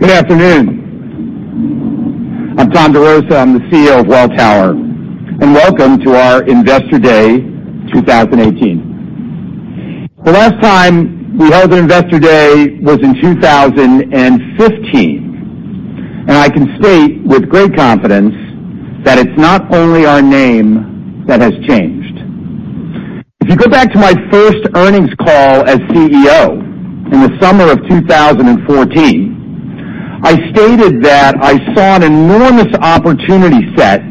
Good afternoon. I'm Tom DeRosa, I'm the CEO of Welltower, welcome to our Investor Day 2018. The last time we held an Investor Day was in 2015, I can state with great confidence that it's not only our name that has changed. If you go back to my first earnings call as CEO in the summer of 2014, I stated that I saw an enormous opportunity set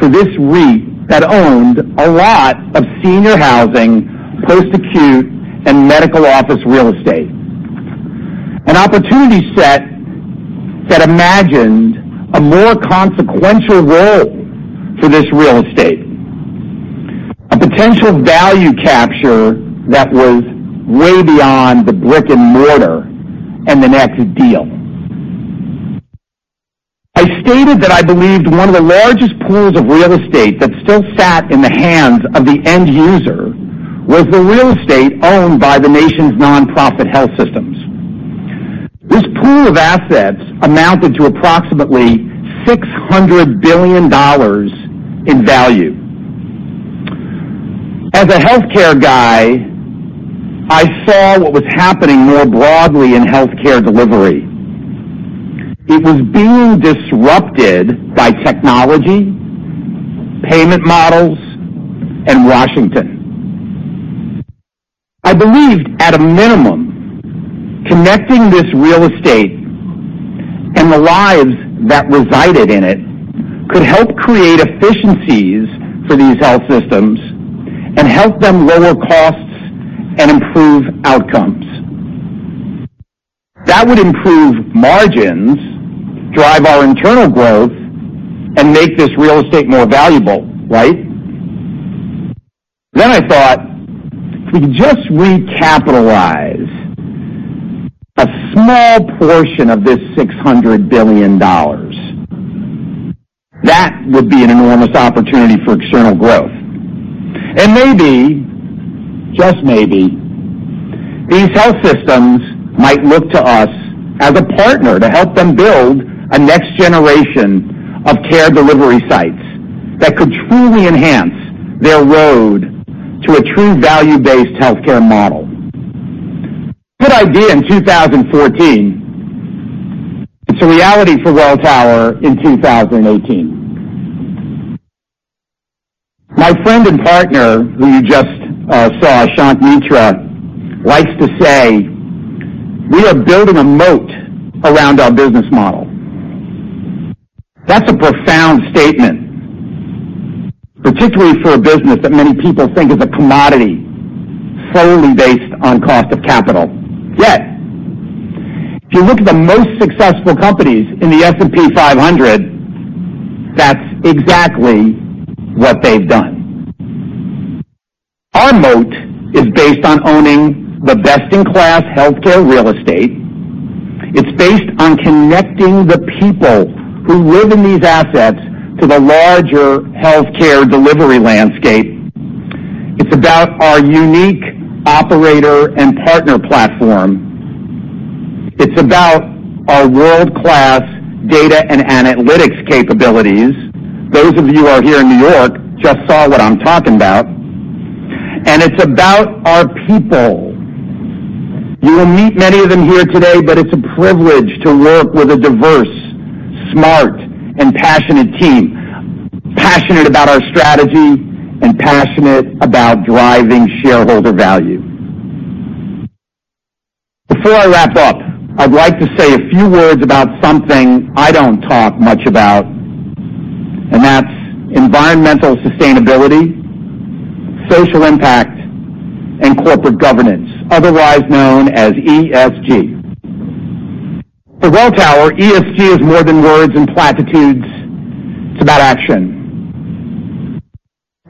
for this REIT that owned a lot of senior housing, post-acute, and medical office real estate. An opportunity set that imagined a more consequential role for this real estate. A potential value capture that was way beyond the brick and mortar and the next deal. I stated that I believed one of the largest pools of real estate that still sat in the hands of the end user was the real estate owned by the nation's non-profit health systems. This pool of assets amounted to approximately $600 billion in value. As a healthcare guy, I saw what was happening more broadly in healthcare delivery. It was being disrupted by technology, payment models, and Washington. I believed, at a minimum, connecting this real estate and the lives that resided in it could help create efficiencies for these health systems and help them lower costs and improve outcomes. That would improve margins, drive our internal growth, and make this real estate more valuable, right? I thought, if we could just recapitalize a small portion of this $600 billion, that would be an enormous opportunity for external growth. Maybe, just maybe, these health systems might look to us as a partner to help them build a next generation of care delivery sites that could truly enhance their road to a true value-based healthcare model. Good idea in 2014. It's a reality for Welltower in 2018. My friend and partner, who you just saw, Shankh Mitra, likes to say we are building a moat around our business model. That's a profound statement, particularly for a business that many people think is a commodity solely based on cost of capital. Yet, if you look at the most successful companies in the S&P 500, that's exactly what they've done. Our moat is based on owning the best-in-class healthcare real estate. It's based on connecting the people who live in these assets to the larger healthcare delivery landscape. It's about our unique operator and partner platform. It's about our world-class data and analytics capabilities. Those of you who are here in New York just saw what I'm talking about. It's about our people. You will meet many of them here today, it's a privilege to work with a diverse, smart, and passionate team. Passionate about our strategy and passionate about driving shareholder value. Before I wrap up, I'd like to say a few words about something I don't talk much about, that's environmental sustainability, social impact, and corporate governance, otherwise known as ESG. For Welltower, ESG is more than words and platitudes. It's about action.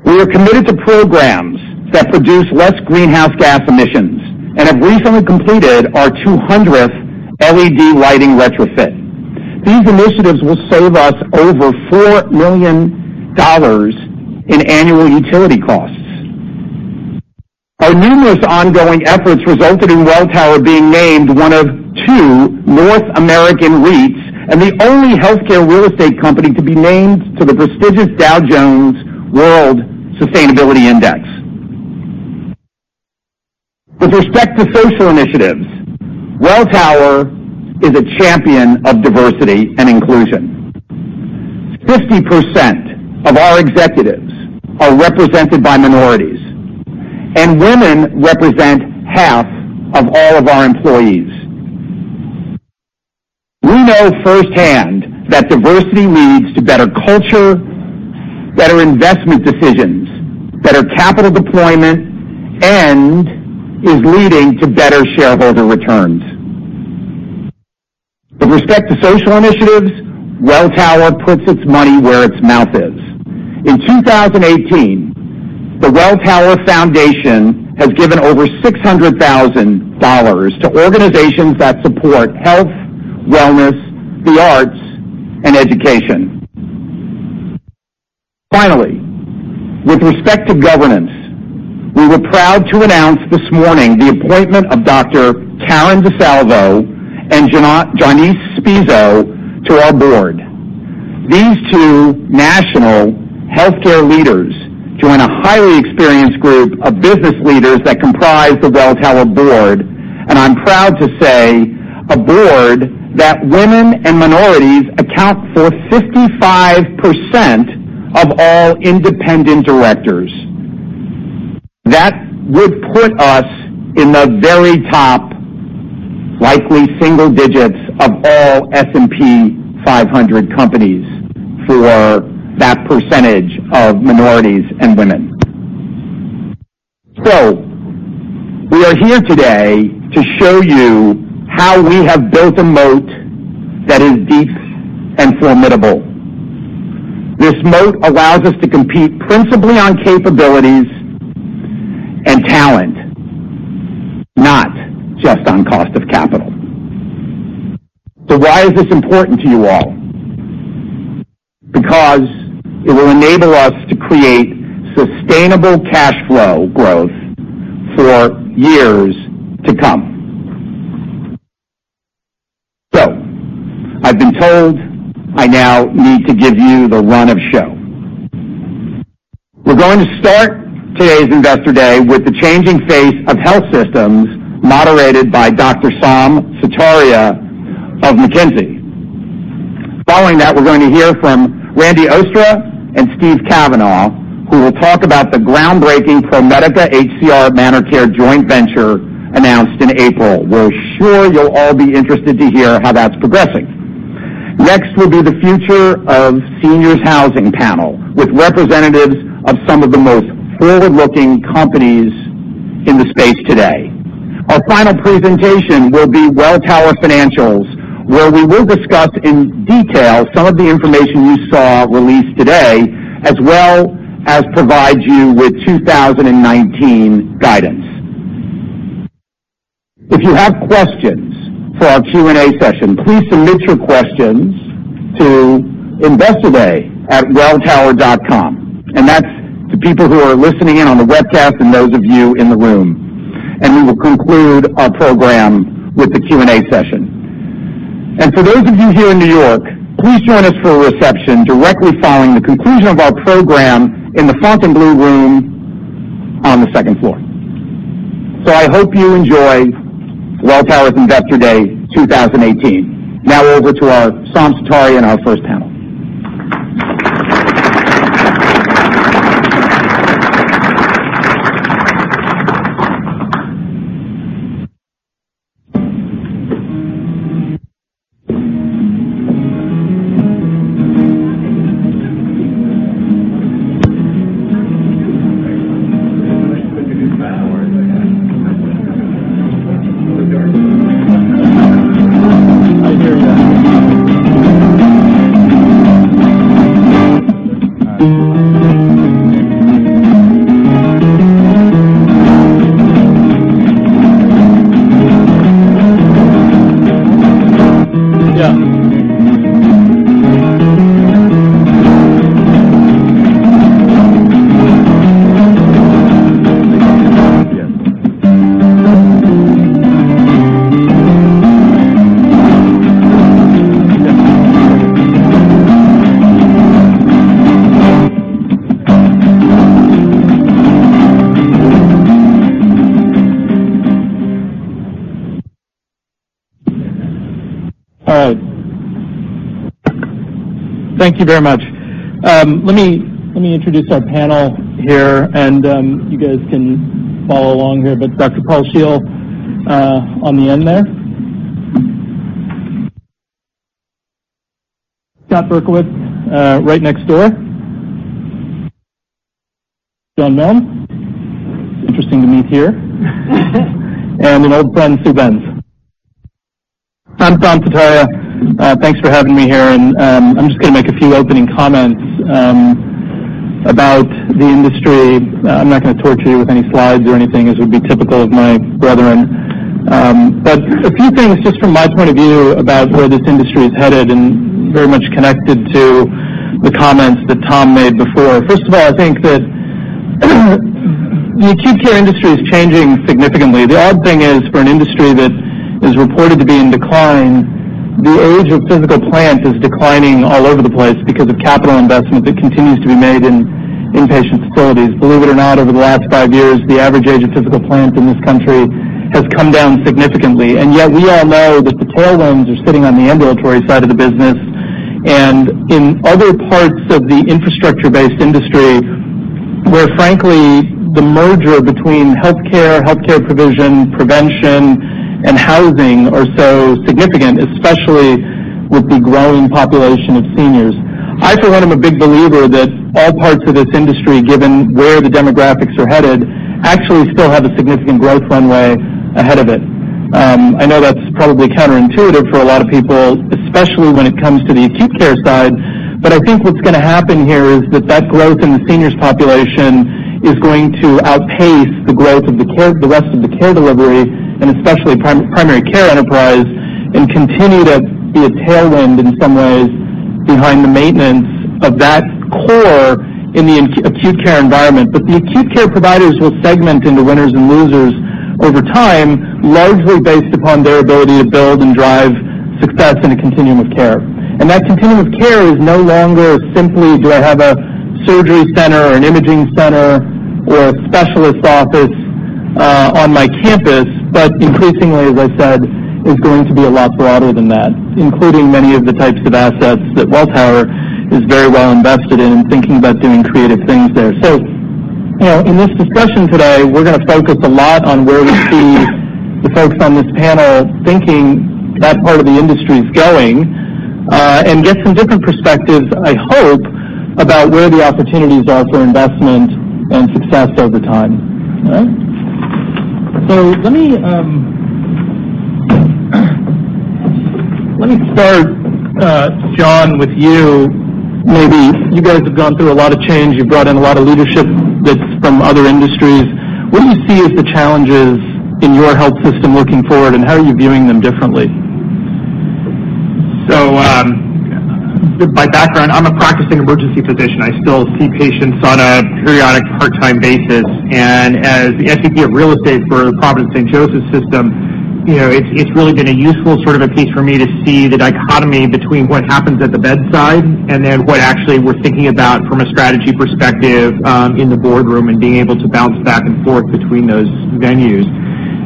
We are committed to programs that produce less greenhouse gas emissions and have recently completed our 200th LED lighting retrofit. These initiatives will save us over $4 million in annual utility costs. Our numerous ongoing efforts resulted in Welltower being named one of two North American REITs and the only healthcare real estate company to be named to the prestigious Dow Jones Sustainability World Index. With respect to social initiatives, Welltower is a champion of diversity and inclusion. 50% of our executives are represented by minorities, and women represent half of all of our employees. We know firsthand that diversity leads to better culture, better investment decisions, better capital deployment, and is leading to better shareholder returns. With respect to social initiatives, Welltower puts its money where its mouth is. In 2018, the Welltower Foundation has given over $600,000 to organizations that support health, wellness, the arts, and education. With respect to governance, we were proud to announce this morning the appointment of Dr. Karen DeSalvo and Johnese Spisso to our board. These two national healthcare leaders join a highly experienced group of business leaders that comprise the Welltower board, and I'm proud to say, a board that women and minorities account for 55% of all independent directors. That would put us in the very top, likely single digits, of all S&P 500 companies for that percentage of minorities and women. We are here today to show you how we have built a moat that is deep and formidable. This moat allows us to compete principally on capabilities and talent, not just on cost of capital. Why is this important to you all? Because it will enable us to create sustainable cash flow growth for years to come. I've been told I now need to give you the run of show. We're going to start today's Investor Day with the changing face of health systems, moderated by Dr. Saum Sutaria of McKinsey. Following that, we're going to hear from Randy Oostra and Steve Cavanaugh, who will talk about the groundbreaking ProMedica HCR ManorCare joint venture announced in April. We're sure you'll all be interested to hear how that's progressing. Next will be the Future of Seniors Housing panel, with representatives of some of the most forward-looking companies in the space today. Our final presentation will be Welltower Financials, where we will discuss in detail some of the information you saw released today, as well as provide you with 2019 guidance. If you have questions for our Q&A session, please submit your questions to investoday@welltower.com, and that's to people who are listening in on the webcast and those of you in the room. We will conclude our program with the Q&A session. For those of you here in New York, please join us for a reception directly following the conclusion of our program in the Fontainebleau Room on the second floor. I hope you enjoy Welltower's Investor Day 2018. Now over to our Saum Sutaria and our first panel. Thank you very much. Let me introduce our panel here. You guys can follow along here. Dr. Paul Scheel on the end there. Scott Berkowitz right next door. John Milne, interesting to meet here. An old friend, Sue Benz. I'm Saum Sutaria. Thanks for having me here. I'm just going to make a few opening comments about the industry. I'm not going to torture you with any slides or anything, as would be typical of my brethren. A few things just from my point of view about where this industry is headed and very much connected to the comments that Tom made before. First of all, I think that the acute care industry is changing significantly. The odd thing is, for an industry that is reported to be in decline, the age of physical plant is declining all over the place because of capital investment that continues to be made in inpatient facilities. Believe it or not, over the last five years, the average age of physical plant in this country has come down significantly. Yet we all know that the tailwinds are sitting on the ambulatory side of the business, and in other parts of the infrastructure-based industry where, frankly, the merger between healthcare provision, prevention, and housing are so significant, especially with the growing population of seniors. I, for one, am a big believer that all parts of this industry, given where the demographics are headed, actually still have a significant growth runway ahead of it. I know that's probably counterintuitive for a lot of people, especially when it comes to the acute care side. I think what's going to happen here is that that growth in the seniors population is going to outpace the growth of the rest of the care delivery, and especially primary care enterprise, and continue to be a tailwind in some waysBehind the maintenance of that core in the acute care environment. The acute care providers will segment into winners and losers over time, largely based upon their ability to build and drive success in a continuum of care. That continuum of care is no longer simply, do I have a surgery center, or an imaging center, or a specialist office on my campus, but increasingly, as I said, is going to be a lot broader than that, including many of the types of assets that Welltower is very well invested in thinking about doing creative things there. In this discussion today, we're going to focus a lot on where we see the folks on this panel thinking that part of the industry's going, and get some different perspectives, I hope, about where the opportunities are for investment and success over time. All right? Let me start, John, with you. Maybe you guys have gone through a lot of change. You've brought in a lot of leadership that's from other industries. What do you see as the challenges in your health system looking forward, and how are you viewing them differently? By background, I'm a practicing emergency physician. I still see patients on a periodic part-time basis, and as the SVP of real estate for Providence St. Joseph System, it's really been a useful sort of a piece for me to see the dichotomy between what happens at the bedside and then what actually we're thinking about from a strategy perspective in the boardroom and being able to bounce back and forth between those venues.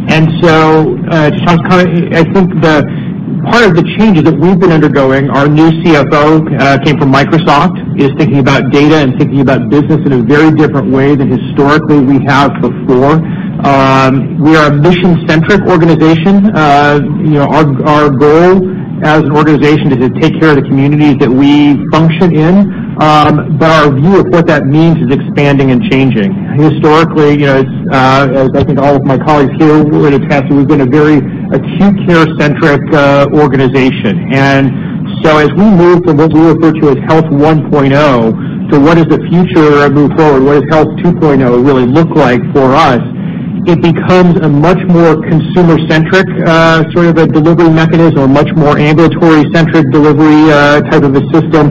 To some kind of, I think the part of the changes that we've been undergoing, our new CFO came from Microsoft, is thinking about data and thinking about business in a very different way than historically we have before. We are a mission-centric organization. Our goal as an organization is to take care of the communities that we function in, but our view of what that means is expanding and changing. Historically, as I think all of my colleagues here would attest to, we've been a very acute care-centric organization. As we move from what we refer to as Health 1.0 to what is the future or a move forward, what does Health 2.0 really look like for us, it becomes a much more consumer-centric sort of a delivery mechanism or much more ambulatory-centric delivery type of a system.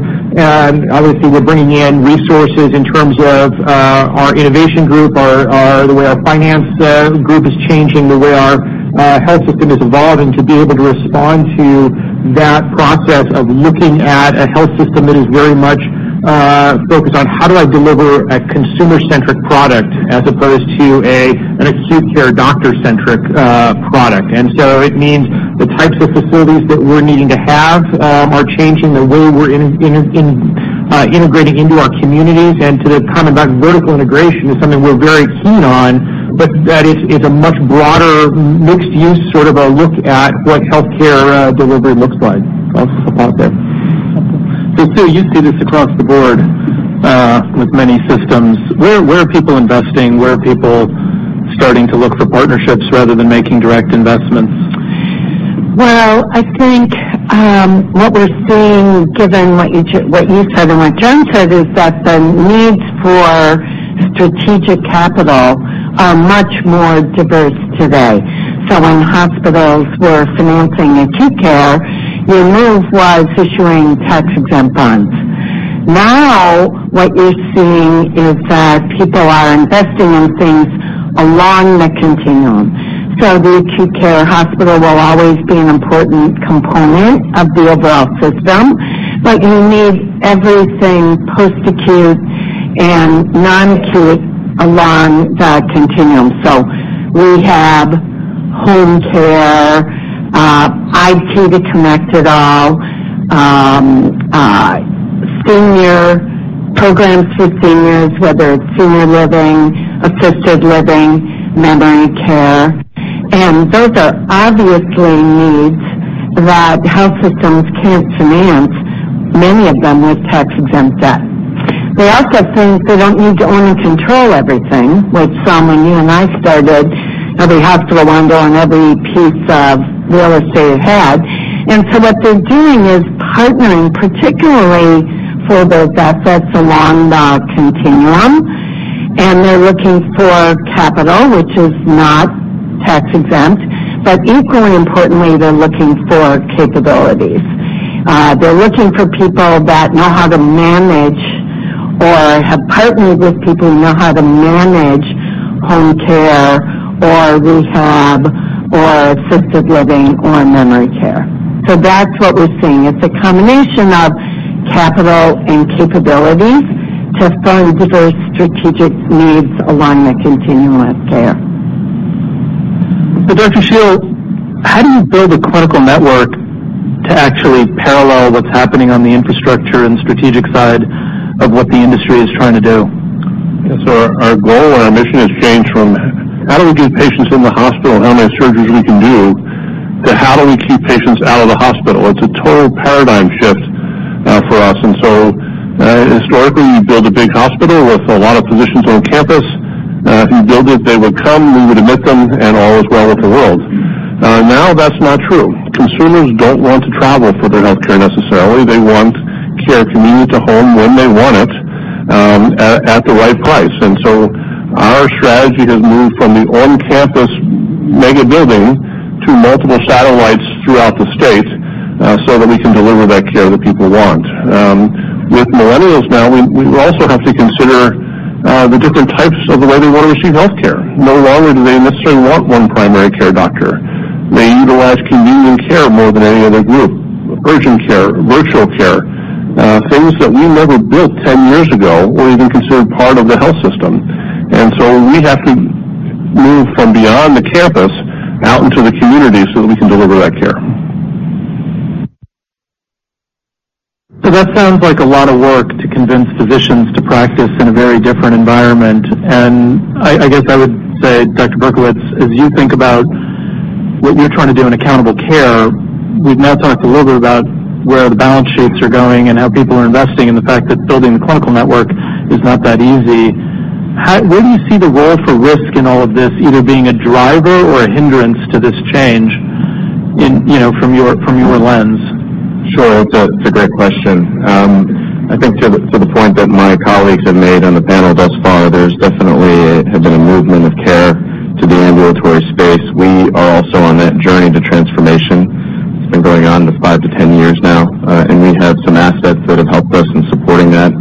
Obviously, we're bringing in resources in terms of our innovation group, the way our finance group is changing, the way our health system is evolving to be able to respond to that process of looking at a health system that is very much focused on how do I deliver a consumer-centric product as opposed to an acute care doctor-centric product. It means the types of facilities that we're needing to have are changing the way we're integrating into our communities, and to the comment about vertical integration is something we're very keen on, but that is a much broader mixed-use sort of a look at what healthcare delivery looks like. I'll stop there. Sue, you see this across the board with many systems. Where are people investing? Where are people starting to look for partnerships rather than making direct investments? I think, what we're seeing, given what you said and what John said, is that the needs for strategic capital are much more diverse today. When hospitals were financing acute care, your move was issuing tax-exempt bonds. What you're seeing is that people are investing in things along the continuum. The acute care hospital will always be an important component of the overall system, but you need everything post-acute and non-acute along the continuum. Rehab, home care, IT to connect it all, senior programs for seniors, whether it's senior living, assisted living, memory care, and those are obviously needs that health systems can't finance, many of them with tax-exempt debt. They also think they don't need to own and control everything, which from when you and I started, every hospital owned every piece of real estate it had. What they're doing is partnering, particularly for those assets along the continuum, and they're looking for capital, which is not tax-exempt, but equally importantly, they're looking for capabilities. They're looking for people that know how to manage or have partnered with people who know how to manage home care or rehab or assisted living or memory care. That's what we're seeing. It's a combination of capital and capabilities to fund diverse strategic needs along the continuum of care. Dr. Scheel, how do you build a clinical network to actually parallel what's happening on the infrastructure and strategic side of what the industry is trying to do? Our goal and our mission has changed from how do we get patients in the hospital, and how many surgeries we can do, to how do we keep patients out of the hospital? It's a total paradigm shift for us. Historically, you build a big hospital with a lot of physicians on campus. If you build it, they will come, we would admit them, and all is well with the world. Now that's not true. Consumers don't want to travel for their healthcare necessarily. They want care convenient to home when they want it, at the right price. Our strategy has moved from the on-campus mega building to multiple satellites throughout the state so that we can deliver that care that people want. With Millennials now, we also have to consider the different types of the way they want to receive healthcare. No longer do they necessarily want one primary care doctor. They utilize convenient care more than any other group, urgent care, virtual care, things that we never built 10 years ago or even considered part of the health system. We have to move from beyond the campus out into the community so that we can deliver that care. That sounds like a lot of work to convince physicians to practice in a very different environment. I guess I would say, Dr. Berkowitz, as you think about what you're trying to do in accountable care, we've now talked a little bit about where the balance sheets are going and how people are investing, and the fact that building the clinical network is not that easy. Where do you see the role for risk in all of this, either being a driver or a hindrance to this change from your lens? Sure. It's a great question. I think to the point that my colleagues have made on the panel thus far, there's definitely been a movement of care to the ambulatory space. We are also on that journey to transformation. It's been going on five to 10 years now. We have some assets that have helped us in supporting that.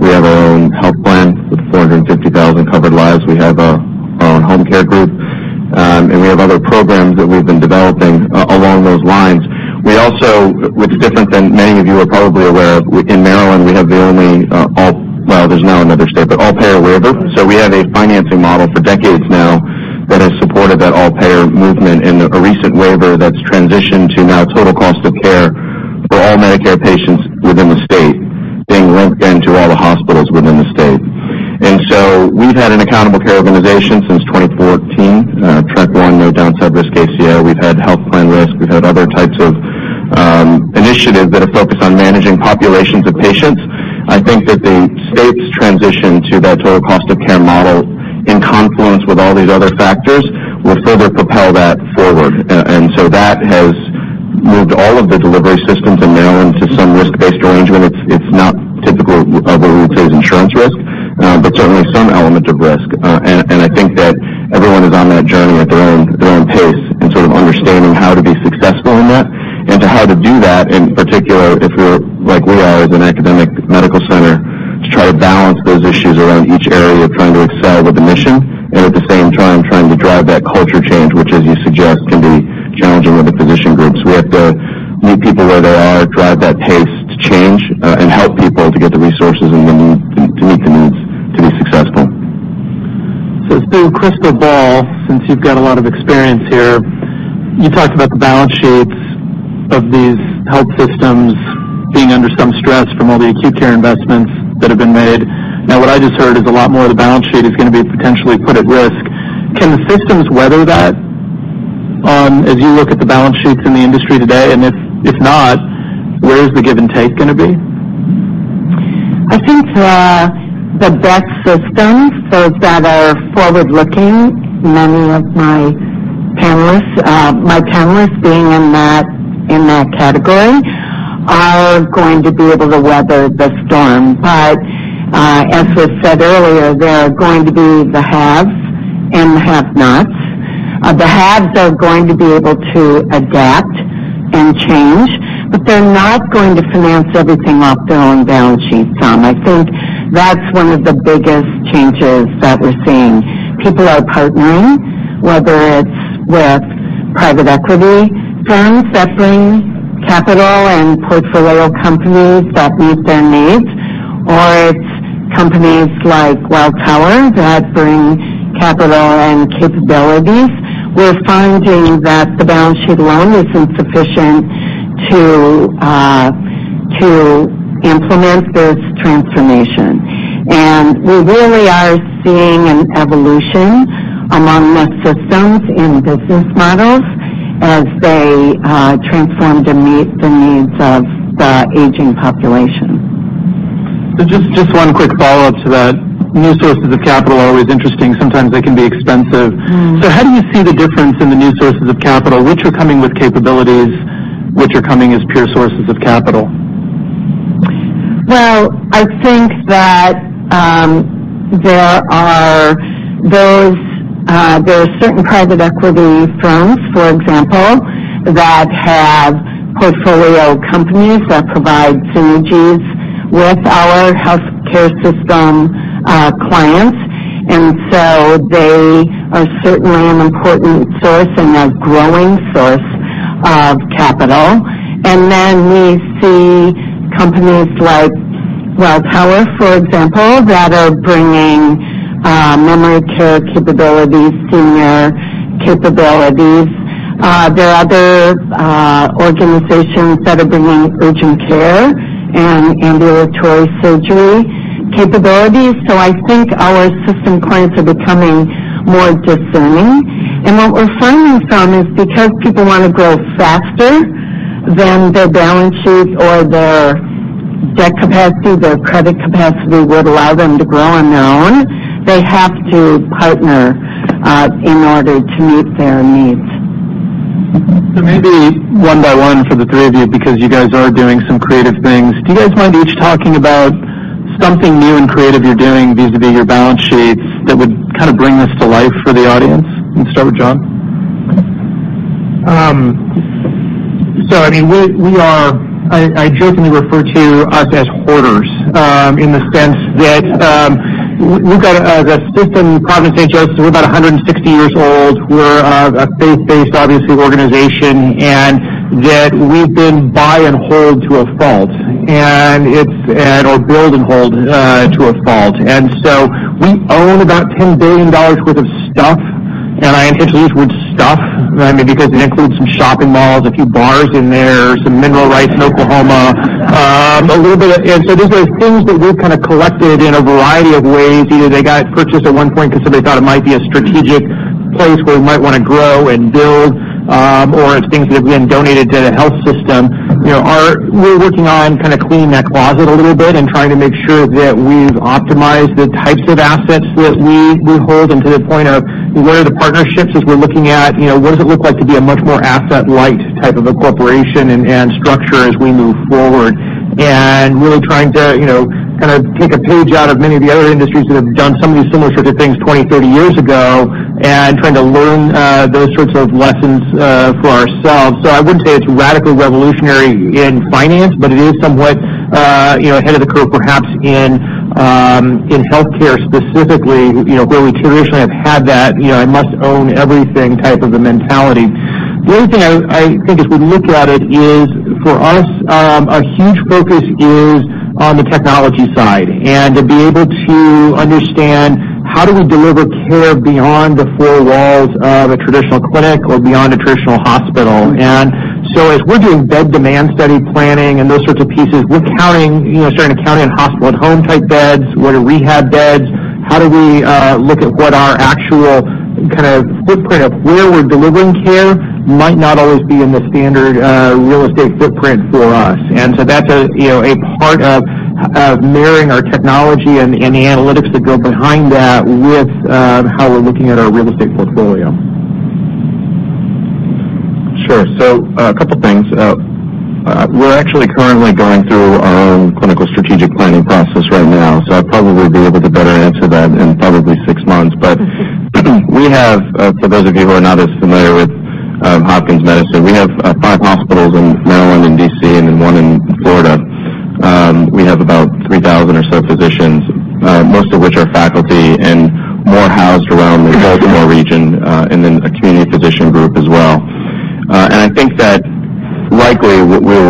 We have our own health plan with 450,000 covered lives. We have our own home care group. We have other programs that we've been developing along those lines. We also, which is different than many of you are probably aware of, in Maryland, we have the only all, well, there's now another state, but all-payer waiver. We have a financing model for decades now that has supported that all-payer movement, and a recent waiver that's transitioned to now total cost of care for all Medicare patients within the state, being lumped into all the hospitals within the state. We've had an accountable care organization since 2014, track one, no downside risk ACO. We've had health plan risk. We've had other types of initiatives that are focused on managing populations of patients. I think that the state's transition to that total cost of care model in confluence with all these other factors will further propel that forward. That has moved all of the delivery systems in Maryland to some risk-based arrangement. It's not typical of what we would say is insurance risk, but certainly some element of risk. I think that everyone is on that journey at their own pace and sort of understanding how to be successful in that, and to how to do that, in particular, if we're like we are as an academic medical center, to try to balance those issues around each area of trying to excel with the mission, and at the same time trying to drive that culture change, which as you suggest, can be challenging with the physician groups. We have to meet people where they are, drive that pace to change, and help people to get the resources they need to meet the needs to be successful. Sue crystal ball, since you've got a lot of experience here, you talked about the balance sheets of these health systems being under some stress from all the acute care investments that have been made. What I just heard is a lot more of the balance sheet is going to be potentially put at risk. Can the systems weather that as you look at the balance sheets in the industry today? If not, where is the give and take going to be? I think the best systems, those that are forward-looking, many of my panelists being in that category, are going to be able to weather the storm. As was said earlier, there are going to be the haves and the have-nots. The haves are going to be able to adapt and change, but they're not going to finance everything off their own balance sheets, Tom. I think that's one of the biggest changes that we're seeing. People are partnering, whether it's with private equity firms that bring capital and portfolio companies that meet their needs, or it's companies like Welltower that bring capital and capabilities. We're finding that the balance sheet alone is insufficient to implement this transformation. We really are seeing an evolution among the systems and business models as they transform to meet the needs of the aging population. Just one quick follow-up to that. New sources of capital are always interesting. Sometimes they can be expensive. How do you see the difference in the new sources of capital, which are coming with capabilities, which are coming as pure sources of capital? Well, I think that there are certain private equity firms, for example, that have portfolio companies that provide synergies with our healthcare system clients. They are certainly an important source and a growing source of capital. Then we see companies like Welltower, for example, that are bringing memory care capabilities, senior capabilities. There are other organizations that are bringing urgent care and ambulatory surgery capabilities. I think our system clients are becoming more discerning. What we're finding, Tom, is because people want to grow faster than their balance sheets or their debt capacity, their credit capacity would allow them to grow on their own. They have to partner in order to meet their needs. Maybe one by one for the three of you, because you guys are doing some creative things, do you guys mind each talking about something new and creative you're doing vis-a-vis your balance sheets that would kind of bring this to life for the audience? Let's start with John. I jokingly refer to us as hoarders, in the sense that we've got a system, Providence St. Joseph. We're about 160 years old. We're a faith-based, obviously, organization, and that we've been buy and hold to a fault, or build and hold to a fault. We own about $10 billion worth of stuff, and I use the word stuff, because it includes some shopping malls, a few bars in there, some mineral rights in Oklahoma. These are things that we've kind of collected in a variety of ways. Either they got purchased at one point because somebody thought it might be a strategic place where we might want to grow and build, or it's things that have been donated to the health system. We're working on kind of cleaning that closet a little bit and trying to make sure that we've optimized the types of assets that we hold them to the point of where the partnerships is we're looking at. What does it look like to be a much more asset-light type of a corporation and structure as we move forward? Really trying to kind of take a page out of many of the other industries that have done some of these similar sorts of things 20, 30 years ago and trying to learn those sorts of lessons for ourselves. I wouldn't say it's radically revolutionary in finance, but it is somewhat ahead of the curve, perhaps, in healthcare specifically, where we traditionally have had that, I must own everything type of a mentality. The other thing I think as we look at it is for us, a huge focus is on the technology side and to be able to understand how do we deliver care beyond the four walls of a traditional clinic or beyond a traditional hospital. As we're doing bed demand study planning and those sorts of pieces, we're starting to count in hospital-at-home type beds. What are rehab beds? How do we look at what our actual kind of footprint of where we're delivering care might not always be in the standard real estate footprint for us. That's a part of marrying our technology and the analytics that go behind that with how we're looking at our real estate portfolio. Sure. A couple things. We're actually currently going through our own clinical strategic planning process right now, so I'd probably be able to better answer that in probably six months. We have, for those of you who are not as familiar with Hopkins Medicine, we have five hospitals in Maryland and D.C., and then one in Florida. We have about 3,000 or so physicians, most of which are faculty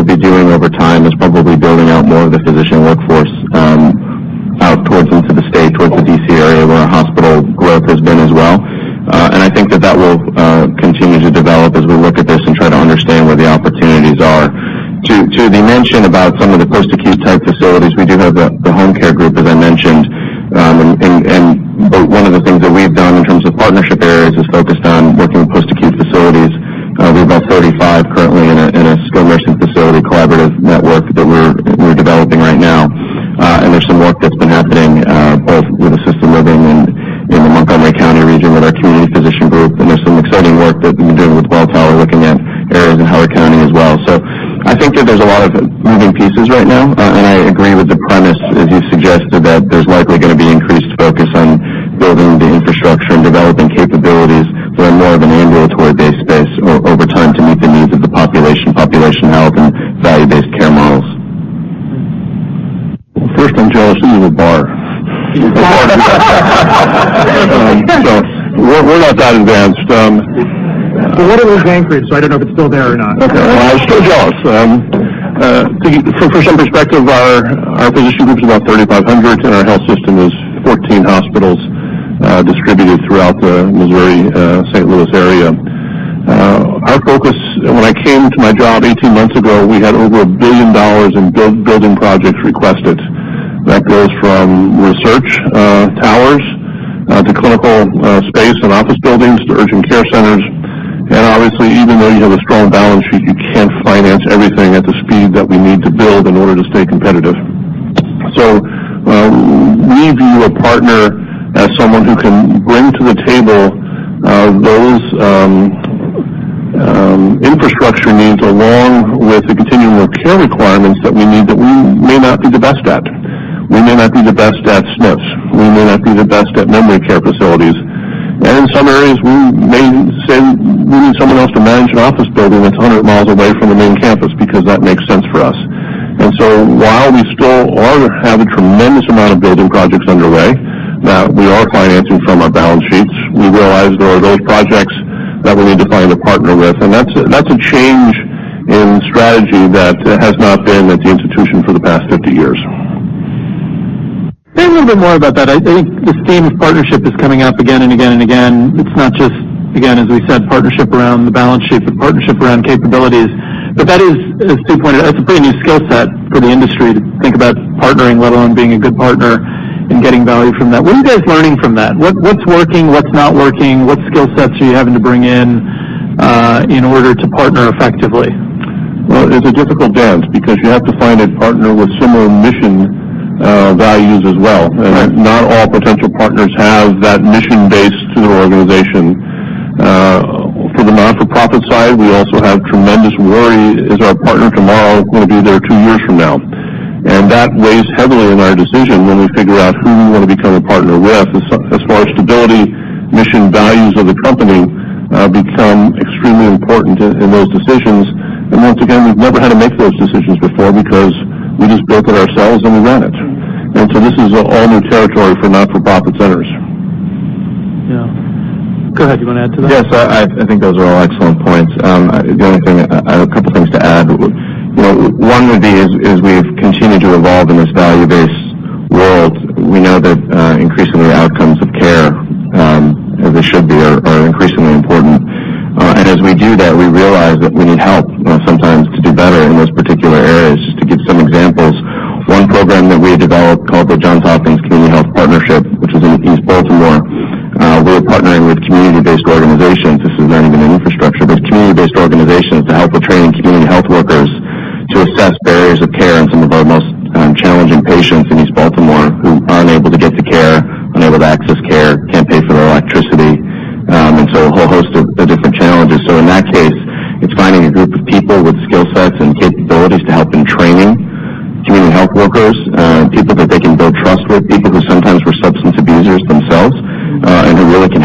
and more housed around the Baltimore region, and then a community physician group as well. I think that likely what we will be doing over time is probably building out more of the physician workforce, out towards into the state, towards the D.C. area where our hospital growth has been as well. I think that that will continue to develop as we look at this and try to understand where the opportunities are. To the mention about some of the post-acute type facilities, we do have the home care group, as I mentioned. One of the things that we've done in terms of partnership areas is focused on For some perspective, our physician group's about 3,500, and our health system is 14 hospitals, distributed throughout the Missouri, St. Louis area. Our focus, when I came to my job 18 months ago, we had over $1 billion in build building projects requested. That goes from research towers, to clinical space and office buildings, to urgent care centers. Obviously, even though you have a strong balance sheet, you can't finance everything at the speed that we need to build in order to stay competitive. We view a partner as someone who can bring to the table those infrastructure needs, along with the continuum of care requirements that we need that we may not be the best at. We may not be the best at SNFs. We may not be the best at memory care facilities. In some areas, we may need someone else to manage an office building that's 100 miles away from the main campus because that makes sense for us. While we still have a tremendous amount of building projects underway that we are financing from our balance sheets, we realize there are those projects that we'll need to find a partner with, and that's a change in strategy that has not been at the institution for the past 50 years. Maybe a little bit more about that. I think this theme of partnership is coming up again and again and again. It's not just, again, as we said, partnership around the balance sheet, but partnership around capabilities. That is, as Sue pointed out, that's a pretty new skill set for the industry to think about partnering, let alone being a good partner and getting value from that. What are you guys learning from that? What's working, what's not working? What skill sets are you having to bring in order to partner effectively? Well, it's a difficult dance because you have to find a partner with similar mission values as well. Right. Not all potential partners have that mission base to their organization. For the not-for-profit side, we also have tremendous worry, is our partner tomorrow going to be there two years from now? That weighs heavily in our decision when we figure out who we want to become a partner with. As far as stability, mission values of the company become extremely important in those decisions. Once again, we've never had to make those decisions before because we just built it ourselves and we ran it. This is all new territory for not-for-profit centers. Yeah. Go ahead. You want to add to that? Yes, I think those are all excellent points. The only thing, I have a couple things to add. One would be is, as we've continued to evolve in this value-based world, we know that increasingly outcomes of care, as they should be, are increasingly important. As we do that, we realize that we need help sometimes to do better in those particular areas. To give some examples, one program that we developed, called the Johns Hopkins Community Health Partnership, which is in East Baltimore. We're partnering with community-based organizations. This is learning and infrastructure, but it's community-based organizations to help with training community health workers to assess barriers of care in some of our most challenging patients in East Baltimore who aren't able to get the care, unable to access care, can't pay for their electricity, a whole host of different challenges. In that case, it's finding a group of people with skill sets and capabilities to help in training community health workers, people that they can build trust with,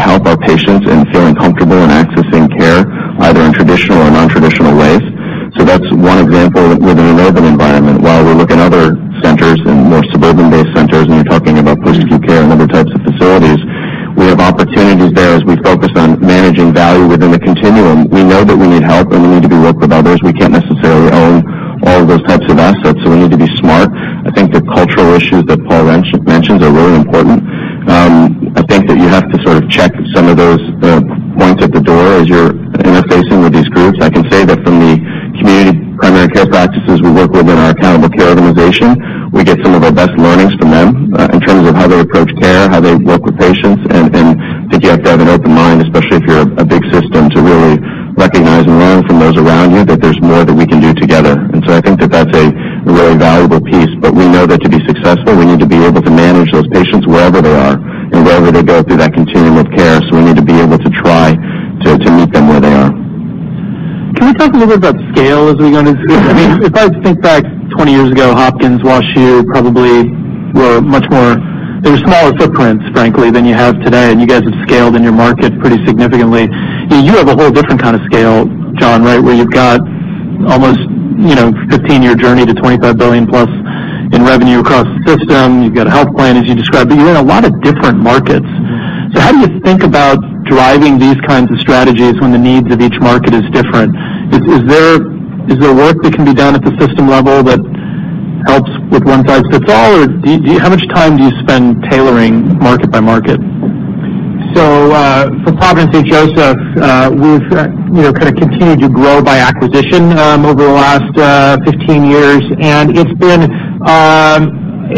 people who sometimes were substance abusers themselves, who really can help our patients in feeling comfortable in accessing care, either in traditional or non-traditional ways. That's one example within an urban environment. While we look in other centers and more suburban-based centers, and you're talking about post-acute care and other types of facilities, we have opportunities there as we focus on managing value within the continuum. We know that we need help, and we need to work with others. We can't necessarily Is there work that can be done at the system level that helps with one size fits all? Or how much time do you spend tailoring market by market? For Providence St. Joseph, we've continued to grow by acquisition over the last 15 years, it's been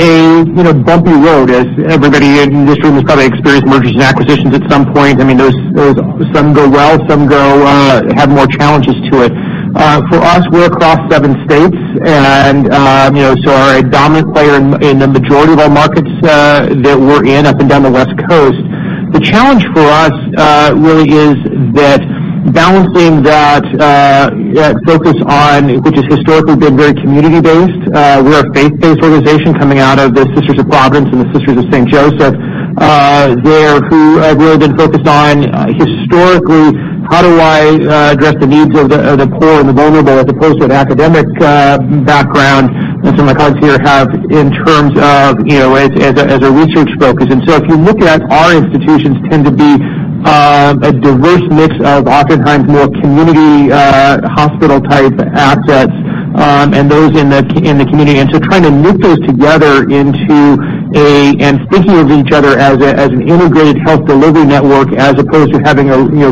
a bumpy road, as everybody in this room has probably experienced mergers and acquisitions at some point. Some go well, some have more challenges to it. For us, we're across seven states, our dominant player in the majority of our markets that we're in up and down the West Coast. The challenge for us really is that balancing that focus on, which has historically been very community-based. We're a faith-based organization coming out of the Sisters of Providence and the Sisters of St. Joseph there, who really been focused on, historically, how do I address the needs of the poor and the vulnerable, as opposed to an academic background as some of my colleagues here have in terms of as a research focus. If you look at our institutions tend to be a diverse mix of oftentimes more community hospital-type assets, and those in the community. Trying to knit those together, thinking of each other as an integrated health delivery network, as opposed to having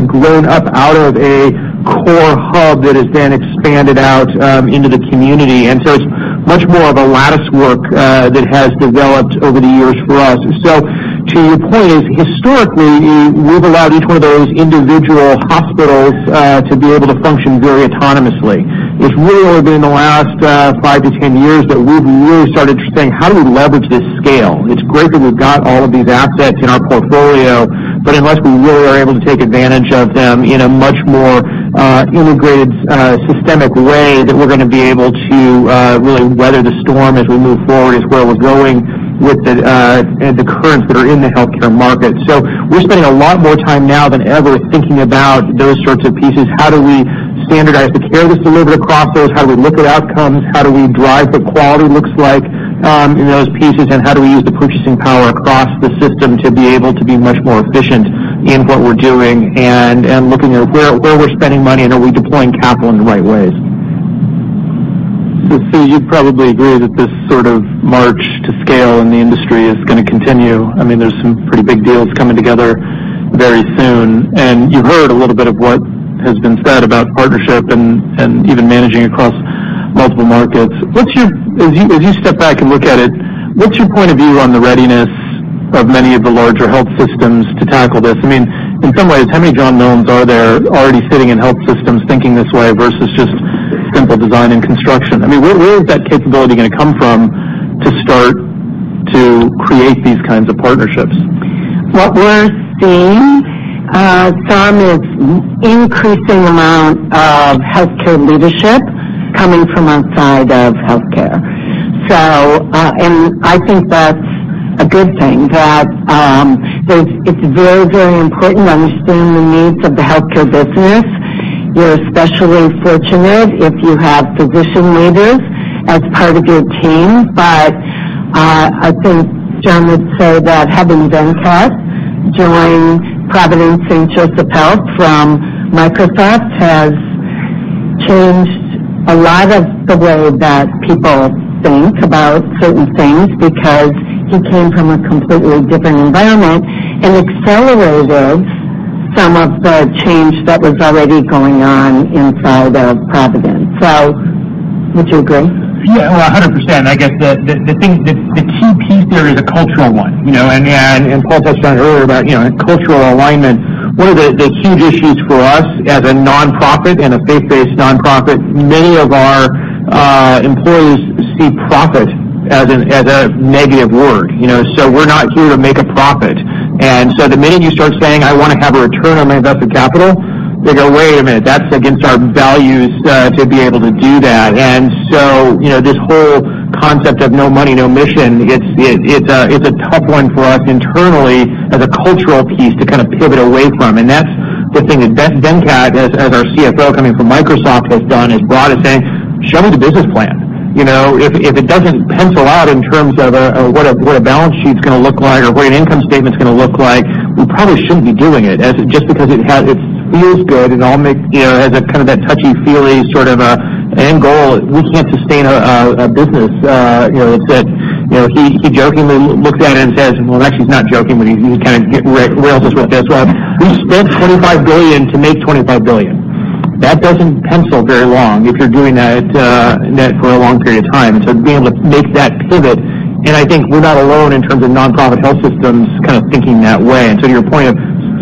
grown up out of a core hub that has then expanded out into the community. It's much more of a lattice work that has developed over the years for us. To your point is, historically, we've allowed each one of those individual hospitals to be able to function very autonomously. It's really only been in the last five to 10 years that we've really started to think, how do we leverage this scale? It's great that we've got all of these assets in our portfolio, but unless we really are able to take advantage of them in a much more integrated, systemic way, that we're going to be able to really weather the storm as we move forward is where we're going with the currents that are in the healthcare market. We're spending a lot more time now than ever thinking about those sorts of pieces. How do we standardize the care that's delivered across those? How do we look at outcomes? How do we drive what quality looks like in those pieces? How do we use the purchasing power across the system to be able to be much more efficient in what we're doing and looking at where we're spending money, and are we deploying capital in the right ways? Sue, you'd probably agree that this sort of march to scale in the industry is going to continue. There's some pretty big deals coming together very soon, and you heard a little bit of what has been said about partnership and even managing across multiple markets. As you step back and look at it, what's your point of view on the readiness of many of the larger health systems to tackle this? In some ways, how many John Milne are there already sitting in health systems thinking this way versus just simple design and construction? Where is that capability going to come from to start to create these kinds of partnerships? What we're seeing, Tom, is increasing amount of healthcare leadership coming from outside of healthcare. I think that's a good thing, that it's very, very important to understand the needs of the healthcare business. You're especially fortunate if you have physician leaders as part of your team. I think John would say that having Venkat join Providence St. Joseph Health from Microsoft has changed a lot of the way that people think about certain things, because he came from a completely different environment and accelerated some of the change that was already going on inside of Providence. Would you agree? Yeah, 100%. I guess the key piece there is a cultural one. Paul touched on it earlier about cultural alignment. One of the huge issues for us as a non-profit and a faith-based non-profit, many of our employees see profit as a negative word. We're not here to make a profit. The minute you start saying, "I want to have a return on my invested capital," they go, "Wait a minute, that's against our values to be able to do that." This whole concept of no money, no mission, it's a tough one for us internally as a cultural piece to pivot away from. That's the thing that Venkat, as our CFO coming from Microsoft has done, has brought is saying, "Show me the business plan." If it doesn't pencil out in terms of what a balance sheet's going to look like or what an income statement's going to look like, we probably shouldn't be doing it. Just because it feels good and has that touchy-feely sort of end goal, we can't sustain a business. He jokingly looks at it and says, well, actually he's not joking, but he just rails us with this. "We spent $25 billion to make $25 billion." That doesn't pencil very long if you're doing that for a long period of time. Being able to make that pivot, and I think we're not alone in terms of non-profit health systems thinking that way. To your point of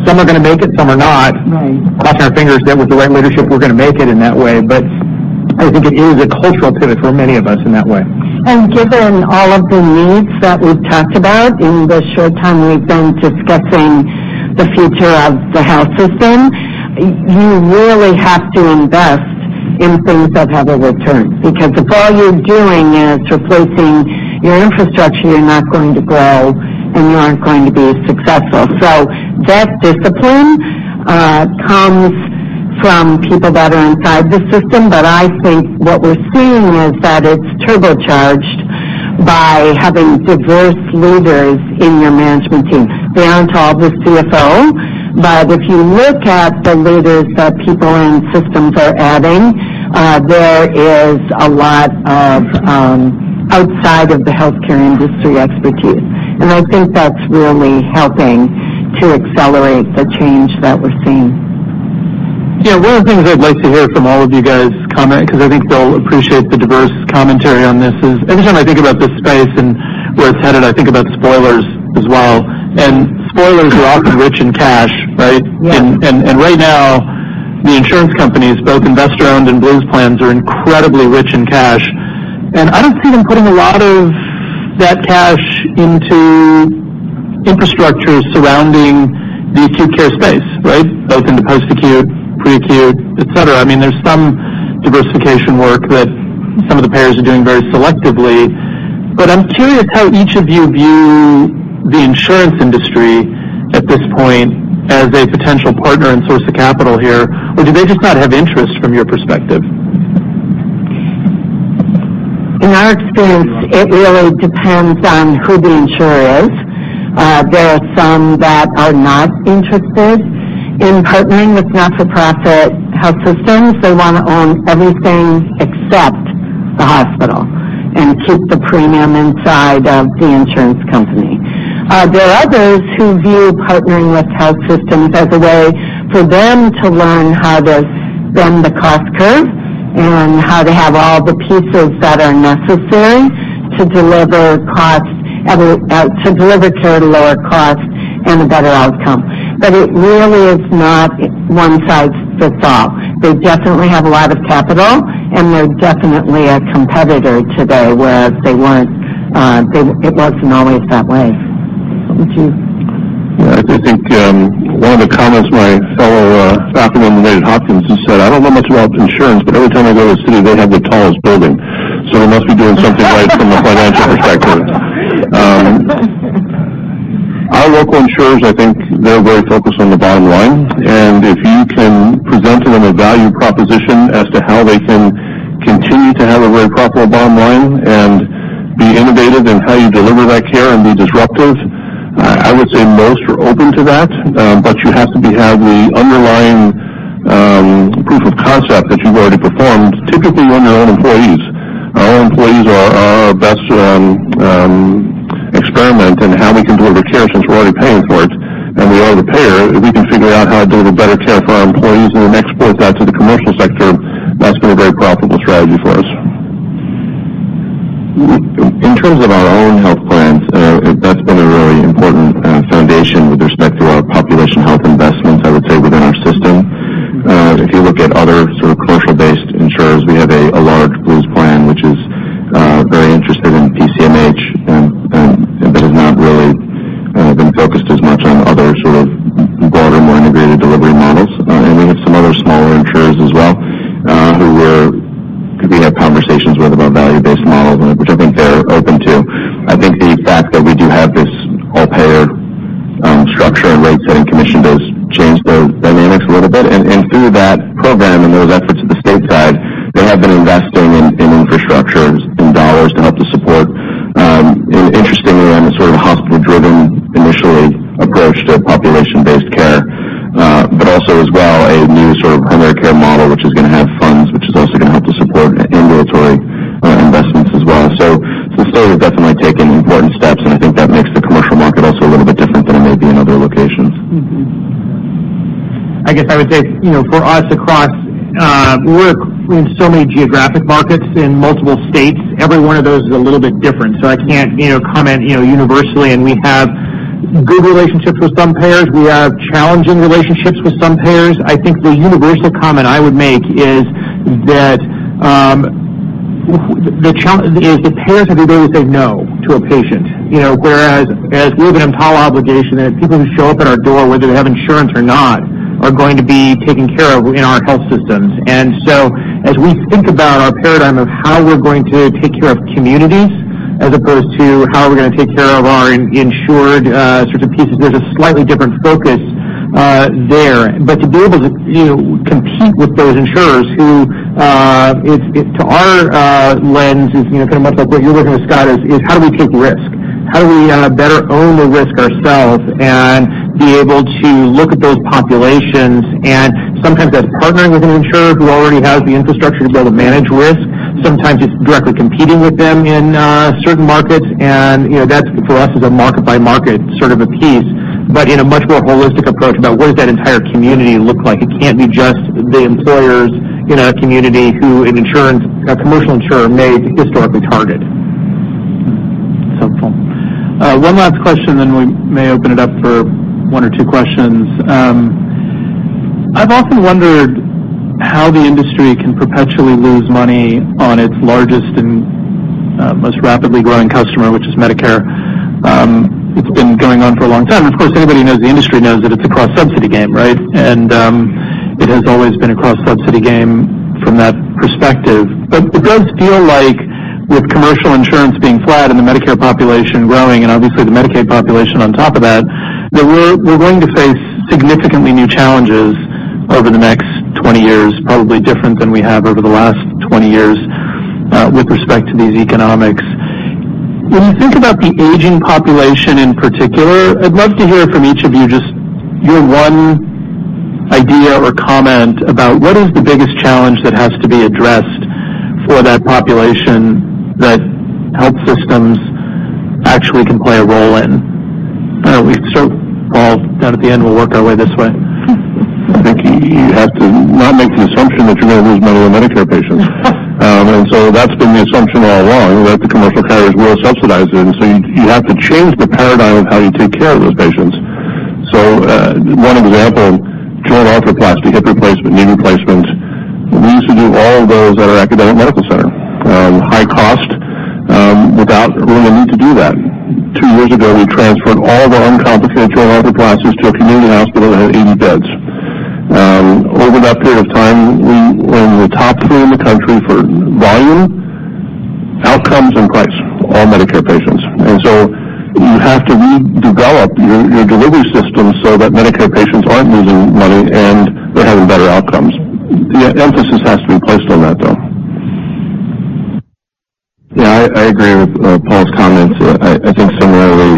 some are going to make it, some are not. Right. Crossing our fingers that with the right leadership, we're going to make it in that way. I think it is a cultural pivot for many of us in that way. Given all of the needs that we've talked about in the short time we've been discussing the future of the health system, you really have to invest in things that have a return. Because if all you're doing is replacing your infrastructure, you're not going to grow, and you aren't going to be as successful. That discipline comes from people that are inside the system, but I think what we're seeing is that it's turbocharged by having diverse leaders in your management team. They aren't all the CFO, but if you look at the leaders that people and systems are adding, there is a lot of outside of the healthcare industry expertise. I think that's really helping to accelerate the change that we're seeing. Yeah. One of the things I'd like to hear from all of you guys comment, because I think they'll appreciate the diverse commentary on this, is every time I think about this space and where it's headed, I think about spoilers as well. Spoilers are often rich in cash, right? Yes. Right now, the insurance companies, both investor-owned and Blues plans, are incredibly rich in cash. I don't see them putting a lot of that cash into infrastructures surrounding the acute care space, right? Both into post-acute, pre-acute, et cetera. There's some diversification work that some of the payers are doing very selectively. I'm curious how each of you view the insurance industry at this point as a potential partner and source of capital here, or do they just not have interest from your perspective? In our experience, it really depends on who the insurer is. There are some that are not interested in partnering with not-for-profit health systems. They want to own everything except the hospital and keep the premium inside of the insurance company. There are others who view partnering with health systems as a way for them to learn how to bend the cost curve and how to have all the pieces that are necessary to deliver care at a lower cost and a better outcome. It really is not one size fits all. They definitely have a lot of capital, and they're definitely a competitor today, whereas it wasn't always that way. What would you I think one of the comments my fellow faculty member at Johns Hopkins has said, "I don't know much about insurance, but every time I go to the city, they have the tallest building." They must be doing something right from a financial perspective. Our local insurers, I think, they're very focused on the bottom line. If you can present to them a value proposition as to how they can continue to have a very profitable bottom line and be innovative in how you deliver that care and be disruptive, I would say most are open to that. You have to have the underlying proof of concept that you've already performed, typically on your own employees. Our own employees are our best experiment in how we can deliver care since we're already paying for it, and we are the payer. If we can figure out how to deliver better care for our employees and then export that to the commercial sector, that's been a very profitable strategy for us. In terms of our own health plans, that's been a really important foundation with respect to our population health investments, I would say, within our system. If you look at other commercial-based insurers, we have a large Blues plan, which is very interested in PCMH, but has not really been focused as much on other sort of broader, more integrated delivery models. We have some other smaller insurers as well, who we have conversations with about value-based models, which I think they're open to. I think the fact that we do have this all-payer structure and rate-setting commission does change the dynamics a little bit. Through that program and those efforts at the state side, they have been investing in infrastructure, in dollars to help to support, interestingly, on the sort of hospital-driven, initially, approach to population-based care. Also as well, a new sort of primary care model, which is going to have funds, which is also going to help to support ambulatory investments as well. The state has definitely taken important steps, and I think that makes the commercial market also a little bit different than it may be in other locations. I guess I would say, for us, we're in so many geographic markets in multiple states. Every one of those is a little bit different. I can't comment universally, and we have good relationships with some payers. We have challenging relationships with some payers. I think the universal comment I would make is the payers are the ones that say no to a patient. Whereas we have an EMTALA obligation, and people who show up at our door, whether they have insurance or not, are going to be taken care of in our health systems. As we think about our paradigm of how we're going to take care of communities as opposed to how we're going to take care of our insured sorts of pieces, there's a slightly different focus there. To be able to compete with those insurers who, to our lens, is kind of much like what you're looking at, Scott, is how do we take risk? How do we better own the risk ourselves and be able to look at those populations? Sometimes that's partnering with an insurer who already has the infrastructure to be able to manage risk. Sometimes it's directly competing with them in certain markets, and that, for us, is a market-by-market sort of a piece, but in a much more holistic approach about what does that entire community look like. It can't be just the employers in a community who a commercial insurer may historically target. Helpful. One last question, then we may open it up for one or two questions. I've often wondered how the industry can perpetually lose money on its largest and most rapidly growing customer, which is Medicare. It's been going on for a long time. Of course, anybody in the industry knows that it's a cross-subsidy game, right? It has always been a cross-subsidy game from that perspective. It does feel like with commercial insurance being flat and the Medicare population growing, and obviously the Medicaid population on top of that we're going to face significantly new challenges over the next 20 years, probably different than we have over the last 20 years with respect to these economics. When you think about the aging population, in particular, I'd love to hear from each of you just your one idea or comment about what is the biggest challenge that has to be addressed for that population that health systems actually can play a role in? We start with Paul down at the end, we'll work our way this way. I think you have to not make the assumption that you're going to lose money on Medicare patients. That's been the assumption all along, that the commercial carriers will subsidize it. You have to change the paradigm of how you take care of those patients. One example, joint arthroplasty, hip replacement, knee replacement. We used to do all of those at our academic medical center, high cost, without really a need to do that. Two years ago, we transferred all of our uncomplicated joint arthroplasties to a community hospital that had 80 beds. Over that period of time, we're in the top three in the country for volume, outcomes, and price, all Medicare patients. You have to redevelop your delivery system so that Medicare patients aren't losing money and they're having better outcomes. The emphasis has to be placed on that, though. Yeah, I agree with Paul's comments. I think similarly,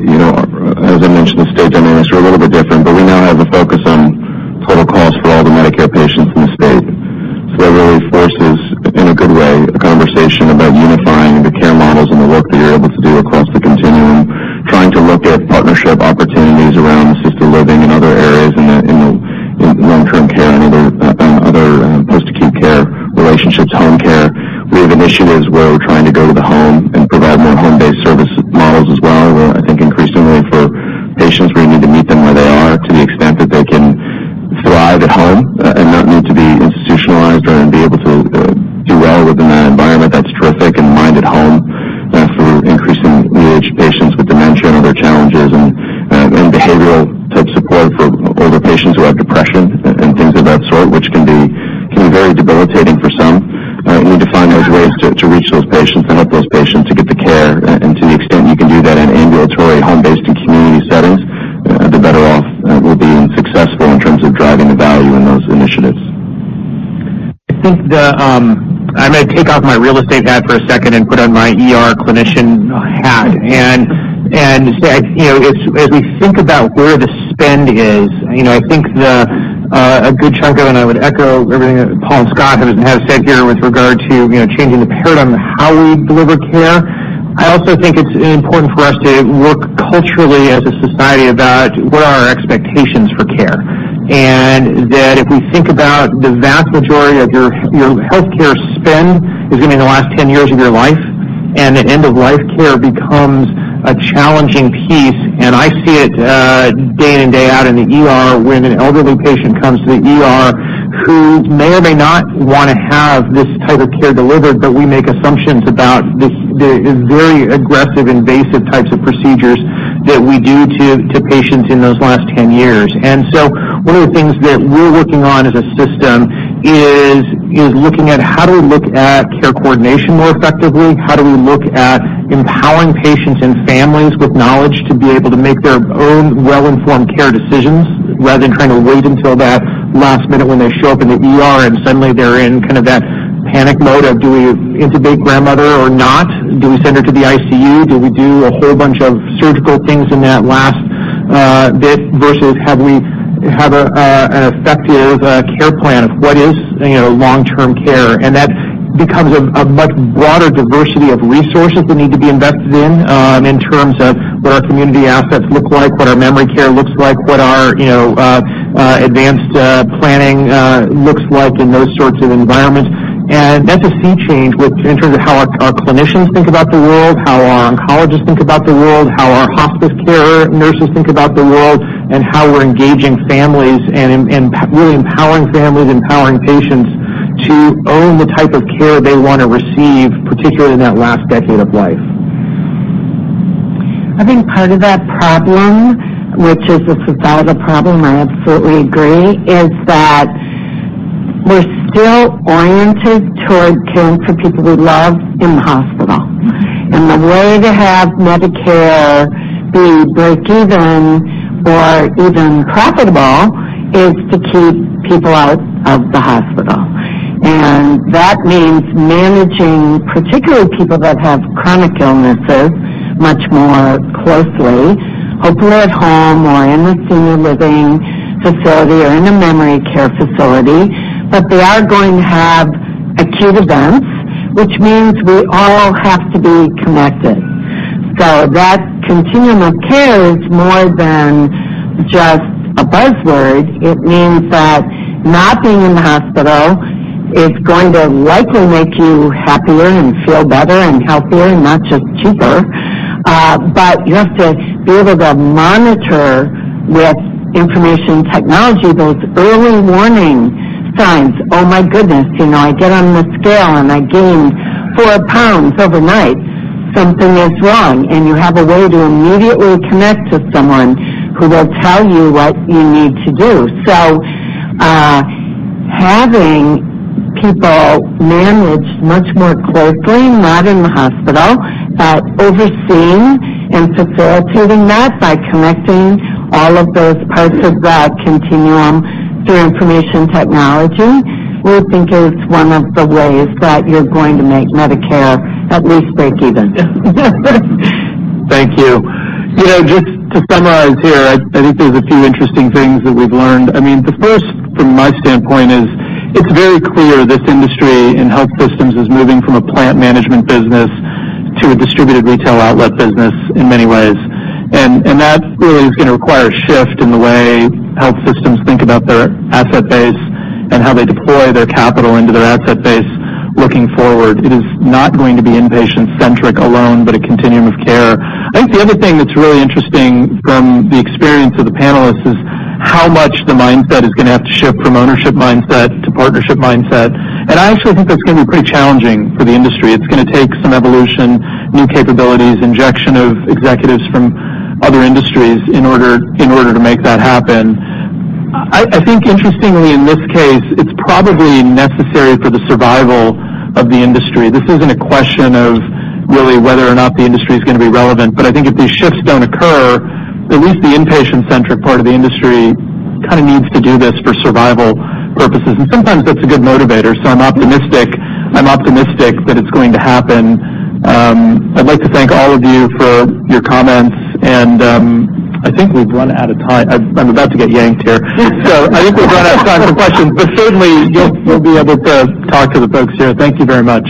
as I mentioned, the state dynamics are a little bit different, but we now have a focus on total cost for all the Medicare patients in the state. That really forces, in a good way, a conversation about unifying the care models and the work that you're able to do across the continuum. Trying to look at partnership opportunities around assisted living and other areas in the long-term care and other post-acute care relationships, home care. We have initiatives where we're trying to go to the home and provide more home-based service models as well. Where I think increasingly for patients, we need to meet them where they are to the extent that they can thrive at home and not need to be institutionalized or be able to do well within that environment. That's terrific and minded home for increasing aged patients with dementia and other challenges, and behavioral type support for older patients who have depression and things of that sort, which can be very debilitating for some. We need to find those ways to reach those patients and help those patients to get the care, and to the extent we can do that in ambulatory, home-based, and community settings, the better off we'll be successful in terms of driving the value in those initiatives. I think I'm going to take off my real estate hat for a second and put on my ER clinician hat. As we think about where the spend is, I think a good chunk of it, and I would echo everything that Paul and Scott have said here with regard to changing the paradigm of how we deliver care. I also think it's important for us to look culturally as a society about what are our expectations for care. If we think about the vast majority of your healthcare spend is going to be in the last 10 years of your life, and that end-of-life care becomes a challenging piece. I see it day in and day out in the ER when an elderly patient comes to the ER who may or may not want to have this type of care delivered, but we make assumptions about the very aggressive, invasive types of procedures that we do to patients in those last 10 years. One of the things that we're working on as a system is looking at how do we look at care coordination more effectively? How do we look at empowering patients and families with knowledge to be able to make their own well-informed care decisions, rather than trying to wait until that last minute when they show up in the ER and suddenly they're in that panic mode of do we intubate grandmother or not? Do we send her to the ICU? Do we do a whole bunch of surgical things in that last bit, versus have an effective care plan of what is long-term care? That becomes a much broader diversity of resources that need to be invested in terms of what our community assets look like, what our memory care looks like, what our advanced planning looks like in those sorts of environments. That's a sea change in terms of how our clinicians think about the world, how our oncologists think about the world, how our hospice care nurses think about the world, and how we're engaging families and really empowering families, empowering patients to own the type of care they want to receive, particularly in that last decade of life. I think part of that problem, which is a societal problem, I absolutely agree, is that we're still oriented toward caring for people we love in the hospital. The way to have Medicare be break even or even profitable is to keep people out of the hospital. That means managing, particularly people that have chronic illnesses, much more closely, hopefully at home or in a senior living facility or in a memory care facility. They are going to have acute events, which means we all have to be connected. That continuum of care is more than just a buzzword. It means that not being in the hospital is going to likely make you happier and feel better and healthier, and not just cheaper. You have to be able to monitor with information technology, those early warning signs. Oh my goodness, I get on the scale, I gained four pounds overnight. Something is wrong, you have a way to immediately connect to someone who will tell you what you need to do. Having people managed much more closely, not in the hospital, but overseeing and facilitating that by connecting all of those parts of that continuum through information technology, we think is one of the ways that you're going to make Medicare at least break even. Thank you. Just to summarize here, I think there's a few interesting things that we've learned. The first, from my standpoint, is it's very clear this industry and health systems is moving from a plant management business to a distributed retail outlet business in many ways. That really is going to require a shift in the way health systems think about their asset base and how they deploy their capital into their asset base looking forward. It is not going to be inpatient-centric alone, but a continuum of care. I think the other thing that's really interesting from the experience of the panelists is how much the mindset is going to have to shift from ownership mindset to partnership mindset. I actually think that's going to be pretty challenging for the industry. It's going to take some evolution, new capabilities, injection of executives from other industries in order to make that happen. I think interestingly, in this case, it's probably necessary for the survival of the industry. This isn't a question of really whether or not the industry is going to be relevant, but I think if these shifts don't occur, at least the inpatient-centric part of the industry needs to do this for survival purposes, and sometimes that's a good motivator. I'm optimistic that it's going to happen. I'd like to thank all of you for your comments. I think we've run out of time. I'm about to get yanked here. I think we've run out of time for questions, but certainly you'll be able to talk to the folks here. Thank you very much.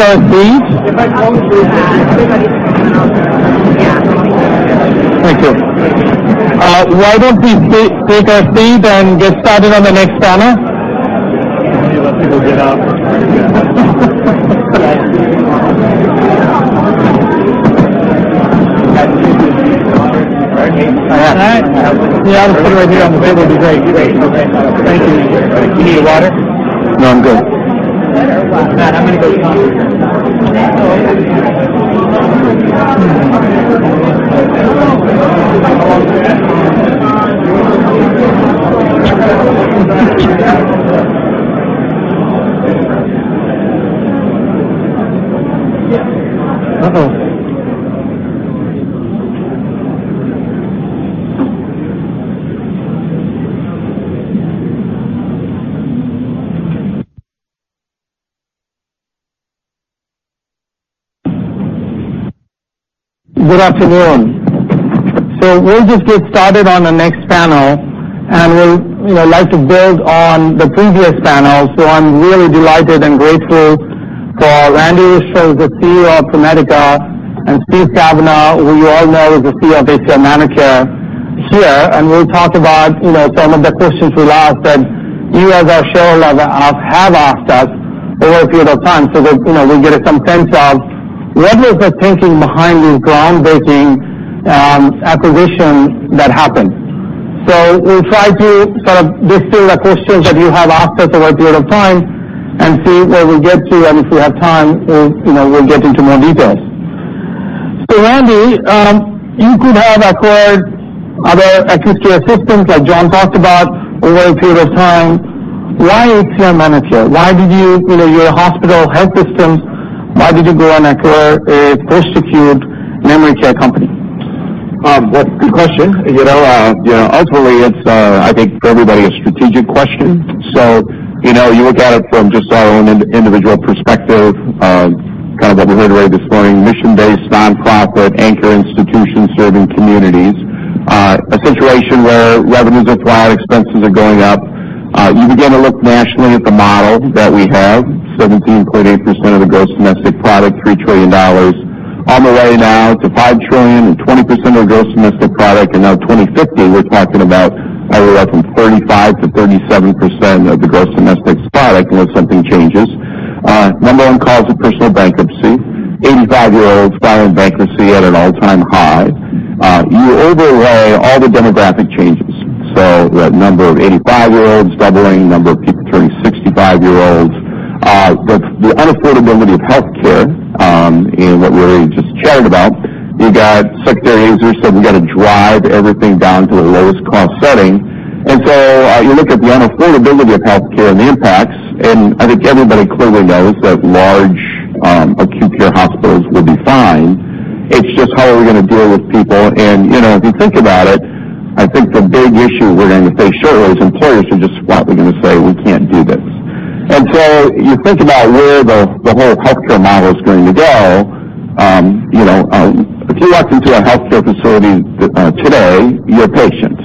Why don't we take our seats? Thank you. Why don't we take our seats and get started on the next panel? Just put it right here on the table would be great. Thank you. You need a water? No, I'm good. Matt, I'm going to go talk. Good afternoon. We'll just get started on the next panel. We'd like to build on the previous panel. I'm really delighted and grateful for Randy Oostra, the CEO of ProMedica, and Steve Cavanaugh, who you all know is the CEO of HCR ManorCare. Here. We'll talk about some of the questions we asked that you as our shareholder have asked us over a period of time so that we get a sense of what was the thinking behind these groundbreaking acquisitions that happened. We'll try to distill the questions that you have asked us over a period of time and see where we get to. If we have time, we'll get into more details. Randy, you could have acquired other acute care systems like John talked about over a period of time. Why HCR ManorCare? You're a hospital health system. Why did you go and acquire a post-acute memory care company? Well, good question. Ultimately, it's, I think for everybody, a strategic question. You look at it from just our own individual perspective, what we heard already this morning, mission-based, non-profit, anchor institution serving communities. A situation where revenues are flat, expenses are going up. You begin to look nationally at the model that we have, 17.8% of the gross domestic product, $3 trillion on the way now to $5 trillion and 20% of the gross domestic product. Now 2050, we're talking about anywhere from 35%-37% of the gross domestic product unless something changes. Number one cause of personal bankruptcy. 85-year-olds filing bankruptcy at an all-time high. You overlay all the demographic changes. The number of 85-year-olds doubling, number of people turning 65 years old. The unaffordability of healthcare, and what we already just chatted about. You got Alex Azar said we got to drive everything down to the lowest cost setting. You look at the unaffordability of healthcare and the impacts, I think everybody clearly knows that large acute care hospitals will be fine. It's just how are we going to deal with people, if you think about it, I think the big issue we're going to face shortly is employers are just flatly going to say, "We can't do this." You think about where the whole healthcare model is going to go. If you walk into a healthcare facility today, you're a patient.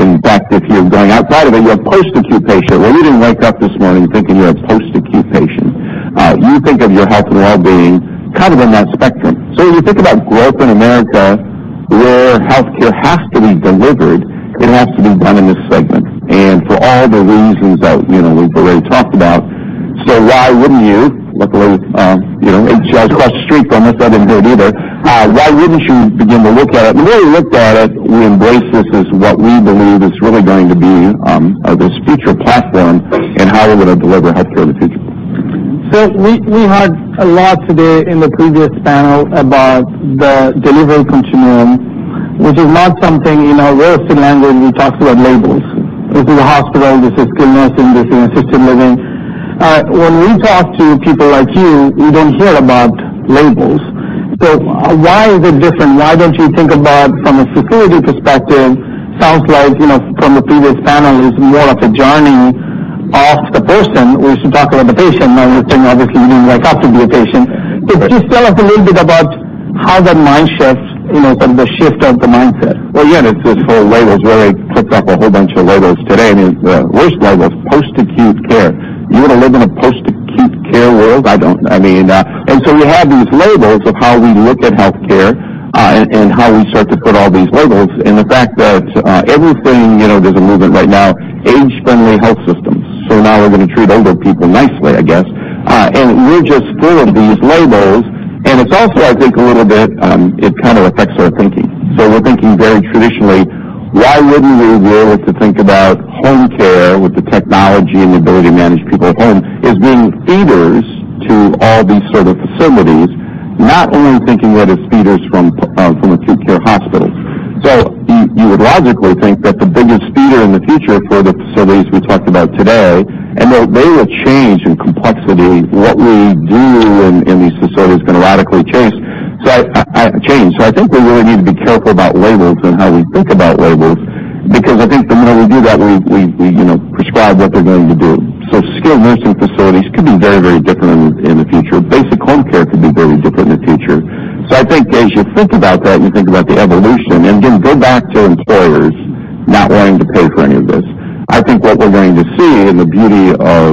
In fact, if you're going outside of it, you're a post-acute patient. Well, you didn't wake up this morning thinking you're a post-acute patient. You think of your health and wellbeing kind of on that spectrum. When you think about growth in America, where healthcare has to be delivered, it has to be done in this segment and for all the reasons that we've already talked about. Why wouldn't you? Luckily, I was across the street from this. I didn't hear it either. Why wouldn't you begin to look at it? When we looked at it, we embraced this as what we believe is really going to be this future platform in how we're going to deliver healthcare in the future. We heard a lot today in the previous panel about the delivery continuum, which is not something in our world. In language, we talk about labels. This is a hospital, this is skilled nursing, this is assisted living. When we talk to people like you, we don't hear about labels. Why is it different? Why don't you think about, from a senior perspective, sounds like from the previous panel, is more of a journey of the person. We used to talk about the patient. Now we're saying obviously you didn't wake up to be a patient. Could you tell us a little bit about how that mind shifts, sort of the shift of the mindset? Well, yeah, this whole labels, where I put up a whole bunch of labels today. I mean, the worst label is post-acute care. You want to live in a post-acute care world? I don't. We have these labels of how we look at healthcare, how we start to put all these labels, the fact that everything, there's a movement right now, age-friendly health systems. Now we're going to treat older people nicely, I guess. We're just full of these labels. It's also, I think, a little bit, it kind of affects our thinking. We're thinking very traditionally, why wouldn't we be able to think about home care with the technology and the ability to manage people at home as being feeders to all these sort of facilities? Not only thinking of it as feeders from acute care hospitals. You would logically think that the biggest feeder in the future for the facilities we talked about today, They will change in complexity. What we do in these facilities is going to radically change. I think we really need to be careful about labels and how we think about labels, because I think the more we do that, we prescribe what they're going to do. Skilled Nursing Facilities could be very different in the future. Basic home care could be very different in the future. I think as you think about that and you think about the evolution, again, go back to employers not wanting to pay for any of this. I think what we're going to see, and the beauty of,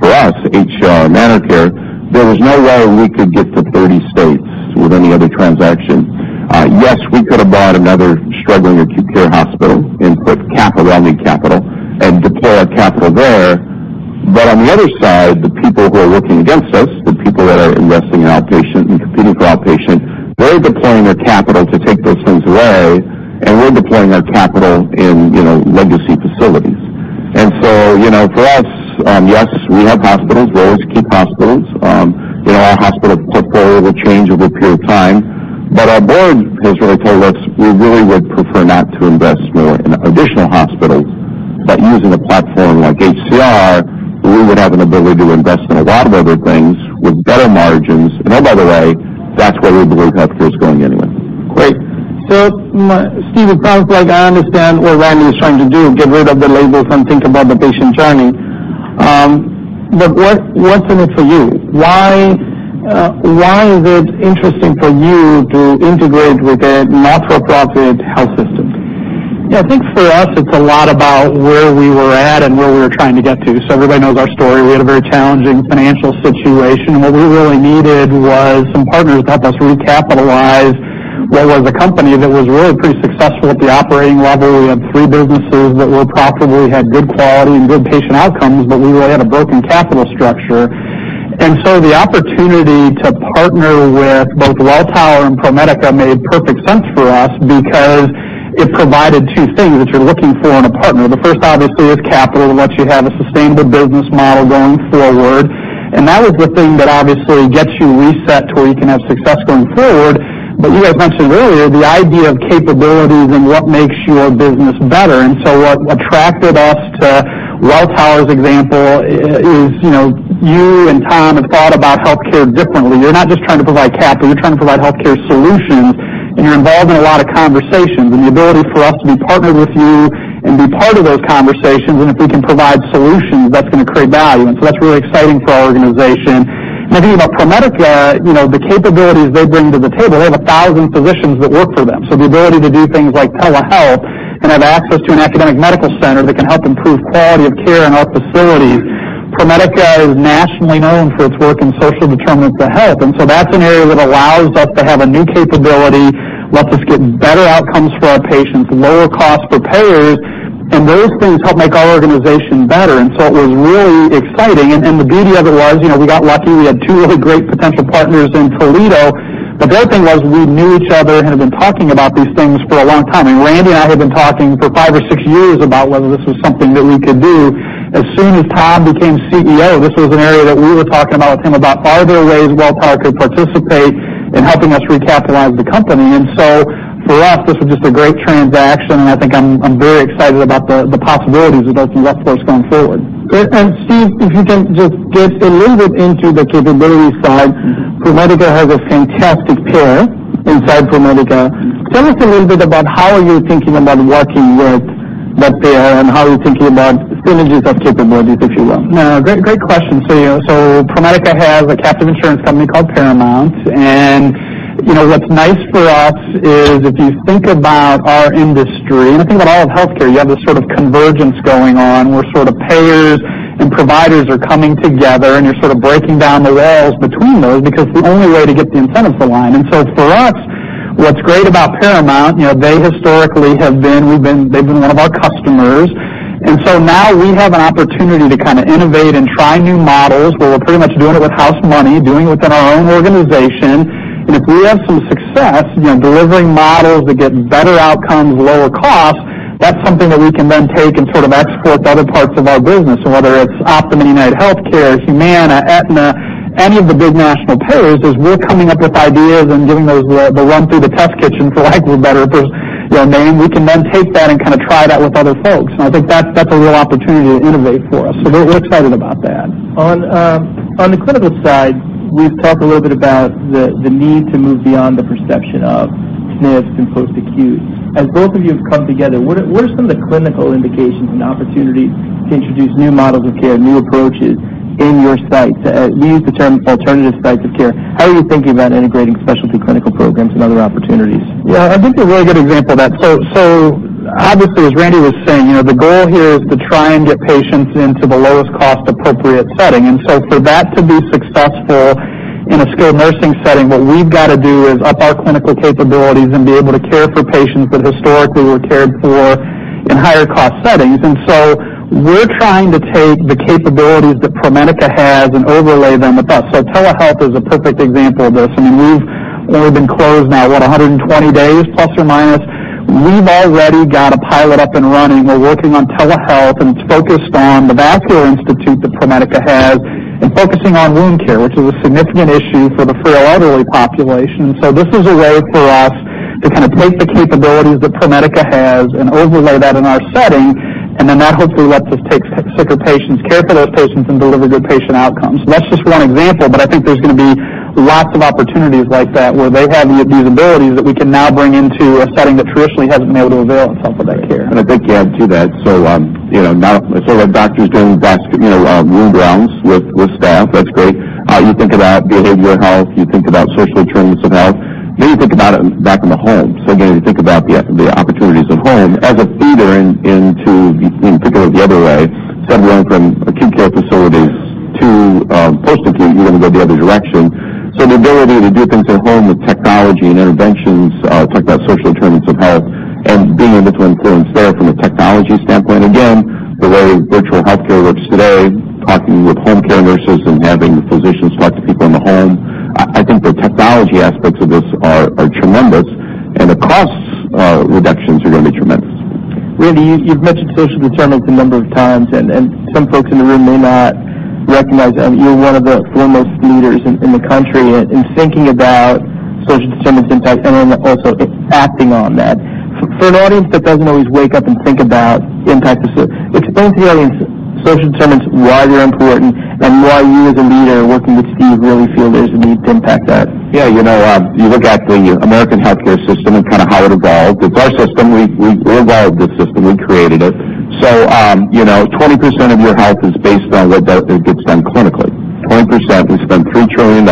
for us, HCR ManorCare, there was no way we could get to 30 states with any other transaction. Yes, we could have bought another struggling acute care hospital and put capital, our money capital, and deploy our capital there. On the other side, the people who are working against us, the people that are investing in outpatient and competing for outpatient, they're deploying their capital to take those things away, and we're deploying our capital in legacy facilities. For us, yes, we have hospitals. We'll always keep hospitals. Our hospital portfolio will change over a period of time. Our board has really told us we really would prefer not to invest more in additional hospitals. Using a platform like HCR, we would have an ability to invest in a lot of other things with better margins. Oh, by the way, that's where we believe healthcare is going anyway. Great. Steve, it sounds like I understand what Randy is trying to do, get rid of the labels and think about the patient journey. What's in it for you? Why is it interesting for you to integrate with a not-for-profit health system? I think for us, it's a lot about where we were at and where we were trying to get to. Everybody knows our story. We had a very challenging financial situation, and what we really needed was some partners to help us recapitalize what was a company that was really pretty successful at the operating level. We had three businesses that were profitable, we had good quality and good patient outcomes, We really had a broken capital structure. The opportunity to partner with both Welltower and ProMedica made perfect sense for us because it provided two things that you're looking for in a partner. The first obviously is capital, and once you have a sustainable business model going forward, that is the thing that obviously gets you reset to where you can have success going forward. You had mentioned earlier the idea of capabilities and what makes your business better. What attracted us to Welltower's example is you and Tom have thought about healthcare differently. You're not just trying to provide capital, you're trying to provide healthcare solutions, and you're involved in a lot of conversations. The ability for us to be partnered with you and be part of those conversations, and if we can provide solutions, that's going to create value. That's really exciting for our organization. I think about ProMedica, the capabilities they bring to the table. They have 1,000 physicians that work for them. The ability to do things like telehealth and have access to an academic medical center that can help improve quality of care in our facilities. ProMedica is nationally known for its work in social determinants of health. That's an area that allows us to have a new capability, lets us get better outcomes for our patients, lower cost for payers, and those things help make our organization better. It was really exciting. The beauty of it was we got lucky. We had two really great potential partners in Toledo. The other thing was we knew each other and had been talking about these things for a long time. Randy and I had been talking for five or six years about whether this was something that we could do. As soon as Tom became CEO, this was an area that we were talking about with him about are there ways Welltower could participate in helping us recapitalize the company? For us, this was just a great transaction. I think I'm very excited about the possibilities it opens up for us going forward. Steve, if you can just get a little bit into the capabilities side. ProMedica has a fantastic payer inside ProMedica. Tell us a little bit about how you're thinking about working with that payer and how you're thinking about synergies of capabilities, if you will. No, great question. ProMedica has a captive insurance company called Paramount. What's nice for us is if you think about our industry and you think about all of healthcare, you have this sort of convergence going on where sort of payers and providers are coming together, and you're sort of breaking down the walls between those, because the only way to get the incentives align. For us, what's great about Paramount, they historically have been one of our customers. Now we have an opportunity to kind of innovate and try new models where we're pretty much doing it with house money, doing it within our own organization. If we have some success delivering models that get better outcomes, lower cost, that's something that we can then take and sort of export to other parts of our business, whether it's Optum and UnitedHealthcare, Humana, Aetna, any of the big national payers, as we're coming up with ideas and giving those the run through the test kitchen, for lack of a better phrase, we can then take that and kind of try it out with other folks. I think that's a real opportunity to innovate for us. We're excited about that. On the clinical side, we've talked a little bit about the need to move beyond the perception of SNFs and post-acute. As both of you have come together, what are some of the clinical indications and opportunities to introduce new models of care, new approaches in your sites? You used the term alternative sites of care. How are you thinking about integrating specialty clinical programs and other opportunities? I think a really good example of that. Obviously, as Randy was saying, the goal here is to try and get patients into the lowest cost appropriate setting. For that to be successful in a skilled nursing setting, what we've got to do is up our clinical capabilities and be able to care for patients that historically were cared for in higher cost settings. We're trying to take the capabilities that ProMedica has and overlay them with us. Telehealth is a perfect example of this. I mean, we've only been closed now, what, 120 days, plus or minus. We've already got a pilot up and running. We're working on telehealth, it's focused on the vascular institute that ProMedica has and focusing on wound care, which is a significant issue for the frail elderly population. This is a way for us to kind of take the capabilities that ProMedica has and overlay that in our setting, that hopefully lets us take sicker patients, care for those patients, and deliver good patient outcomes. That's just one example, but I think there's going to be lots of opportunities like that where they have these abilities that we can now bring into a setting that traditionally hasn't been able to avail itself of that care. A quick add to that. Our doctors doing wound rounds with staff, that's great. You think about behavioral health, you think about social determinants of health. You think about it back in the home. Again, you think about the opportunities at home as a feeder into, particularly the other way, instead of going from acute care facilities to post-acute, you want to go the other direction. The ability to do things at home with technology and interventions, talk about social determinants of health and being able to influence there from a technology standpoint. The way virtual healthcare works today, talking with home care nurses and having physicians talk to people in the home, I think the technology aspects of this are tremendous, the cost reductions are going to be tremendous. Randy, you've mentioned social determinants a number of times, some folks in the room may not recognize that you're one of the foremost leaders in the country in thinking about social determinants impact also acting on that. For an audience that doesn't always wake up and think about impact of social, explain to the audience social determinants, why they're important, and why you as a leader working with Steve really feel there's a need to impact that. You look actually American healthcare system and kind of how it evolved. It's our system. We evolved this system. We created it. 20% of your health is based on what gets done clinically. 20%, we spend $3 trillion,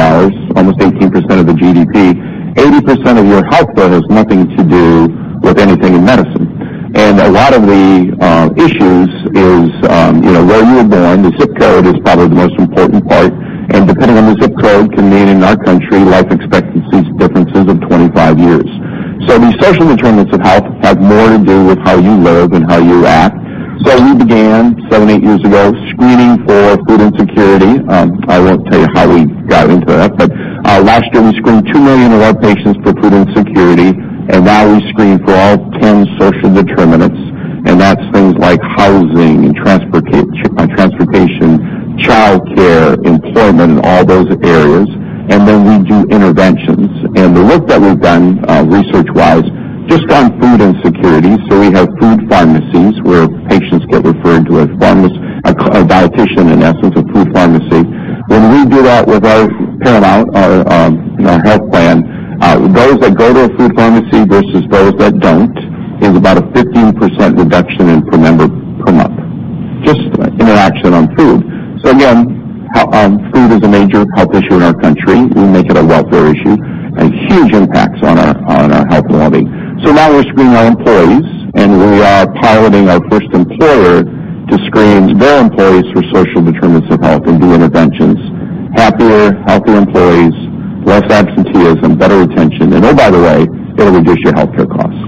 almost 18% of the GDP. 80% of your healthcare has nothing to do with anything in medicine. A lot of the issues is where you were born, the ZIP code is probably the most important part, and depending on the ZIP code, can mean, in our country, life expectancies differences of 25 years. These social determinants of health have more to do with how you live and how you act. We began seven, eight years ago, screening for food insecurity. I won't tell you how we got into that. Last year, we screened 2 million of our patients for food insecurity. Now we screen for all 10 social determinants, that's things like housing and transportation, childcare, employment, all those areas. Then we do interventions. The work that we've done, research-wise, just on food insecurity. We have food pharmacies where patients get referred to a pharmacist, a dietician, in essence, a food pharmacy. When we do that with our health plan, those that go to a food pharmacy versus those that don't, is about a 15% reduction in per member per month. Just interaction on food. Again, food is a major health issue in our country. We make it a welfare issue, huge impacts on our health and wellbeing. Now we're screening our employees. We are piloting our first employer to screen their employees for social determinants of health and do interventions. Happier, healthier employees, less absenteeism, better retention. Oh, by the way, it'll reduce your healthcare costs.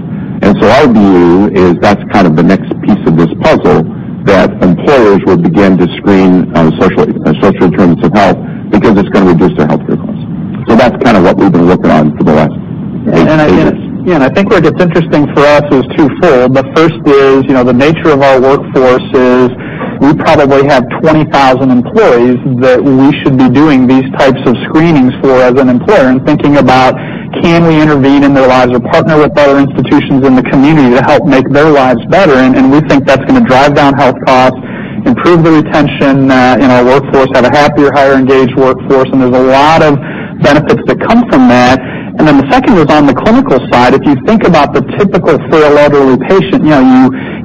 Our view is that's the next piece of this puzzle that employers will begin to screen on social determinants of health because it's going to reduce their healthcare costs. That's what we've been working on for the last eight years. I think where it's interesting for us is twofold. First is the nature of our workforce is we probably have 20,000 employees that we should be doing these types of screenings for as an employer and thinking about can we intervene in their lives or partner with other institutions in the community to help make their lives better? We think that's going to drive down health costs, improve the retention in our workforce, have a happier, higher engaged workforce, there's a lot of benefits that come from that. Then the second is on the clinical side. If you think about the typical frail level patient,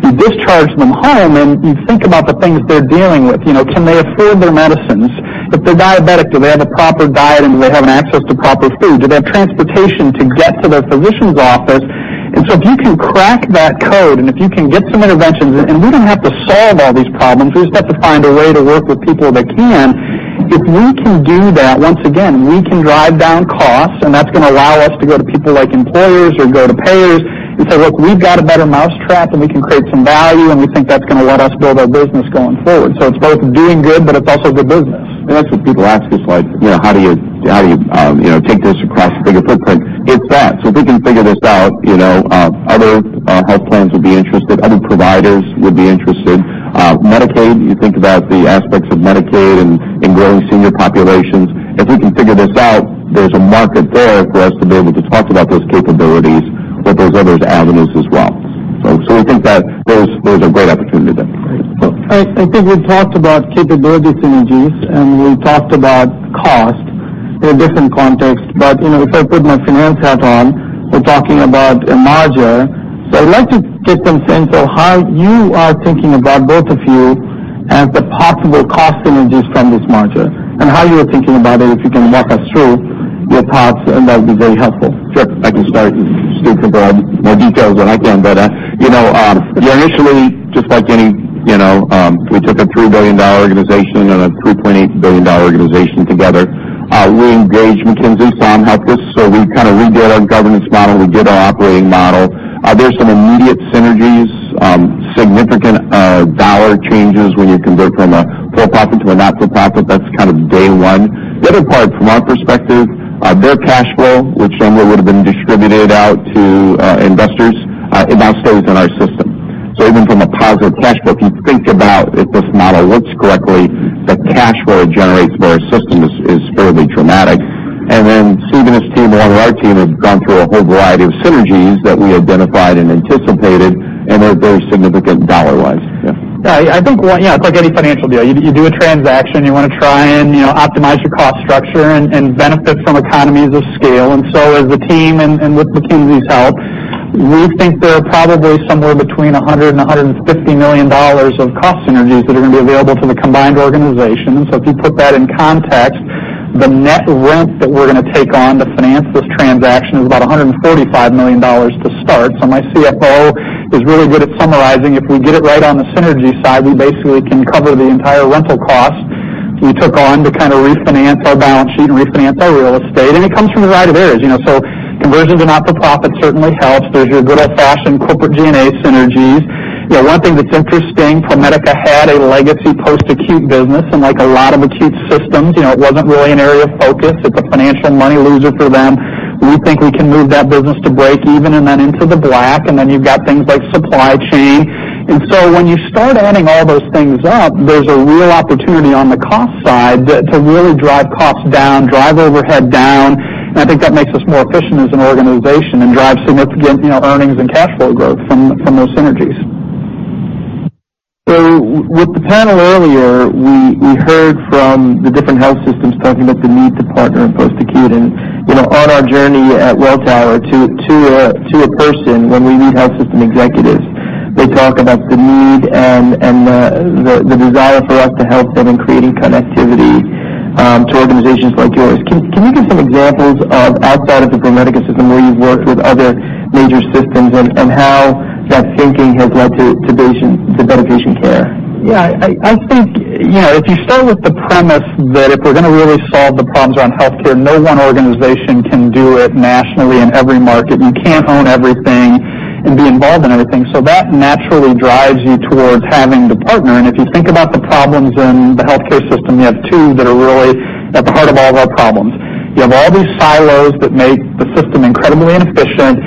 you discharge them home. You think about the things they're dealing with. Can they afford their medicines? If they're diabetic, do they have the proper diet? Do they have an access to proper food? Do they have transportation to get to their physician's office? If you can crack that code, if you can get some interventions, we don't have to solve all these problems. We just have to find a way to work with people that can. If we can do that, once again, we can drive down costs. That's going to allow us to go to people like employers or go to payers and say, "Look, we've got a better mousetrap. We can create some value. We think that's going to let us build our business going forward." It's both doing good, it's also good business. That's what people ask us, like, "How do you take this across a bigger footprint?" It's that. If we can figure this out, other health plans would be interested, other providers would be interested. Medicaid, you think about the aspects of Medicaid and growing senior populations. If we can figure this out, there's a market there for us to be able to talk about those capabilities with those other avenues as well. We think that there's a great opportunity there. Great. I think we've talked about capability synergies, and we've talked about cost in a different context. If I put my finance hat on, we're talking about a merger. I'd like to get consensus on how you are thinking about, both of you, as the possible cost synergies from this merger, and how you are thinking about it. If you can walk us through your thoughts, and that would be very helpful. Sure. I can start and Steve can provide more details when I can. Initially, just like any, we took a $3 billion organization and a $3.8 billion organization together. We engaged McKinsey, I'm helpless. We redid our governance model, we did our operating model. There's some immediate synergies, significant dollar changes when you convert from a for-profit to a not-for-profit. That's day one. The other part, from our perspective, their cash flow, which normally would've been distributed out to investors, it now stays in our system. Even from a positive cash flow, if you think about if this model works correctly, the cash flow it generates for our system is fairly dramatic. Then Steve and his team, along with our team, have gone through a whole variety of synergies that we identified and anticipated, and they're very significant dollar-wise. Yeah. I think it's like any financial deal. You do a transaction, you want to try and optimize your cost structure and benefit from economies of scale. As a team, and with McKinsey's help, we think there are probably somewhere between $100 million-$150 million of cost synergies that are going to be available to the combined organization. If you put that in context, the net rent that we're going to take on to finance this transaction is about $145 million to start. My CFO is really good at summarizing. If we get it right on the synergy side, we basically can cover the entire rental cost we took on to refinance our balance sheet and refinance our real estate. It comes from a variety of areas. Conversion to not-for-profit certainly helps. There's your good old-fashioned corporate G&A synergies. One thing that's interesting, ProMedica had a legacy post-acute business, and like a lot of acute systems, it wasn't really an area of focus. It's a financial money loser for them. We think we can move that business to break even and then into the black. Then you've got things like supply chain. When you start adding all those things up, there's a real opportunity on the cost side to really drive costs down, drive overhead down. I think that makes us more efficient as an organization and drive significant earnings and cash flow growth from those synergies. With the panel earlier, we heard from the different health systems talking about the need to partner in post acute. On our journey at Welltower, to a person, when we meet health system executives, they talk about the need and the desire for us to help them in creating connectivity to organizations like yours. Can you give some examples of outside of the ProMedica system, where you've worked with other major systems and how that thinking has led to better patient care? Yeah. I think, if you start with the premise that if we're going to really solve the problems around healthcare, no one organization can do it nationally in every market. You can't own everything and be involved in everything. That naturally drives you towards having to partner. If you think about the problems in the healthcare system, you have two that are really at the heart of all of our problems. You have all these silos that make the system incredibly inefficient,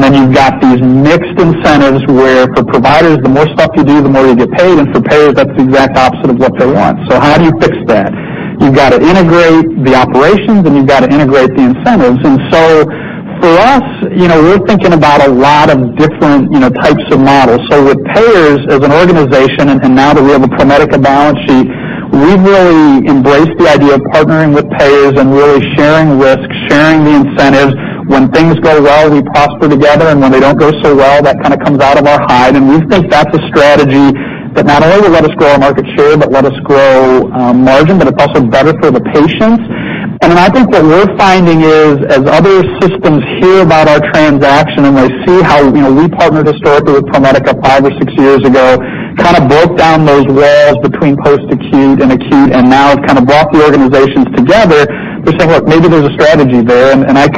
then you've got these mixed incentives where for providers, the more stuff you do, the more you get paid, and for payers, that's the exact opposite of what they want. How do you fix that? You've got to integrate the operations, you've got to integrate the incentives. For us, we're thinking about a lot of different types of models. With payers as an organization, now that we have a ProMedica balance sheet, we've really embraced the idea of partnering with payers and really sharing risk, sharing the incentives. When things go well, we prosper together, and when they don't go so well, that kind of comes out of our hide. We think that's a strategy that not only will let us grow our market share, but let us grow margin, but it's also better for the patients. I think what we're finding is, as other systems hear about our transaction, and they see how we partnered historically with ProMedica five or six years ago, kind of broke down those walls between post-acute and acute, and now it kind of brought the organizations together. They're saying, "Look, maybe there's a strategy there." I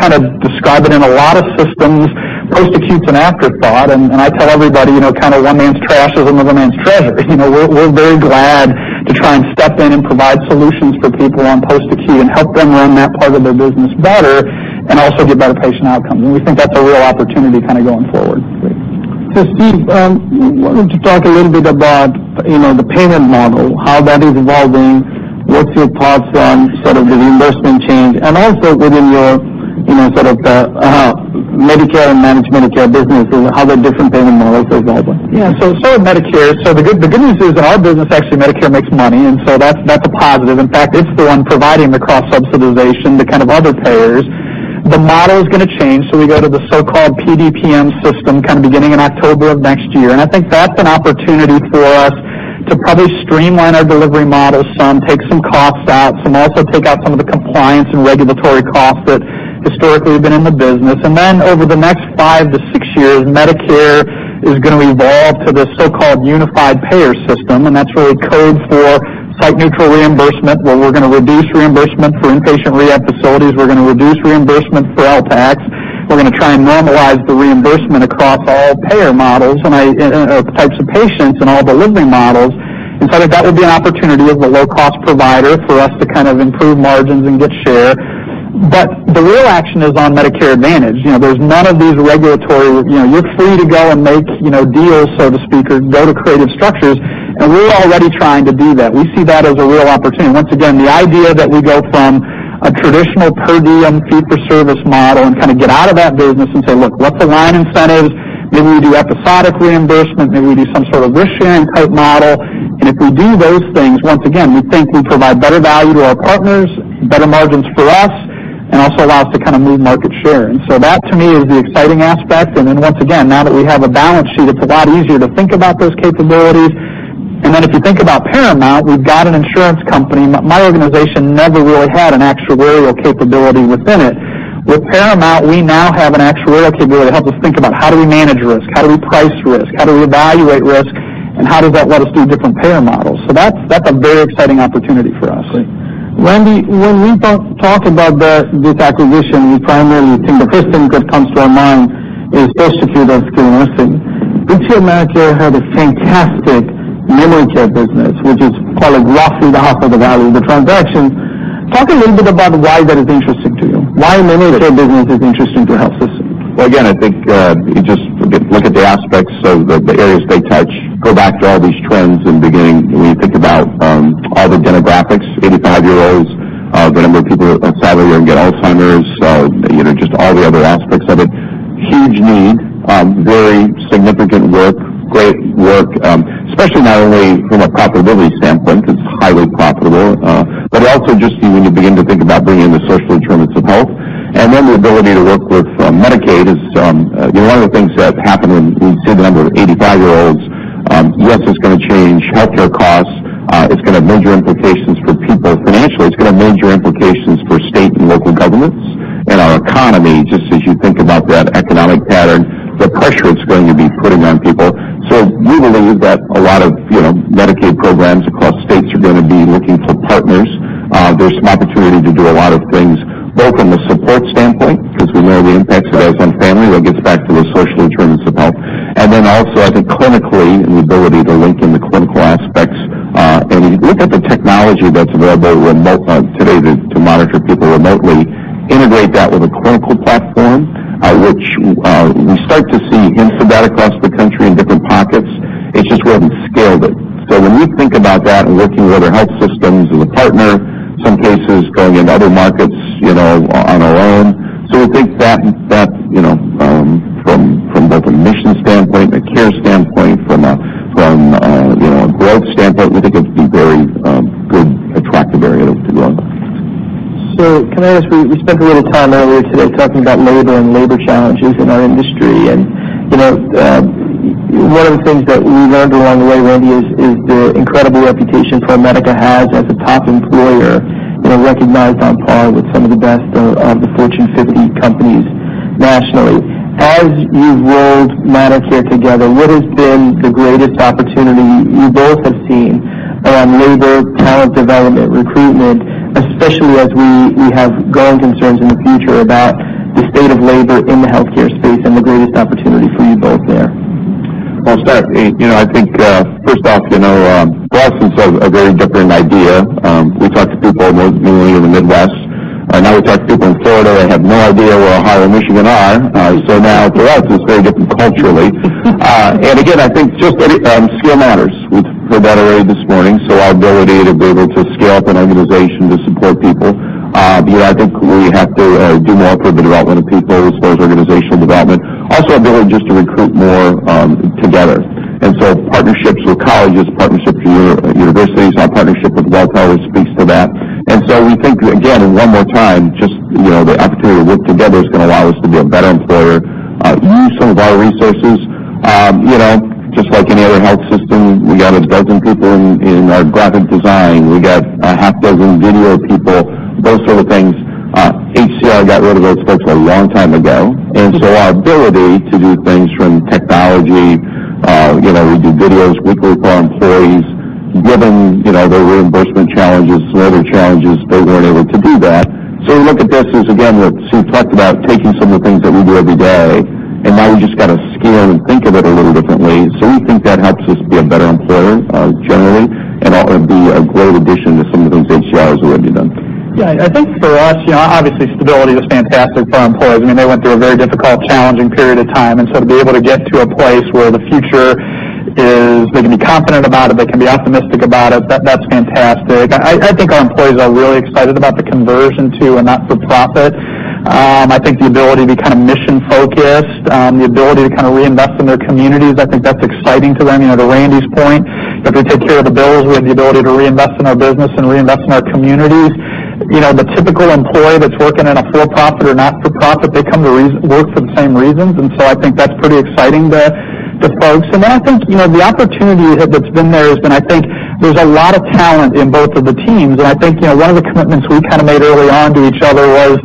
describe it in a lot of systems, post-acute is an afterthought, and I tell everybody, kind of one man's trash is another man's treasure. We're very glad to try and step in and provide solutions for people on post-acute and help them run that part of their business better and also get better patient outcomes. We think that's a real opportunity going forward. Great. Steve, I wanted to talk a little bit about the payment model, how that is evolving, what's your thoughts on sort of the reimbursement change, and also within your Medicare and managed Medicare businesses, how the different payment models are evolving. Yeah. Start with Medicare. The good news is, in our business, actually, Medicare makes money, that's a positive. In fact, it's the one providing the cross-subsidization to kind of other payers. The model is going to change, we go to the so-called PDPM system beginning in October of next year. I think that's an opportunity for us to probably streamline our delivery model some, take some costs out, also take out some of the compliance and regulatory costs that historically have been in the business. Over the next five to six years, Medicare is going to evolve to the so-called unified payer system, and that's really code for site-neutral reimbursement, where we're going to reduce reimbursement for inpatient rehab facilities. We're going to reduce reimbursement for LTACs. We're going to try and normalize the reimbursement across all payer models and types of patients and all delivery models. I think that would be an opportunity as a low-cost provider for us to improve margins and get share. The real action is on Medicare Advantage. There's none of these, you're free to go and make deals, so to speak, or go to creative structures. We're already trying to do that. We see that as a real opportunity. Once again, the idea that we go from a traditional per diem fee-for-service model and kind of get out of that business and say, "Look, let's align incentives. Maybe we do episodic reimbursement. Maybe we do some sort of risk-sharing type model." If we do those things, once again, we think we provide better value to our partners, better margins for us, and also allows to kind of move market share. That to me is the exciting aspect. Once again, now that we have a balance sheet, it's a lot easier to think about those capabilities. If you think about Paramount, we've got an insurance company. My organization never really had an actuarial capability within it. With Paramount, we now have an actuarial capability to help us think about how do we manage risk, how do we price risk, how do we evaluate risk, and how does that let us do different payer models. That's a very exciting opportunity for us. Great. Randy, when we talk about this acquisition, we primarily think the first thing that comes to our mind is post-acute and skilled nursing. HCR ManorCare had a fantastic memory care business, which is probably roughly half of the value of the transaction. Talk a little bit about why that is interesting to you, why memory care business is interesting to health systems. Again, you just look at the aspects of the areas they touch. Go back to all these trends in the beginning when you think about all the demographics, 85-year-olds, the number of people who sadly are going to get Alzheimer's, just all the other aspects of it. Huge need. Very significant work. Great work. Especially not only from a profitability standpoint, because it's highly profitable, but also just when you begin to think about bringing in the social determinants of health. The ability to work with Medicaid is one of the things that happen when you see the number of 85-year-olds. It's going to change healthcare costs. It's going to have major implications for people financially. It's going to have major implications for state and local governments and our economy, just as you think about that economic pattern, the pressure it's going to be putting on people. We believe that a lot of Medicaid programs across states are going to be looking for partners. There's some opportunity to do a lot of things, both from the support standpoint, because we know the impacts it has on family. That gets back to those social determinants of health. Also, I think clinically, and the ability to link in the clinical aspects. When you look at the technology that's available today to monitor people remotely, integrate that with a clinical platform, which we start to see hints of that across the country in different pockets. It's just we haven't scaled it. When we think about that and working with other health systems as a partner, some cases going into other markets on our own. We think that from both a mission standpoint and a care standpoint, from a growth standpoint, we think it's going to be very. Can I ask, we spent a little time earlier today talking about labor and labor challenges in our industry. One of the things that we learned along the way, Randy, is the incredible reputation ProMedica has as a top employer, recognized on par with some of the best of the Fortune 50 companies nationally. As you've rolled ManorCare together, what has been the greatest opportunity you both have seen around labor, talent development, recruitment, especially as we have growing concerns in the future about the state of labor in the healthcare space and the greatest opportunity for you both there? I'll start. I think, first off, for us, it's a very different idea. We talk to people mainly in the Midwest. Now we talk to people in Florida that have no idea where Ohio and Michigan are. Now for us, it's very different culturally. Again, I think just scale matters. We've heard that already this morning. Our ability to be able to scale up an organization to support people. I think we have to do more for the development of people as far as organizational development, also ability just to recruit more together. Partnerships with colleges, partnerships with universities, our partnership with Welltower speaks to that. We think, again, one more time, just the opportunity to work together is going to allow us to be a better employer, use some of our resources. Just like any other health system, we got 12 people in our graphic design. We got six video people, those sort of things. HCR got rid of those folks a long time ago. Our ability to do things from technology, we do videos weekly for our employees. Given their reimbursement challenges, some of their challenges, they weren't able to do that. We look at this as, again, what Sue talked about, taking some of the things that we do every day, now we just got to scale and think of it a little differently. We think that helps us be a better employer, generally, and ought to be a great addition to some of the things HCR has already done. I think for us, obviously stability is fantastic for our employees. They went through a very difficult, challenging period of time. To be able to get to a place where the future is, they can be confident about it, they can be optimistic about it, that's fantastic. I think our employees are really excited about the conversion to a not-for-profit. I think the ability to be mission-focused, the ability to reinvest in their communities, I think that's exciting to them. To Randy's point, if we take care of the bills, we have the ability to reinvest in our business and reinvest in our communities. The typical employee that's working in a for-profit or not-for-profit, they come to work for the same reasons. I think that's pretty exciting to folks. I think, the opportunity that's been there has been, I think there's a lot of talent in both of the teams. I think, one of the commitments we made early on to each other was,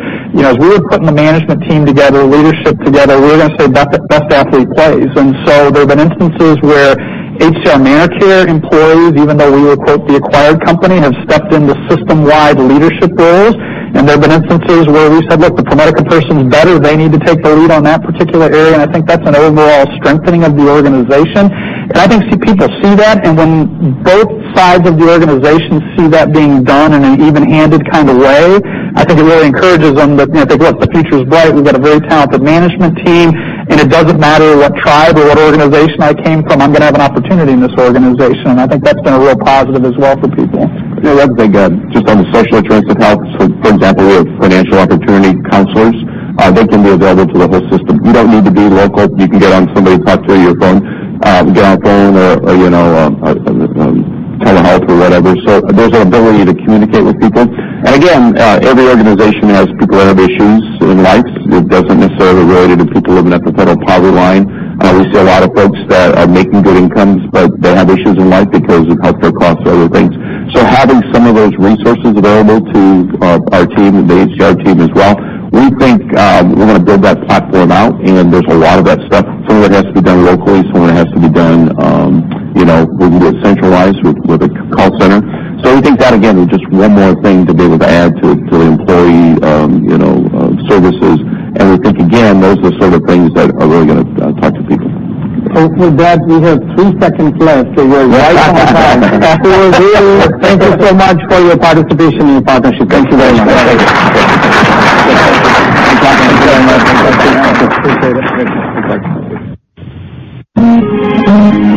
as we were putting the management team together, leadership together, we were going to say best athlete plays. There have been instances where HCR ManorCare employees, even though we were, quote, "the acquired company," have stepped into system-wide leadership roles. There have been instances where we said, look, the ProMedica person's better. They need to take the lead on that particular area. I think that's an overall strengthening of the organization. I think people see that, and when both sides of the organization see that being done in an even-handed kind of way, I think it really encourages them to think, look, the future's bright. We've got a very talented management team, and it doesn't matter what tribe or what organization I came from, I'm going to have an opportunity in this organization. I think that's been a real positive as well for people. Yeah, I'd agree. Just on the social determinants of health, for example, we have financial opportunity counselors. They can be available to the whole system. You don't need to be local. You can get on somebody's talk through your phone, get on a phone or telehealth or whatever. There's an ability to communicate with people. Again, every organization has people that have issues in life. It doesn't necessarily relate to people living at the federal poverty line. We see a lot of folks that are making good incomes, but they have issues in life because of healthcare costs or other things. Having some of those resources available to our team, the HCR team as well, we think we want to build that platform out, and there's a lot of that stuff. Some of it has to be done locally, we can do it centralized with a call center. We think that, again, is just one more thing to be able to add to employee services. We think, again, those are the sort of things that are really going to talk to people. Okay, Brad, we have three seconds left. You're right on time. Really, thank you so much for your participation in your partnership. Thank you very much.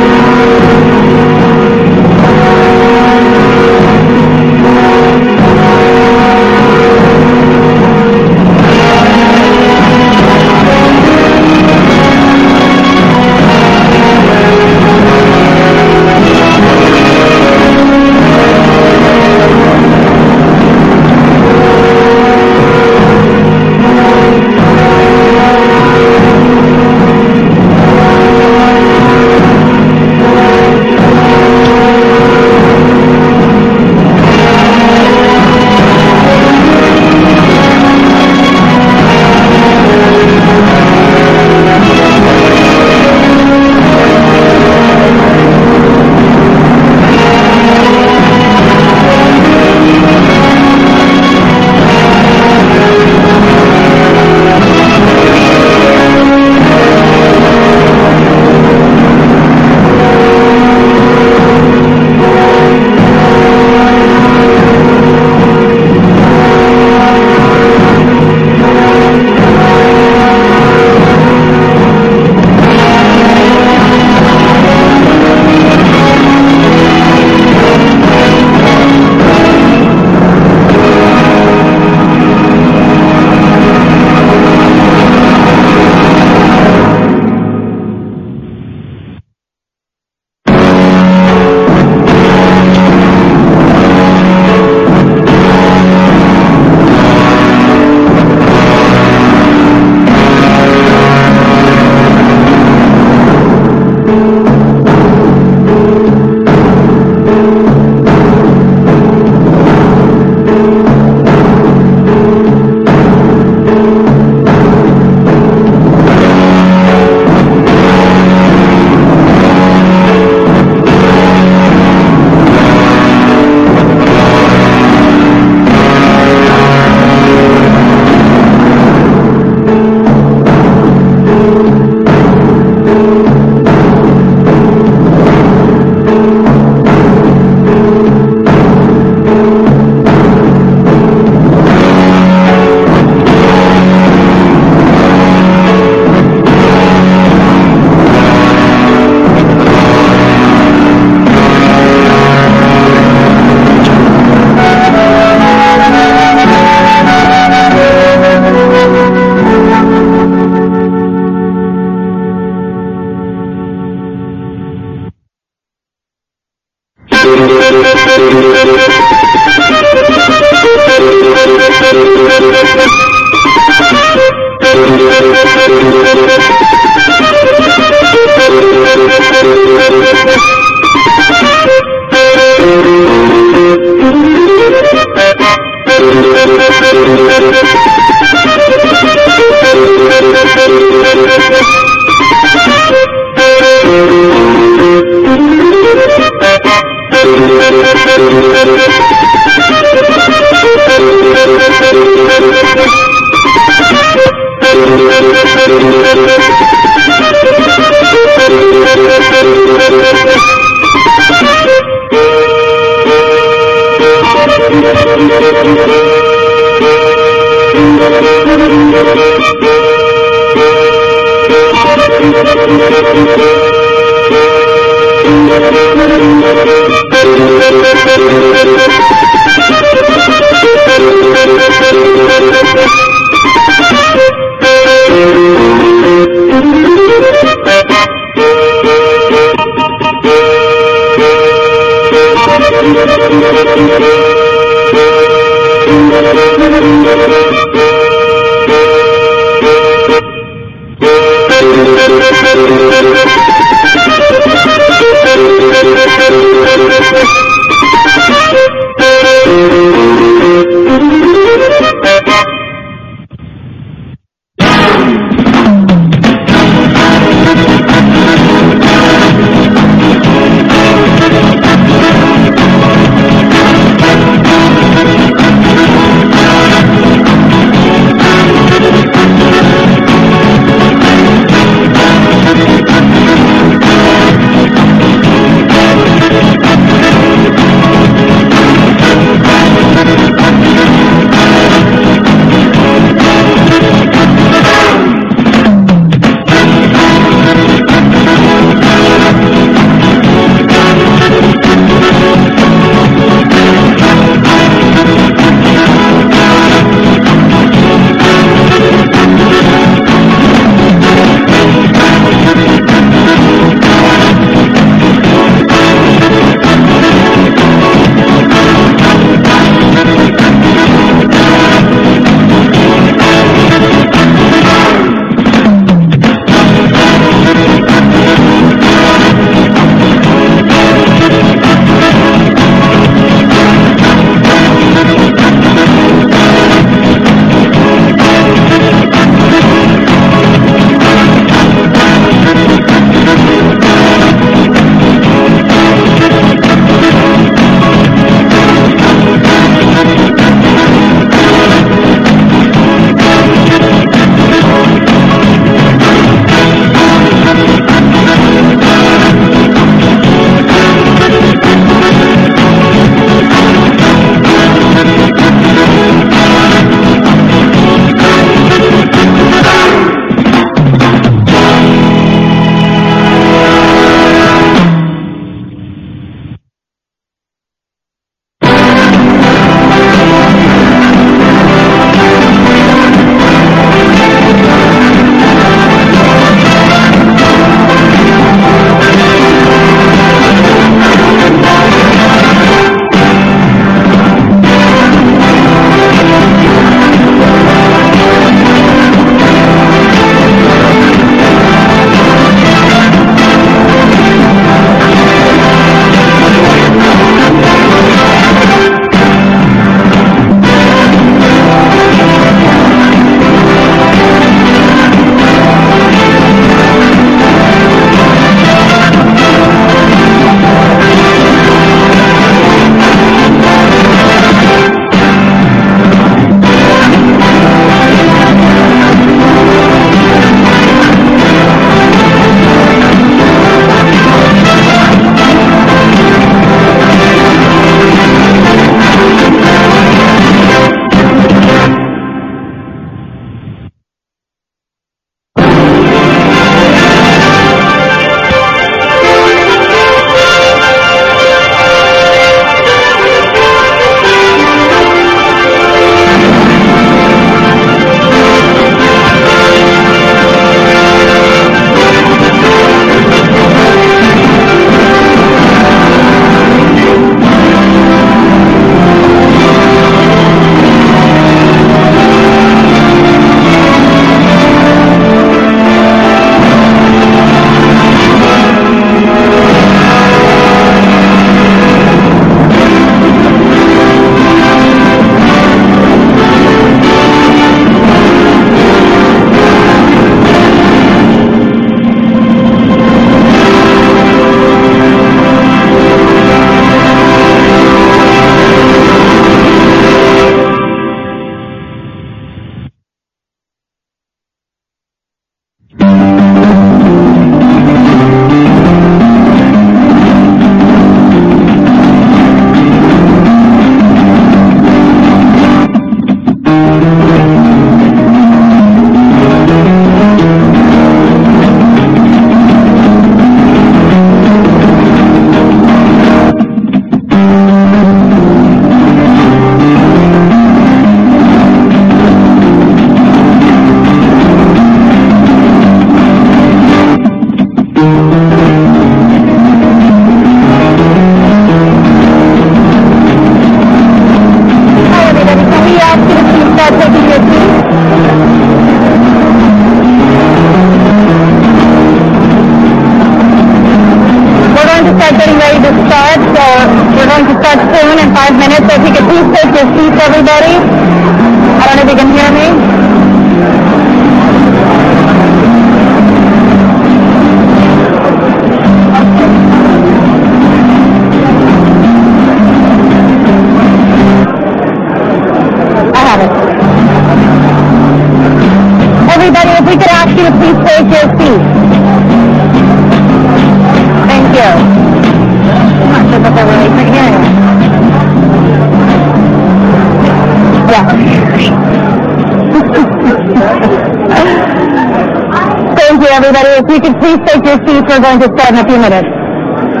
Thank you. Thank you. Appreciate it. Hi, everybody.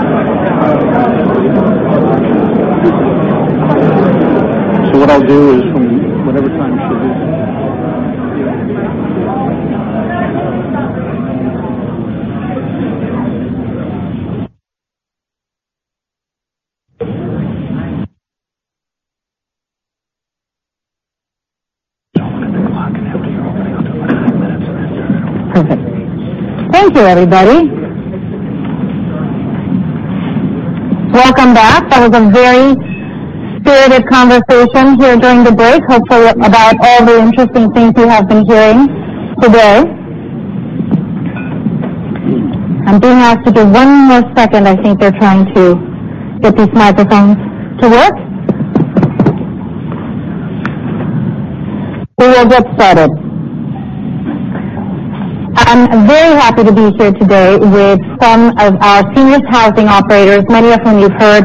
Can we ask you to please take your seats? We're going to start getting ready to start. We're going to start soon, in five minutes. If you could please take your seats, everybody. I don't know if you can hear me. I have it. Everybody, if we could ask you to please take your seats. Thank you. I don't know if everybody can hear me. Yeah. Thank you, everybody. If you could please take your seats, we're going to start in a few minutes. What I'll do is from whatever time she leaves. Perfect. Thank you, everybody. Welcome back. That was a very spirited conversation here during the break, hopefully about all the interesting things you have been hearing today. I'm being asked to give one more second. I think they're trying to get these microphones to work. We will get started. I'm very happy to be here today with some of our senior housing operators, many of whom you've heard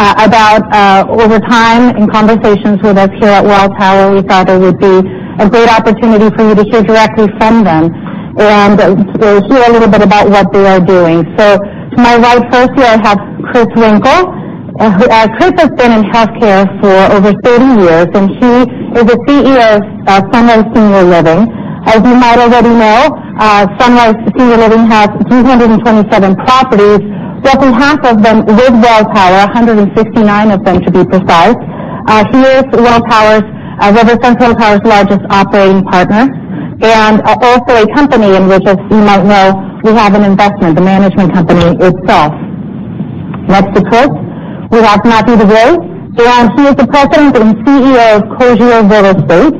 about over time in conversations with us here at Welltower. We thought it would be a great opportunity for you to hear directly from them and hear a little bit about what they are doing. To my right first here, I have Chris Winkle. Chris has been in healthcare for over 30 years, and he is the CEO of Sunrise Senior Living. As you might already know, Sunrise Senior Living has 327 properties, roughly half of them with Welltower, 169 of them to be precise. He is Welltower's largest operating partner and also a company in which, as you might know, we have an investment, the management company itself. Next to Chris, we have Mathieu Duguay, and he is the President and CEO of Cogir Real Estate.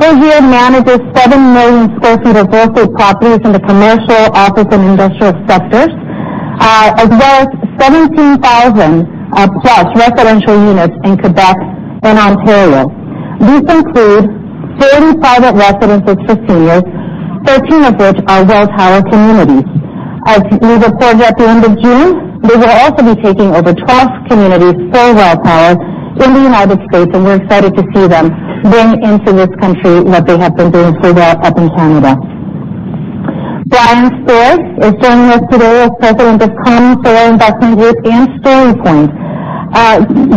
Cogir manages 7 million sq ft of real estate properties in the commercial, office, and industrial sectors, as well as 17,000-plus residential units in Quebec and Ontario. These include 40 private residences for seniors, 13 of which are Welltower communities. As we reported at the end of June, they will also be taking over 12 communities for Welltower in the U.S., and we're excited to see them bring into this country what they have been doing so well up in Canada. Brian Spear is joining us today as president of CommonSail Investment Group and StoryPoint.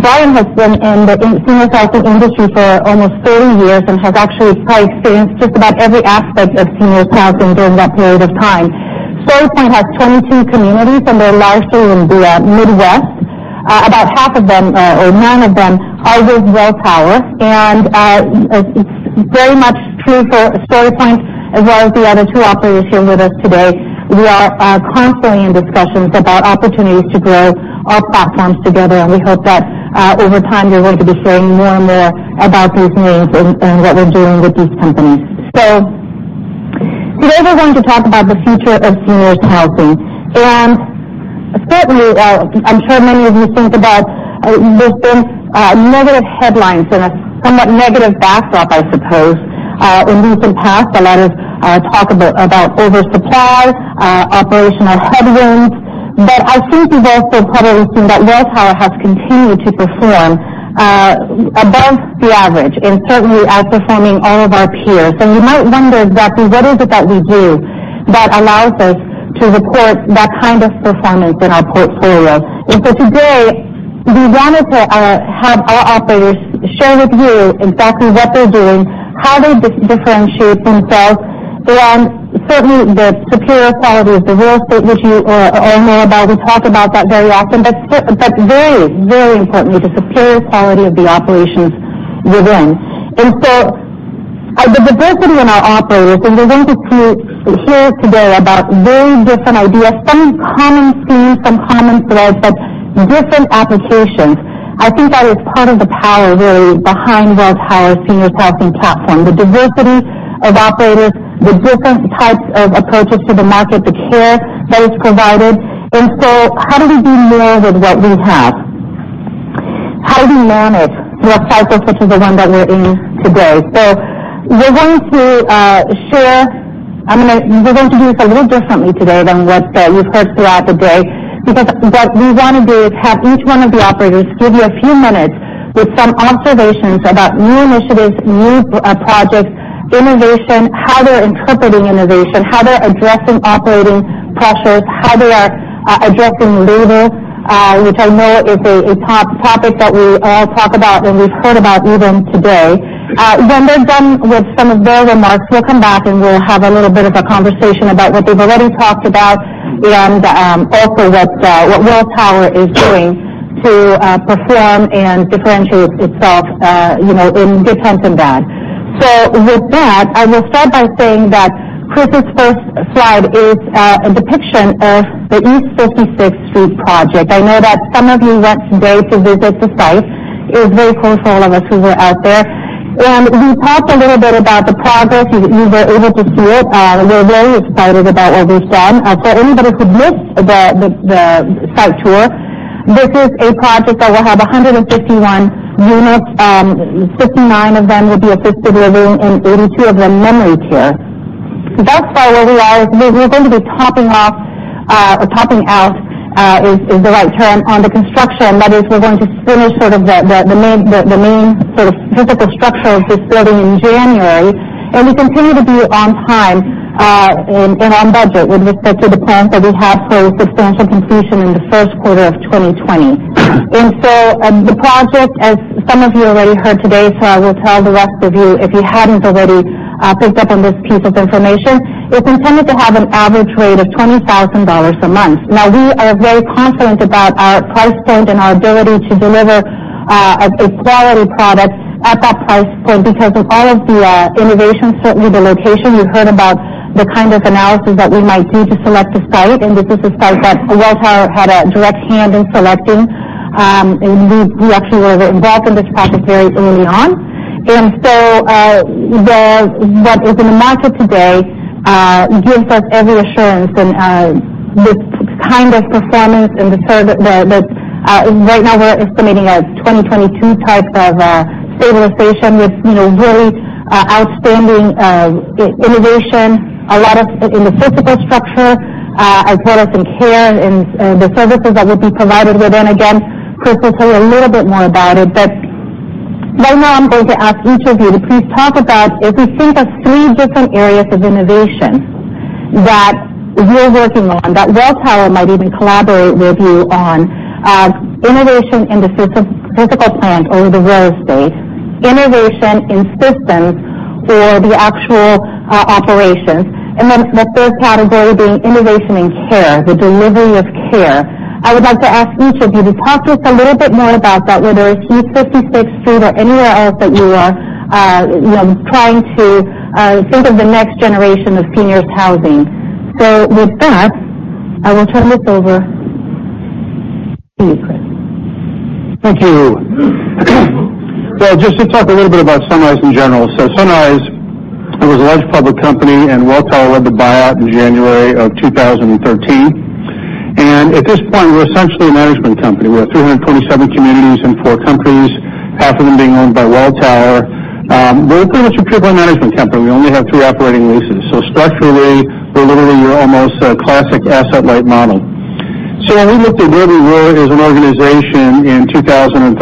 Brian has been in the senior housing industry for almost 30 years and has actually probably experienced just about every aspect of senior housing during that period of time. StoryPoint has 22 communities, and they're largely in the Midwest. About half of them, or nine of them, are with Welltower, and it's very much true for StoryPoint as well as the other two operators here with us today. We are constantly in discussions about opportunities to grow our platforms together. We hope that over time, we're going to be sharing more and more about these names and what we're doing with these companies. Today, we're going to talk about the future of senior housing. Certainly, I'm sure many of you think about there's been negative headlines and a somewhat negative backdrop, I suppose, in recent past, a lot of talk about oversupply, operational headwinds. I think you've also probably seen that Welltower has continued to perform above the average and certainly outperforming all of our peers. You might wonder exactly what is it that we do that allows us to report that kind of performance in our portfolio. Today, we wanted to have our operators share with you exactly what they're doing, how they differentiate themselves, and certainly the superior quality of the real estate, which you all know about. We talk about that very often, but very importantly, the superior quality of the operations within. The diversity in our operators, and you're going to hear today about very different ideas, some common themes, some common threads, but different applications. I think that is part of the power, really, behind Welltower senior housing platform, the diversity of operators, the different types of approaches to the market, the care that is provided. How do we do more with what we have? How do we manage through a cycle such as the one that we're in today? We're going to do this a little differently today than what you've heard throughout the day, because what we want to do is have each one of the operators give you a few minutes with some observations about new initiatives, new projects, innovation, how they're interpreting innovation, how they're addressing operating pressures, how they are addressing labor which I know is a top topic that we all talk about, and we've heard about even today. When they're done with some of their remarks, we'll come back, and we'll have a little bit of a conversation about what they've already talked about and also what Welltower is doing to perform and differentiate itself in defense of that. With that, I will start by saying that Chris's first slide is a depiction of the East 56th Street project. I know that some of you went today to visit the site. It was very cool for all of us who were out there. We talked a little bit about the progress. You were able to see it. We're very excited about what we've seen. For anybody who'd missed the site tour, this is a project that will have 151 units, 59 of them will be assisted living, and 82 of them memory care. Thus far, where we are is we're going to be topping out is the right term on the construction. That is, we're going to finish sort of the main physical structure of this building in January, and we continue to be on time and on budget with respect to the plan that we had for substantial completion in the first quarter of 2020. The project, as some of you already heard today, I will tell the rest of you, if you hadn't already picked up on this piece of information, is intended to have an average rate of $20,000 a month. Now, we are very confident about our price point and our ability to deliver a quality product at that price point because of all of the innovations, certainly the location. You heard about the kind of analysis that we might do to select a site, this is a site that Welltower had a direct hand in selecting. We actually were involved in this project very early on. What is in the market today gives us every assurance and the kind of performance and the service that right now we're estimating a 2022 type of stabilization with really outstanding innovation, a lot of in the physical structure, as well as in care and the services that will be provided within. Again, Chris will tell you a little bit more about it, but right now I'm going to ask each of you to please talk about if you think of three different areas of innovation that you're working on, that Welltower might even collaborate with you on, innovation in the physical plant or the real estate, innovation in systems or the actual operations, and then the third category being innovation in care, the delivery of care. I would like to ask each of you to talk to us a little bit more about that, whether it's East 56th Street or anywhere else that you are trying to think of the next generation of seniors housing. With that, I will turn this over to you, Chris. Thank you. Just to talk a little bit about Sunrise in general. Sunrise was a large public company, Welltower led the buyout in January of 2013. At this point, we're essentially a management company. We have 327 communities in four countries, half of them being owned by Welltower. We're pretty much a pure play management company. We only have three operating leases. Structurally, we're literally your almost classic asset-light model. When we looked at where we were as an organization in 2013,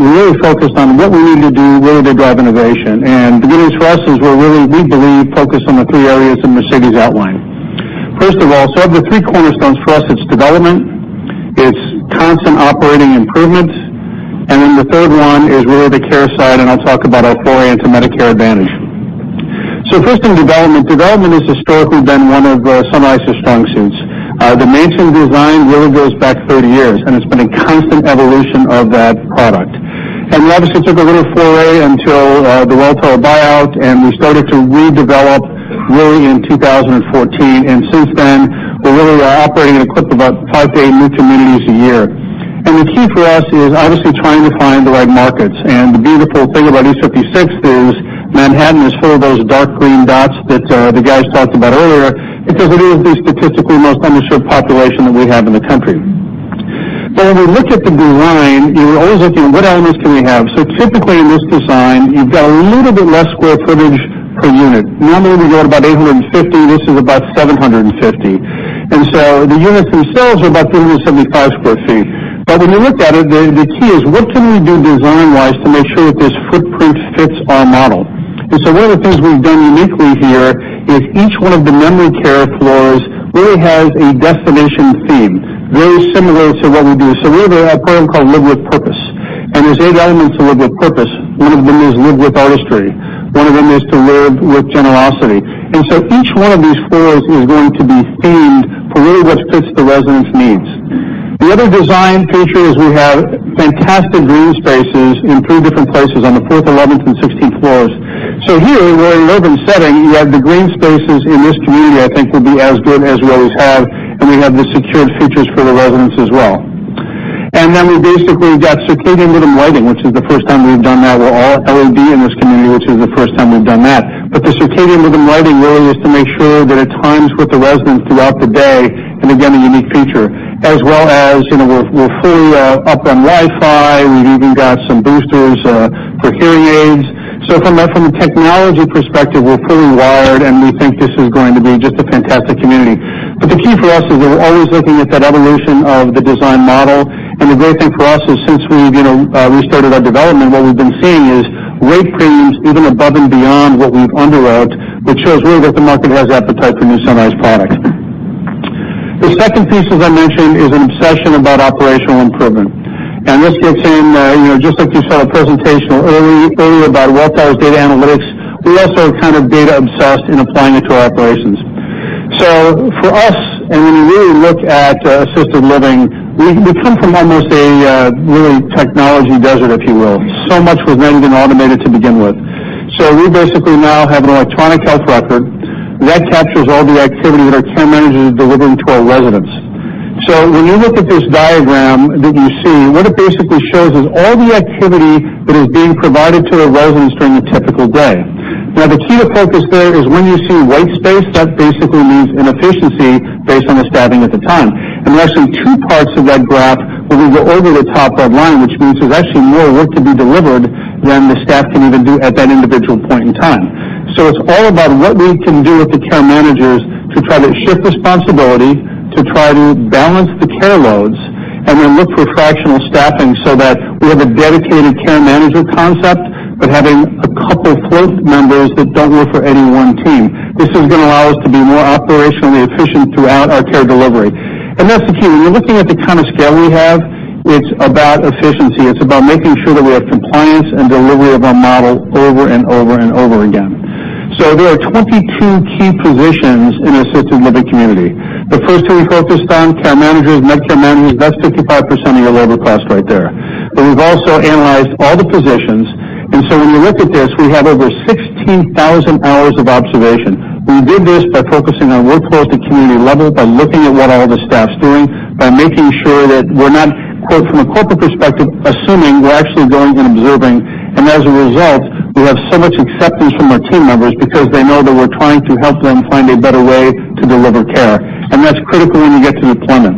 we really focused on what we need to do really to drive innovation. The good news for us is we're really, we believe, focused on the three areas that Mercedes outlined. First of all, of the three cornerstones, for us, it's development, it's constant operating improvements, the third one is really the care side, and I'll talk about our foray into Medicare Advantage. First thing, development. Development has historically been one of Sunrise's strong suits. The mansion design really goes back 30 years, it's been a constant evolution of that product. We obviously took a little foray until the Welltower buyout, we started to redevelop really in 2014. Since then, we're really operating a clip of about five to eight new communities a year. The key for us is obviously trying to find the right markets. The beautiful thing about East 56th is Manhattan is full of those dark green dots that the guys talked about earlier, because it is the statistically most under-served population that we have in the country. When we look at the design, you're always looking at what elements can we have? Typically in this design, you've got a little bit less square footage per unit. Normally, we go at about 850. This is about 750. The units themselves are about 375 square feet. When you look at it, the key is what can we do design-wise to make sure that this footprint fits our model? One of the things we've done uniquely here is each one of the memory care floors really has a destination theme, very similar to what we do. We have a program called Live with Purpose, there's eight elements to Live with Purpose. One of them is live with artistry. One of them is to live with generosity. Each one of these floors is going to be themed for really what fits the residents' needs. The other design feature is we have fantastic green spaces in 3 different places, on the fourth, 11th, and 16th floors. Here, we're in an urban setting. We have the green spaces in this community, I think, will be as good as we always have, and we have the secured features for the residents as well. We basically got circadian rhythm lighting, which is the first time we've done that. We're all LED in this community, which is the first time we've done that. The circadian rhythm lighting really is to make sure that it times with the residents throughout the day, and again, a unique feature. As well as we're fully up on Wi-Fi. We've even got some boosters for hearing aids. From a technology perspective, we're fully wired, and we think this is going to be just a fantastic community. The key for us is we're always looking at that evolution of the design model. The great thing for us is since we've restarted our development, what we've been seeing is rate premiums even above and beyond what we've underwrote, which shows really that the market has appetite for new Sunrise product. The second piece, as I mentioned, is an obsession about operational improvement. This gets in, just like you saw a presentation earlier about Welltower's data analytics, we also are data obsessed in applying it to our operations. For us, and when you really look at assisted living, we come from almost a really technology desert, if you will. Much was manual and automated to begin with. We basically now have an electronic health record that captures all the activity that our care managers are delivering to our residents. When you look at this diagram that you see, what it basically shows is all the activity that is being provided to a resident during a typical day. Now, the key to focus there is when you see white space, that basically means inefficiency based on the staffing at the time. There are actually two parts of that graph where we go over the top red line, which means there's actually more work to be delivered than the staff can even do at that individual point in time. It's all about what we can do with the care managers to try to shift responsibility, to try to balance the care loads, and then look for fractional staffing so that we have a dedicated care manager concept, but having a couple float members that don't work for any one team. This is going to allow us to be more operationally efficient throughout our care delivery. That's the key. When you're looking at the kind of scale we have, it's about efficiency. It's about making sure that we have compliance and delivery of our model over and over and over again. There are 22 key positions in assisted living community. The first two we focused on, care managers, med care managers, that's 55% of your labor cost right there. We've also analyzed all the positions. When you look at this, we have over 16,000 hours of observation. We did this by focusing on workflows at community level, by looking at what all the staff's doing, by making sure that we're not, quote, from a corporate perspective, assuming we're actually going and observing. As a result, we have so much acceptance from our team members because they know that we're trying to help them find a better way to deliver care. That's critical when you get to deployment.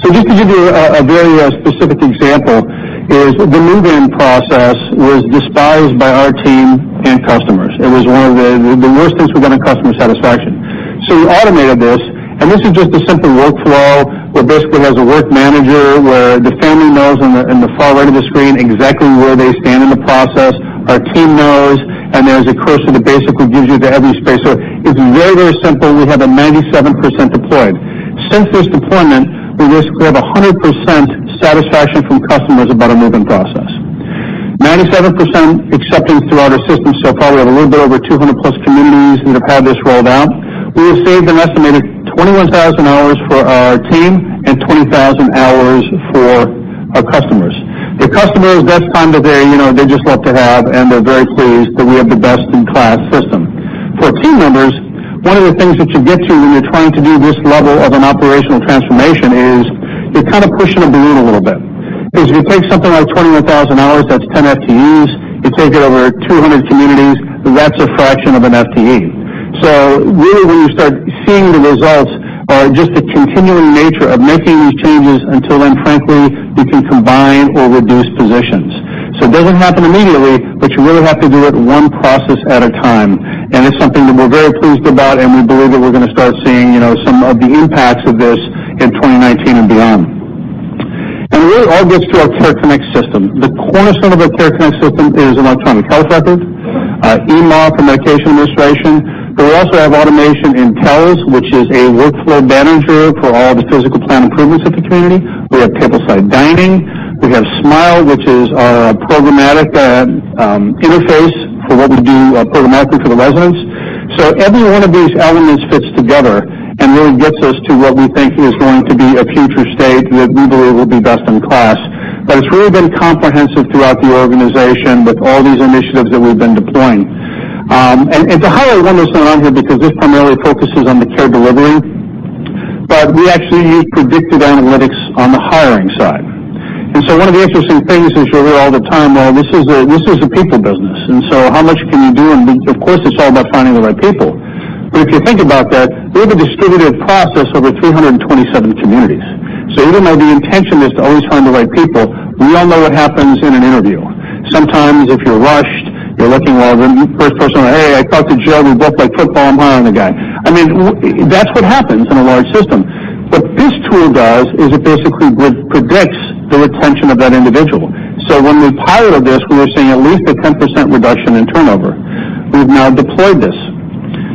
Just to give you a very specific example is the move-in process was despised by our team and customers. It was one of the worst things we've done in customer satisfaction. We automated this, and this is just a simple workflow where basically it has a work manager, where the family knows in the far right of the screen exactly where they stand in the process. Our team knows, and there's a cursor that basically gives you the empty space. It's very, very simple. We have a 97% deployed. Since this deployment, we basically have 100% satisfaction from customers about our move-in process. 97% acceptance throughout our system, so probably a little bit over 200 plus communities that have had this rolled out. We have saved an estimated 21,000 hours for our team and 20,000 hours for our customers. The customers, that's time that they just love to have, and they're very pleased that we have the best-in-class system. For team members, one of the things that you get to when you're trying to do this level of an operational transformation is you're kind of pushing a balloon a little bit. Because if you take something like 21,000 hours, that's 10 FTEs. You take it over 200 communities, that's a fraction of an FTE. Really, when you start seeing the results are just the continuing nature of making these changes until then, frankly, we can combine or reduce positions. It doesn't happen immediately, but you really have to do it one process at a time. It's something that we're very pleased about, and we believe that we're going to start seeing some of the impacts of this in 2019 and beyond. Really, it all gets to our CareConnect system. The cornerstone of our CareConnect system is electronic health records, eMAR for medication administration, but we also have automation in Tellus, which is a workflow manager for all the physical plan improvements at the community. We have tableside dining. We have Smile, which is our programmatic interface for what we do programmatically for the residents. Every one of these elements fits together and really gets us to what we think is going to be a future state that we believe will be best in class. It's really been comprehensive throughout the organization with all these initiatives that we've been deploying. To highlight one that's not on here, because this primarily focuses on the care delivery, but we actually use predictive analytics on the hiring side. One of the interesting things is you'll hear all the time, well, this is a people business. How much can you do? Of course, it's all about finding the right people. If you think about that, we have a distributed process over 327 communities. Even though the intention is to always find the right people, we all know what happens in an interview. Sometimes if you're rushed, you're looking, well, the first person, "Hey, I talked to Joe. We both like football. I'm hiring the guy." I mean, that's what happens in a large system. What this tool does is it basically predicts the retention of that individual. When we piloted this, we were seeing at least a 10% reduction in turnover. We've now deployed this.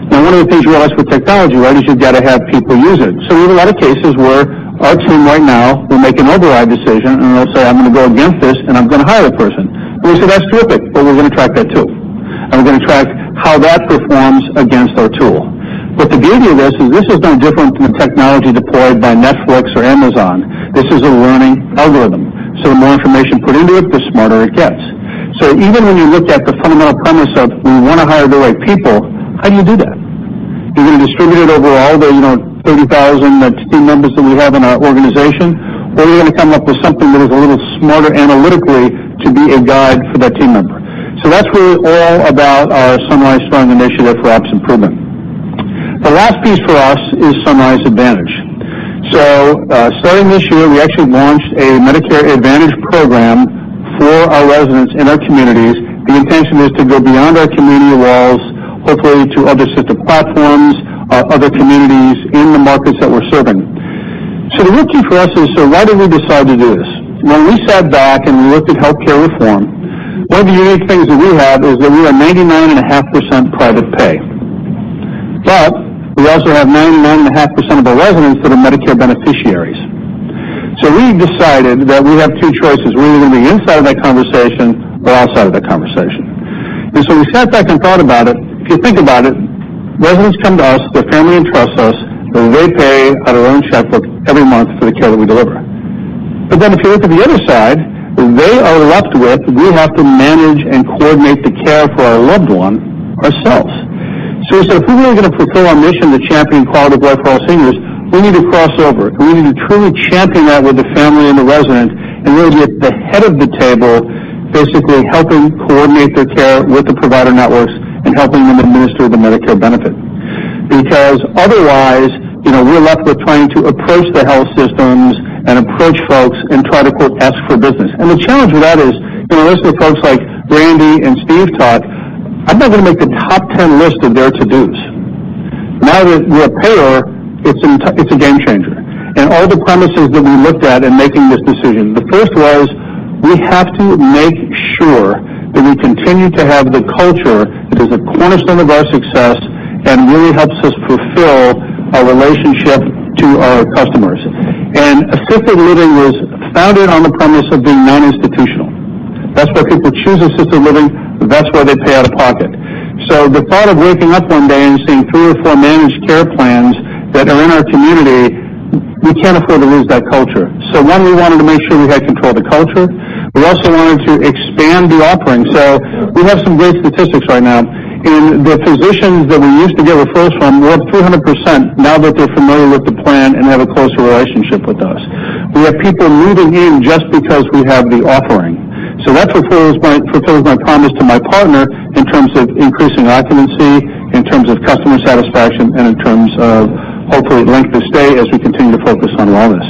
One of the things you ask with technology, is you've got to have people use it. We have a lot of cases where our team right now will make an override decision, and they'll say, "I'm going to go against this, and I'm going to hire the person." We say, "That's terrific, but we're going to track that, too." We're going to track how that performs against our tool. The beauty of this is this is no different from the technology deployed by Netflix or Amazon. This is a learning algorithm, the more information put into it, the smarter it gets. Even when you look at the fundamental premise of we want to hire the right people, how do you do that? You're going to distribute it over all the 30,000 team members that we have in our organization, or you're going to come up with something that is a little smarter analytically to be a guide for that team member. That's really all about our Sunrise Strong initiative for ops improvement. The last piece for us is Sunrise Advantage. Starting this year, we actually launched a Medicare Advantage program for our residents in our communities. The intention is to go beyond our community walls, hopefully to other system platforms, other communities in the markets that we're serving. The real key for us is, why did we decide to do this? When we sat back and we looked at healthcare reform, one of the unique things that we have is that we are 99.5% private pay. We also have 99.5% of our residents that are Medicare beneficiaries. We decided that we have two choices. We're either going to be inside of that conversation or outside of that conversation. We sat back and thought about it. If you think about it, residents come to us, their family entrusts us, and they pay out of their own checkbook every month for the care that we deliver. If you look at the other side, they are left with, we have to manage and coordinate the care for our loved one ourselves. We said, if we're really going to fulfill our mission to champion quality of life for all seniors, we need to cross over, and we need to truly champion that with the family and the resident and really be at the head of the table, basically helping coordinate their care with the provider networks and helping them administer the Medicare benefit. Otherwise, we're left with trying to approach the health systems and approach folks and try to "ask for business." The challenge with that is, listening to folks like Randy and Steve talk, I'm not going to make the top 10 list of their to-dos. Now that we're a payer, it's a game changer. All the premises that we looked at in making this decision. The first was, we have to make sure that we continue to have the culture that is a cornerstone of our success and really helps us fulfill our relationship to our customers. Assisted living was founded on the premise of being non-institutional. That's why people choose assisted living. That's why they pay out of pocket. The thought of waking up one day and seeing three or four managed care plans that are in our community, we can't afford to lose that culture. One, we wanted to make sure we had control of the culture. We also wanted to expand the offering. We have some great statistics right now. In the physicians that we used to get referrals from, we're up 300% now that they're familiar with the plan and have a closer relationship with us. We have people moving in just because we have the offering. That fulfills my promise to my partner in terms of increasing occupancy, in terms of customer satisfaction, and in terms of hopefully length of stay as we continue to focus on wellness.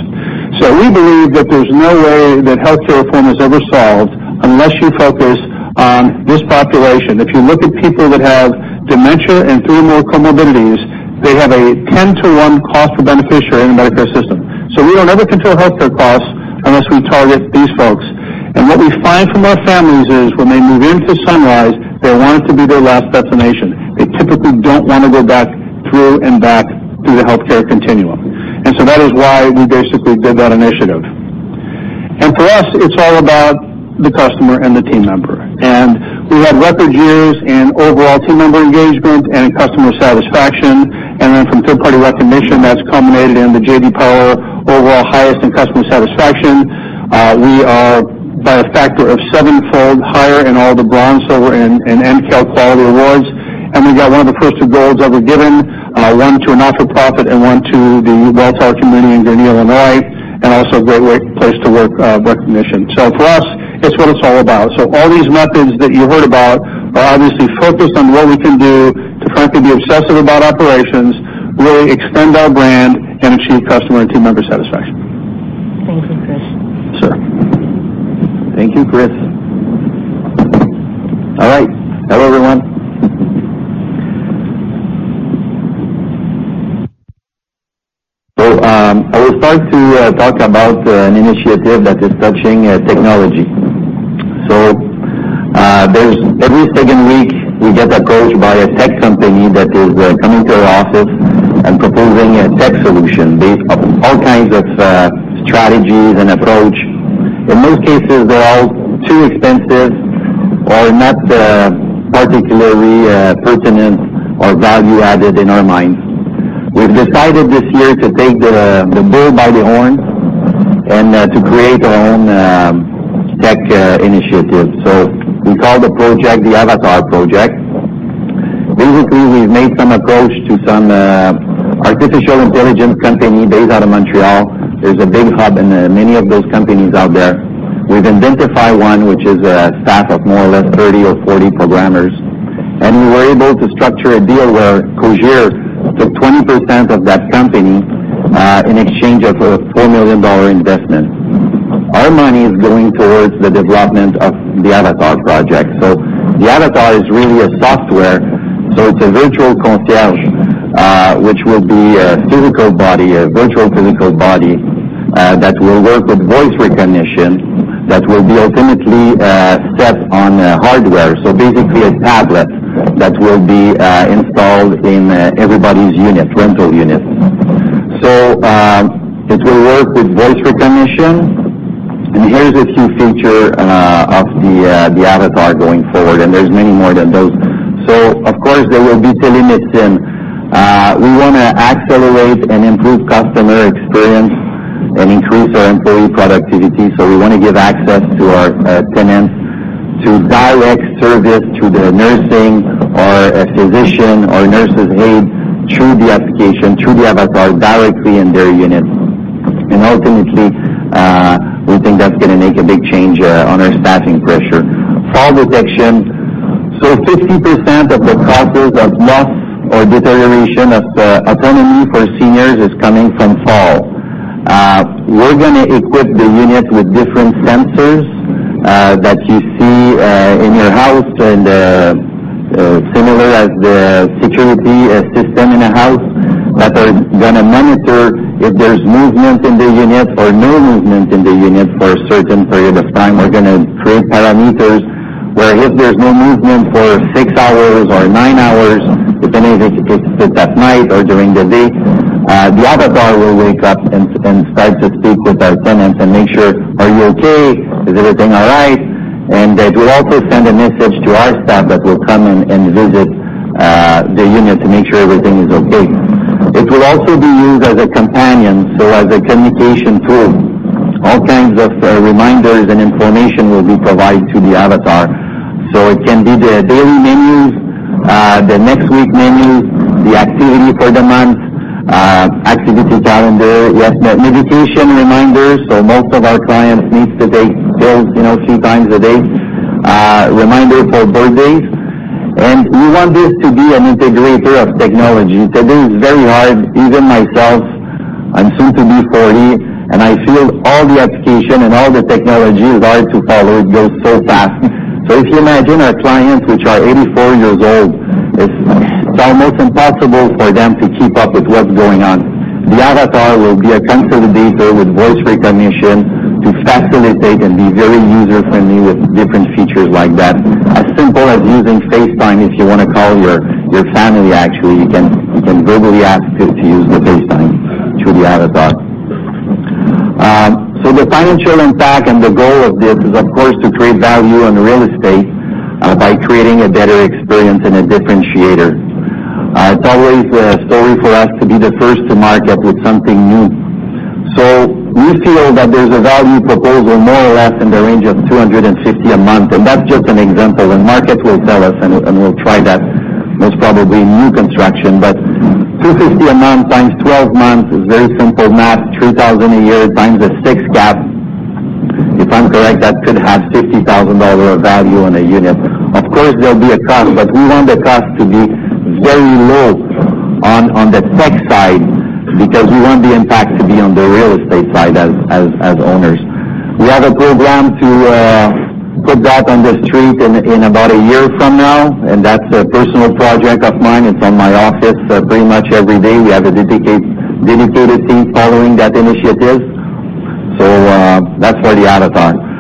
We believe that there's no way that healthcare reform is ever solved unless you focus on this population. If you look at people that have dementia and three or more comorbidities, they have a 10 to 1 cost for beneficiary in the Medicare system. We don't ever control healthcare costs unless we target these folks. What we find from our families is when they move into Sunrise, they want it to be their last destination. They typically don't want to go back through and back through the healthcare continuum. That is why we basically did that initiative. For us, it's all about the customer and the team member. We had record years in overall team member engagement and customer satisfaction, and then from third-party recognition, that's culminated in the J.D. Power Overall Highest in Customer Satisfaction. We are by a factor of sevenfold higher in all the Bronze, Silver, and NCAL Quality Awards, and we got one of the first two golds ever given, one to a not-for-profit, and one to the Welltower community in Green Hill, Illinois, and also a Great Place to Work recognition. For us, it's what it's all about. All these methods that you heard about are obviously focused on what we can do to frankly be obsessive about operations, really extend our brand, and achieve customer and team member satisfaction. Thank you, Chris. Sure. Thank you, Chris. All right. Hello, everyone. I will start to talk about an initiative that is touching technology. Every second week, we get approached by a tech company that is coming to our office and proposing a tech solution based on all kinds of strategies and approach. In most cases, they're all too expensive or not particularly pertinent or value-added in our minds. We've decided this year to take the bull by the horns and to create our own tech initiative. We call the project the Avatar Project. Basically, we've made some approach to some artificial intelligence company based out of Montreal. There's a big hub and many of those companies out there. We've identified one which is a staff of more or less 30 or 40 programmers, and we were able to structure a deal where Cogir took 20% of that company in exchange of a $4 million investment. Our money is going towards the development of the Avatar Project. The Avatar is really a software. It's a virtual concierge, which will be a physical body, a virtual physical body, that will work with voice recognition, that will be ultimately set on hardware. Basically a tablet that will be installed in everybody's unit, rental unit. It will work with voice recognition. And here's a few feature of the Avatar going forward, and there's many more than those. Of course, there will be telemedicine. We want to accelerate and improve customer experience and increase our employee productivity. We want to give access to our tenants to direct service to their nursing or a physician or nurses' aide through the application, through the avatar, directly in their unit. Ultimately, we think that's going to make a big change on our staffing pressure. Fall detection. 50% of the causes of loss or deterioration of autonomy for seniors is coming from fall. We're going to equip the unit with different sensors, that you see in your house, and similar as the security system in a house that are going to monitor if there's movement in the unit or no movement in the unit for a certain period of time. We're going to create parameters where if there's no movement for six hours or nine hours, depending if it occurs at night or during the day, the avatar will wake up and start to speak with our tenants and make sure, "Are you okay? Is everything all right?" It will also send a message to our staff that will come and visit the unit to make sure everything is okay. It will also be used as a companion, so as a communication tool. All kinds of reminders and information will be provided to the Avatar. It can be the daily menus, the next week menus, the activity for the month, activities calendar, yes/no medication reminders. Most of our clients need to take pills three times a day. Reminder for birthdays. We want this to be an integrator of technology. Today it's very hard, even myself, I'm soon to be 40, and I feel all the applications and all the technology is hard to follow. It goes so fast. If you imagine our clients, which are 84 years old, it's almost impossible for them to keep up with what's going on. The Avatar will be a consolidator with voice recognition to facilitate and be very user-friendly with different features like that, as simple as using FaceTime if you want to call your family, actually, you can verbally ask it to use the FaceTime through the Avatar. The financial impact and the goal of this is, of course, to create value in real estate by creating a better experience and a differentiator. It's always a story for us to be the first to market with something new. We feel that there's a value proposal, more or less in the range of $250 a month, and that's just an example, and market will tell us, and we'll try that most probably new construction. $250 a month times 12 months is very simple math, $3,000 a year times the six cap. If I'm correct, that could have $50,000 of value on a unit. Of course, there'll be a cost, but we want the cost to be very low on the tech side because we want the impact to be on the real estate side as owners. We have a program to put that on the street in about a year from now, and that's a personal project of mine. It's on my office pretty much every day. We have a dedicated team following that initiative. That's for the Avatar.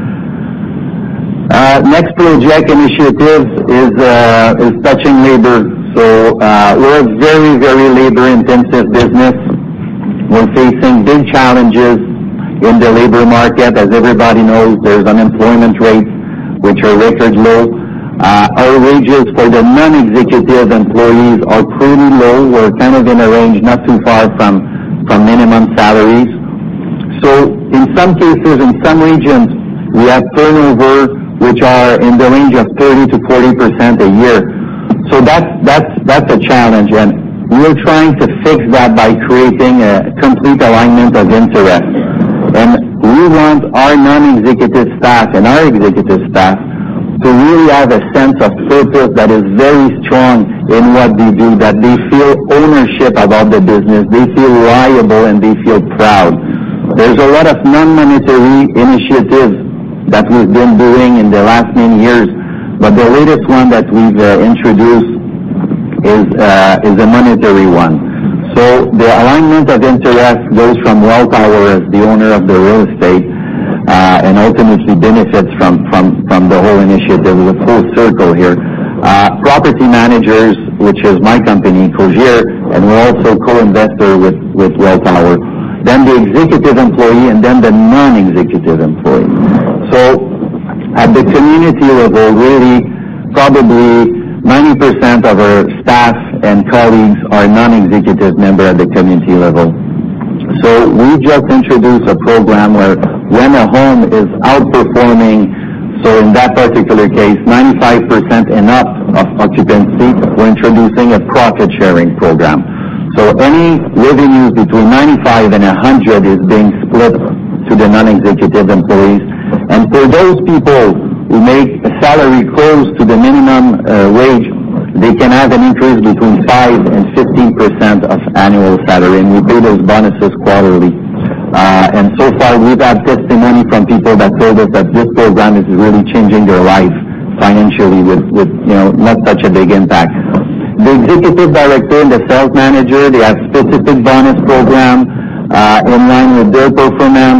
Next project initiative is touching labor. We're a very labor-intensive business. We're facing big challenges in the labor market. As everybody knows, there's unemployment rates, which are record low. Our wages for the non-executive employees are pretty low. We're in a range, not too far from minimum salaries. In some cases, in some regions, we have turnover which are in the range of 30%-40% a year. That's a challenge, and we're trying to fix that by creating a complete alignment of interest. We want our non-executive staff and our executive staff to really have a sense of purpose that is very strong in what they do, that they feel ownership about the business, they feel liable, and they feel proud. There's a lot of non-monetary initiatives that we've been doing in the last many years, but the latest one that we've introduced is a monetary one. The alignment of interest goes from Welltower as the owner of the real estate, and ultimately benefits from the whole initiative, is a full circle here. Property managers, which is my company, Cogir, and we're also co-investor with Welltower, then the executive employee, and then the non-executive employee. At the community level, really, probably 90% of our staff and colleagues are non-executive member at the community level. We just introduced a program where when a home is outperforming, in that particular case, 95% and up of occupancy, we're introducing a profit-sharing program. Any revenue between 95% and 100% is being split to the non-executive employees. For those people who make a salary close to the minimum wage, they can have an increase between 5% and 15% of annual salary, and we do those bonuses quarterly. So far, we've had testimony from people that told us that this program is really changing their life financially with not such a big impact. The executive director and the sales manager, they have specific bonus program in line with their performance.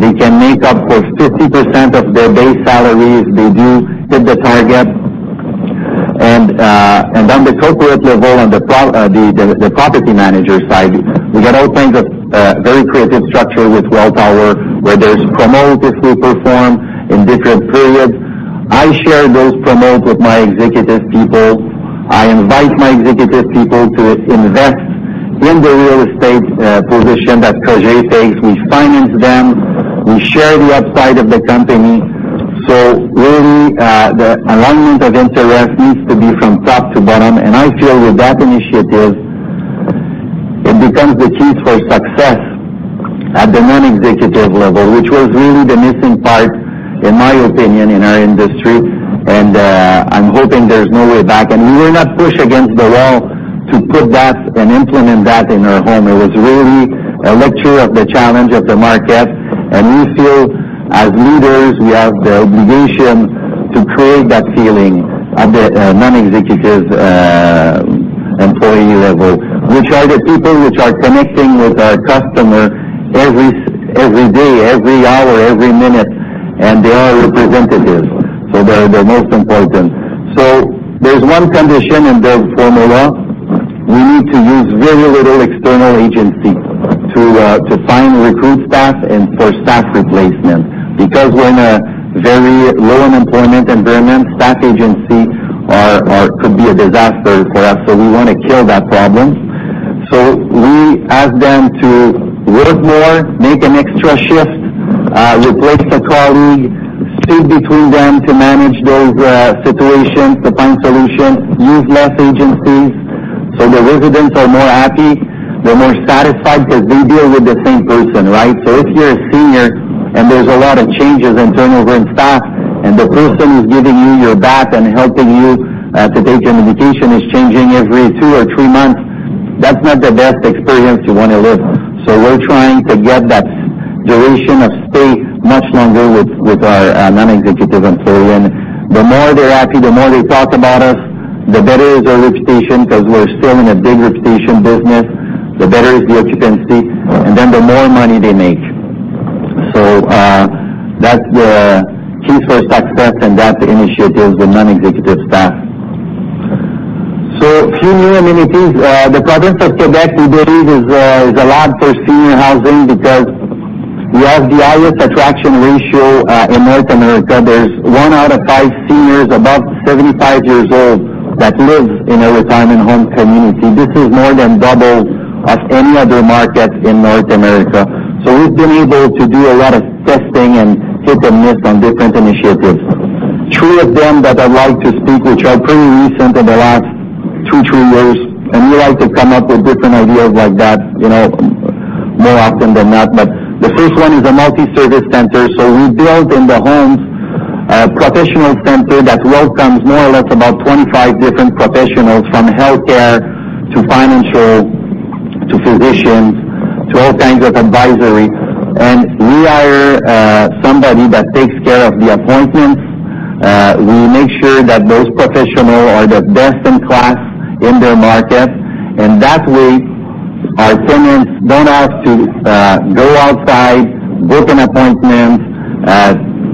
They can make up for 50% of their base salaries if they do hit the target. On the corporate level, on the property manager side, we got all kinds of very creative structure with Welltower, where there's promote if we perform in different periods. I share those promotes with my executive people. I invite my executive people to invest in the real estate position that Cogir takes. We finance them. We share the upside of the company. Really, the alignment of interest needs to be from top to bottom. I feel with that initiative, it becomes the keys for success at the non-executive level, which was really the missing part, in my opinion, in our industry. I'm hoping there's no way back. We will not push against the wall to put that and implement that in our home. It was really a lecture of the challenge of the market. We feel as leaders, we have the obligation to create that feeling at the non-executive employee level, which are the people which are connecting with our customer every day, every hour, every minute, and they are representatives, so they're the most important. There's one condition in the formula. We need to use very little external agency to find recruit staff and for staff replacement. Because we're in a very low unemployment environment, staff agency could be a disaster for us, we want to kill that problem. We ask them to work more, make an extra shift, replace a colleague, sit between them to manage those situations, to find solutions, use less agencies. The residents are more happy. They're more satisfied because they deal with the same person, right? If you're a senior and there's a lot of changes in turnover in staff, and the person who's giving you your bath and helping you to take your medication is changing every two or three months, that's not the best experience you want to live. We're trying to get that duration of stay much longer with our non-executive employee, the more they're happy, the more they talk about us, the better is our reputation because we're still in a big reputation business, the better is the occupancy, the more money they make. That's the keys for success and that initiative with non-executive staff. Three new amenities. The province of Quebec, we believe, is a lab for senior housing because we have the highest attraction ratio in North America. There's one out of five seniors above 75 years old that lives in a retirement home community. This is more than double of any other market in North America. We've been able to do a lot of testing and hit and miss on different initiatives. Three of them that I'd like to speak, which are pretty recent in the last two, three years, we like to come up with different ideas like that more often than not. The first one is a multi-service center. We built in the homes a professional center that welcomes more or less about 25 different professionals from healthcare to financial to physicians to all kinds of advisory. We hire somebody that takes care of the appointments. We make sure that those professional are the best in class in their market. In that way, our tenants don't have to go outside, book an appointment,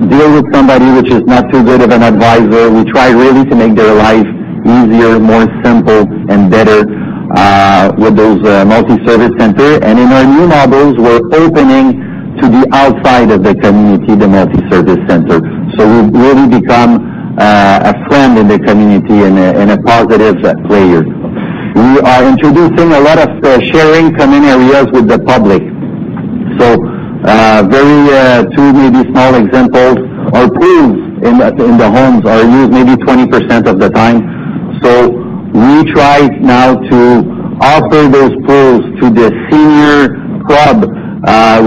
deal with somebody which is not too good of an advisor. We try really to make their life easier, more simple, and better, with those multi-service center. In our new models, we're opening to the outside of the community, the multi-service center. We've really become a friend in the community and a positive player. We are introducing a lot of sharing common areas with the public. Two maybe small examples are pools in the homes are used maybe 20% of the time. We try now to offer those pools to the senior club,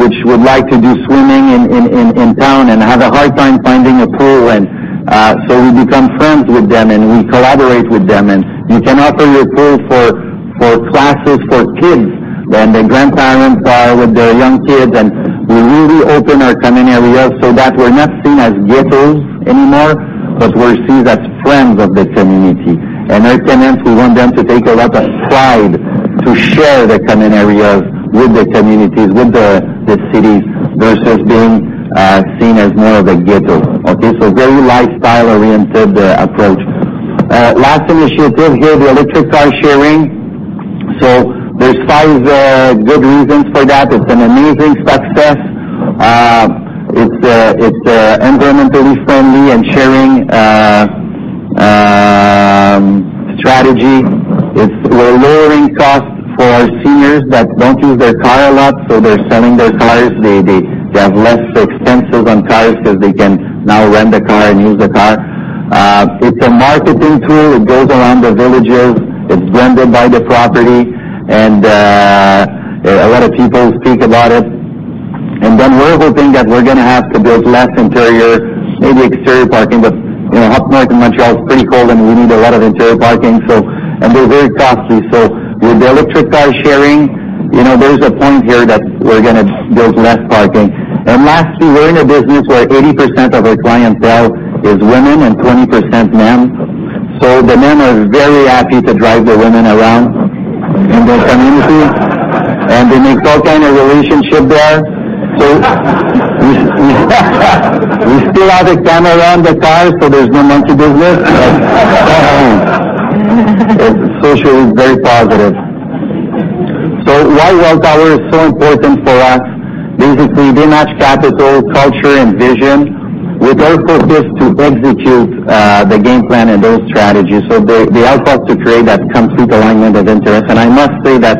which would like to do swimming in town and have a hard time finding a pool. We become friends with them, we collaborate with them, you can offer your pool for classes for kids when the grandparents are with their young kids. We really open our common areas so that we're not seen as ghettos anymore, but we're seen as friends of the community. Our tenants, we want them to take a lot of pride to share the common areas with the communities, with the cities, versus being seen as more of a ghetto. Okay? Very lifestyle-oriented approach. Last initiative here, the electric car sharing. There's five good reasons for that. It's an amazing success. It's environmentally friendly and sharing strategy. We're lowering costs for our seniors that don't use their car a lot, so they're selling their cars. They have less expenses on cars because they can now rent a car and use a car. It's a marketing tool. It goes around the villages. It's branded by the property, a lot of people speak about it. We're hoping that we're going to have to build less interior, maybe exterior parking. Up north in Montreal, it's pretty cold, we need a lot of interior parking. They're very costly. With the electric car sharing, there's a point here that we're going to build less parking. Lastly, we're in a business where 80% of our clientele is women and 20% men. The men are very happy to drive the women around in their community. They make all kind of relationship there. We still have a camera on the car, so there's no monkey business. Socially, it's very positive. Why Welltower is so important for us, basically, they match capital, culture, and vision with our focus to execute the game plan and those strategies. They help us to create that complete alignment of interest. I must say that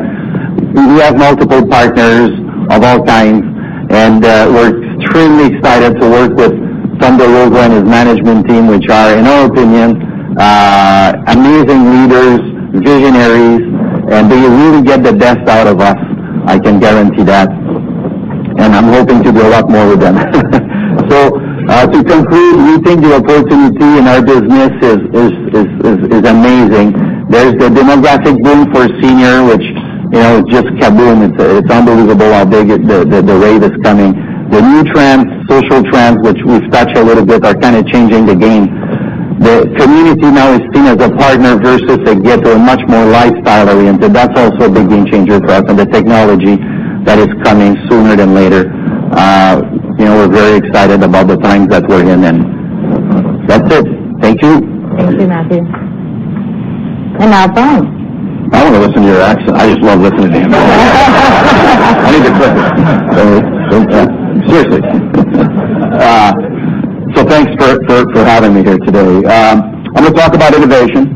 we have multiple partners of all kinds, and we're extremely excited to work with Tom DeRosa and his management team, which are, in our opinion, amazing leaders, visionaries, and they really get the best out of us, I can guarantee that. I'm hoping to do a lot more with them. To conclude, we think the opportunity in our business is amazing. There's the demographic boom for senior, which just kaboom. It's unbelievable how big the rate is coming. The new trends, social trends, which we've touched a little bit, are kind of changing the game. The community now is seen as a partner versus a ghetto, much more lifestyle-oriented. That's also a big game changer for us. The technology that is coming sooner than later. We're very excited about the times that we're in, and that's it. Thank you. Thank you, Mathieu. Now, Brian. I want to listen to your accent. I just love listening to you. I need to trip. Seriously. Thanks for having me here today. I'm going to talk about innovation,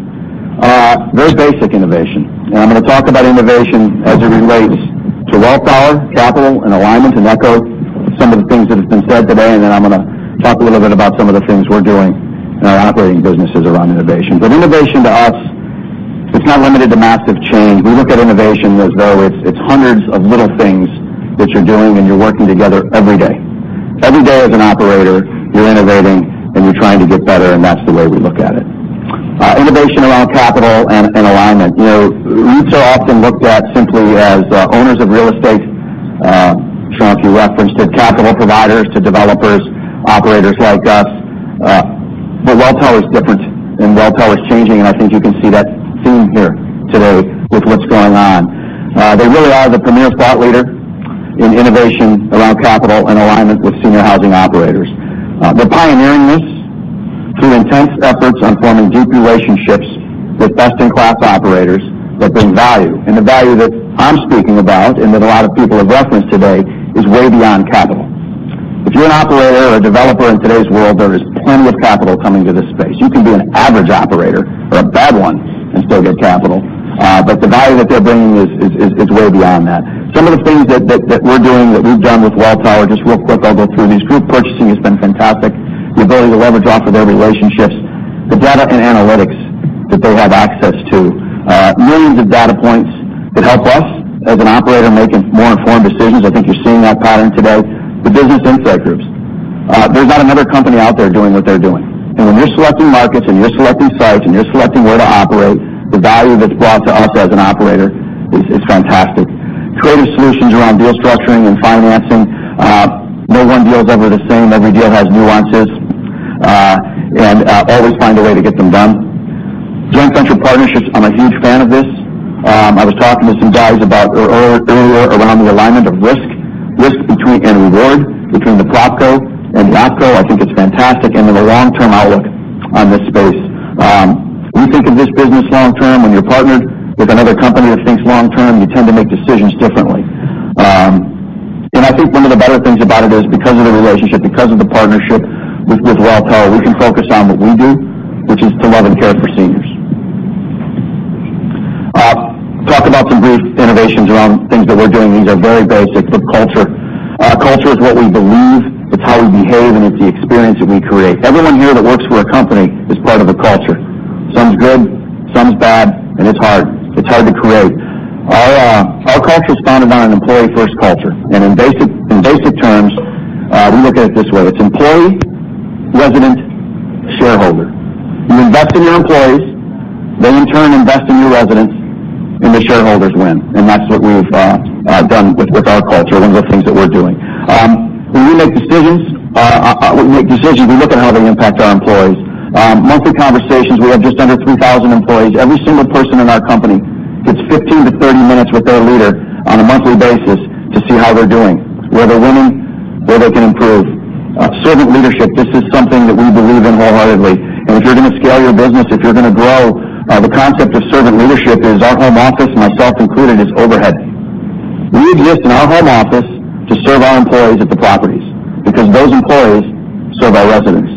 very basic innovation, and I'm going to talk about innovation as it relates to Welltower, capital, and alignment, and echo some of the things that have been said today. Then I'm going to talk a little bit about some of the things we're doing in our operating businesses around innovation. Innovation to us, it's not limited to massive change. We look at innovation as though it's hundreds of little things that you're doing, and you're working together every day. Every day as an operator, you're innovating, and you're trying to get better, and that's the way we look at it. Innovation around capital and alignment. REITs are often looked at simply as owners of real estate. Shankh, you referenced it, capital providers to developers, operators like us. Welltower is different, and Welltower is changing, and I think you can see that theme here today with what's going on. They really are the premier thought leader in innovation around capital and alignment with senior housing operators. They're pioneering this through intense efforts on forming deep relationships with best-in-class operators that bring value. The value that I'm speaking about and that a lot of people have referenced today is way beyond capital. If you're an operator or a developer in today's world, there is plenty of capital coming to this space. You can be an average operator or a bad one and still get capital. The value that they're bringing is way beyond that. Some of the things that we're doing, that we've done with Welltower, just real quick, I'll go through these. Group purchasing has been fantastic. The ability to leverage off of their relationships, the data and analytics that they have access to. Millions of data points that help us as an operator making more informed decisions. I think you're seeing that pattern today. The business insight groups. There's not another company out there doing what they're doing. When you're selecting markets and you're selecting sites and you're selecting where to operate, the value that's brought to us as an operator is fantastic. Creative solutions around deal structuring and financing. No one deal is ever the same. Every deal has nuances. Always find a way to get them done. Joint venture partnerships, I'm a huge fan of this. I was talking to some guys about earlier around the alignment of risk and reward between the prop co and the op co. I think it's fantastic. The long-term outlook on this space. When you think of this business long-term, when you're partnered with another company that thinks long-term, you tend to make decisions differently. I think one of the better things about it is because of the relationship, because of the partnership with Welltower, we can focus on what we do, which is to love and care for seniors. Talk about some brief innovations around things that we're doing. These are very basic, but culture. Culture is what we believe, it's how we behave, and it's the experience that we create. Everyone here that works for a company is part of a culture. Some is good, some is bad, and it's hard. It's hard to create. Our culture is founded on an employee-first culture. In basic terms, we look at it this way. It's employee, resident, shareholder. You invest in your employees, they in turn invest in your residents, and the shareholders win. That's what we've done with our culture, one of the things that we're doing. When we make decisions, we look at how they impact our employees. Monthly conversations, we have just under 3,000 employees. Every single person in our company gets 15 to 30 minutes with their leader on a monthly basis to see how they're doing, where they're winning, where they can improve. Servant leadership. This is something that we believe in wholeheartedly. If you're going to scale your business, if you're going to grow, the concept of servant leadership is our home office, myself included, is overhead. We exist in our home office to serve our employees at the properties, because those employees serve our residents.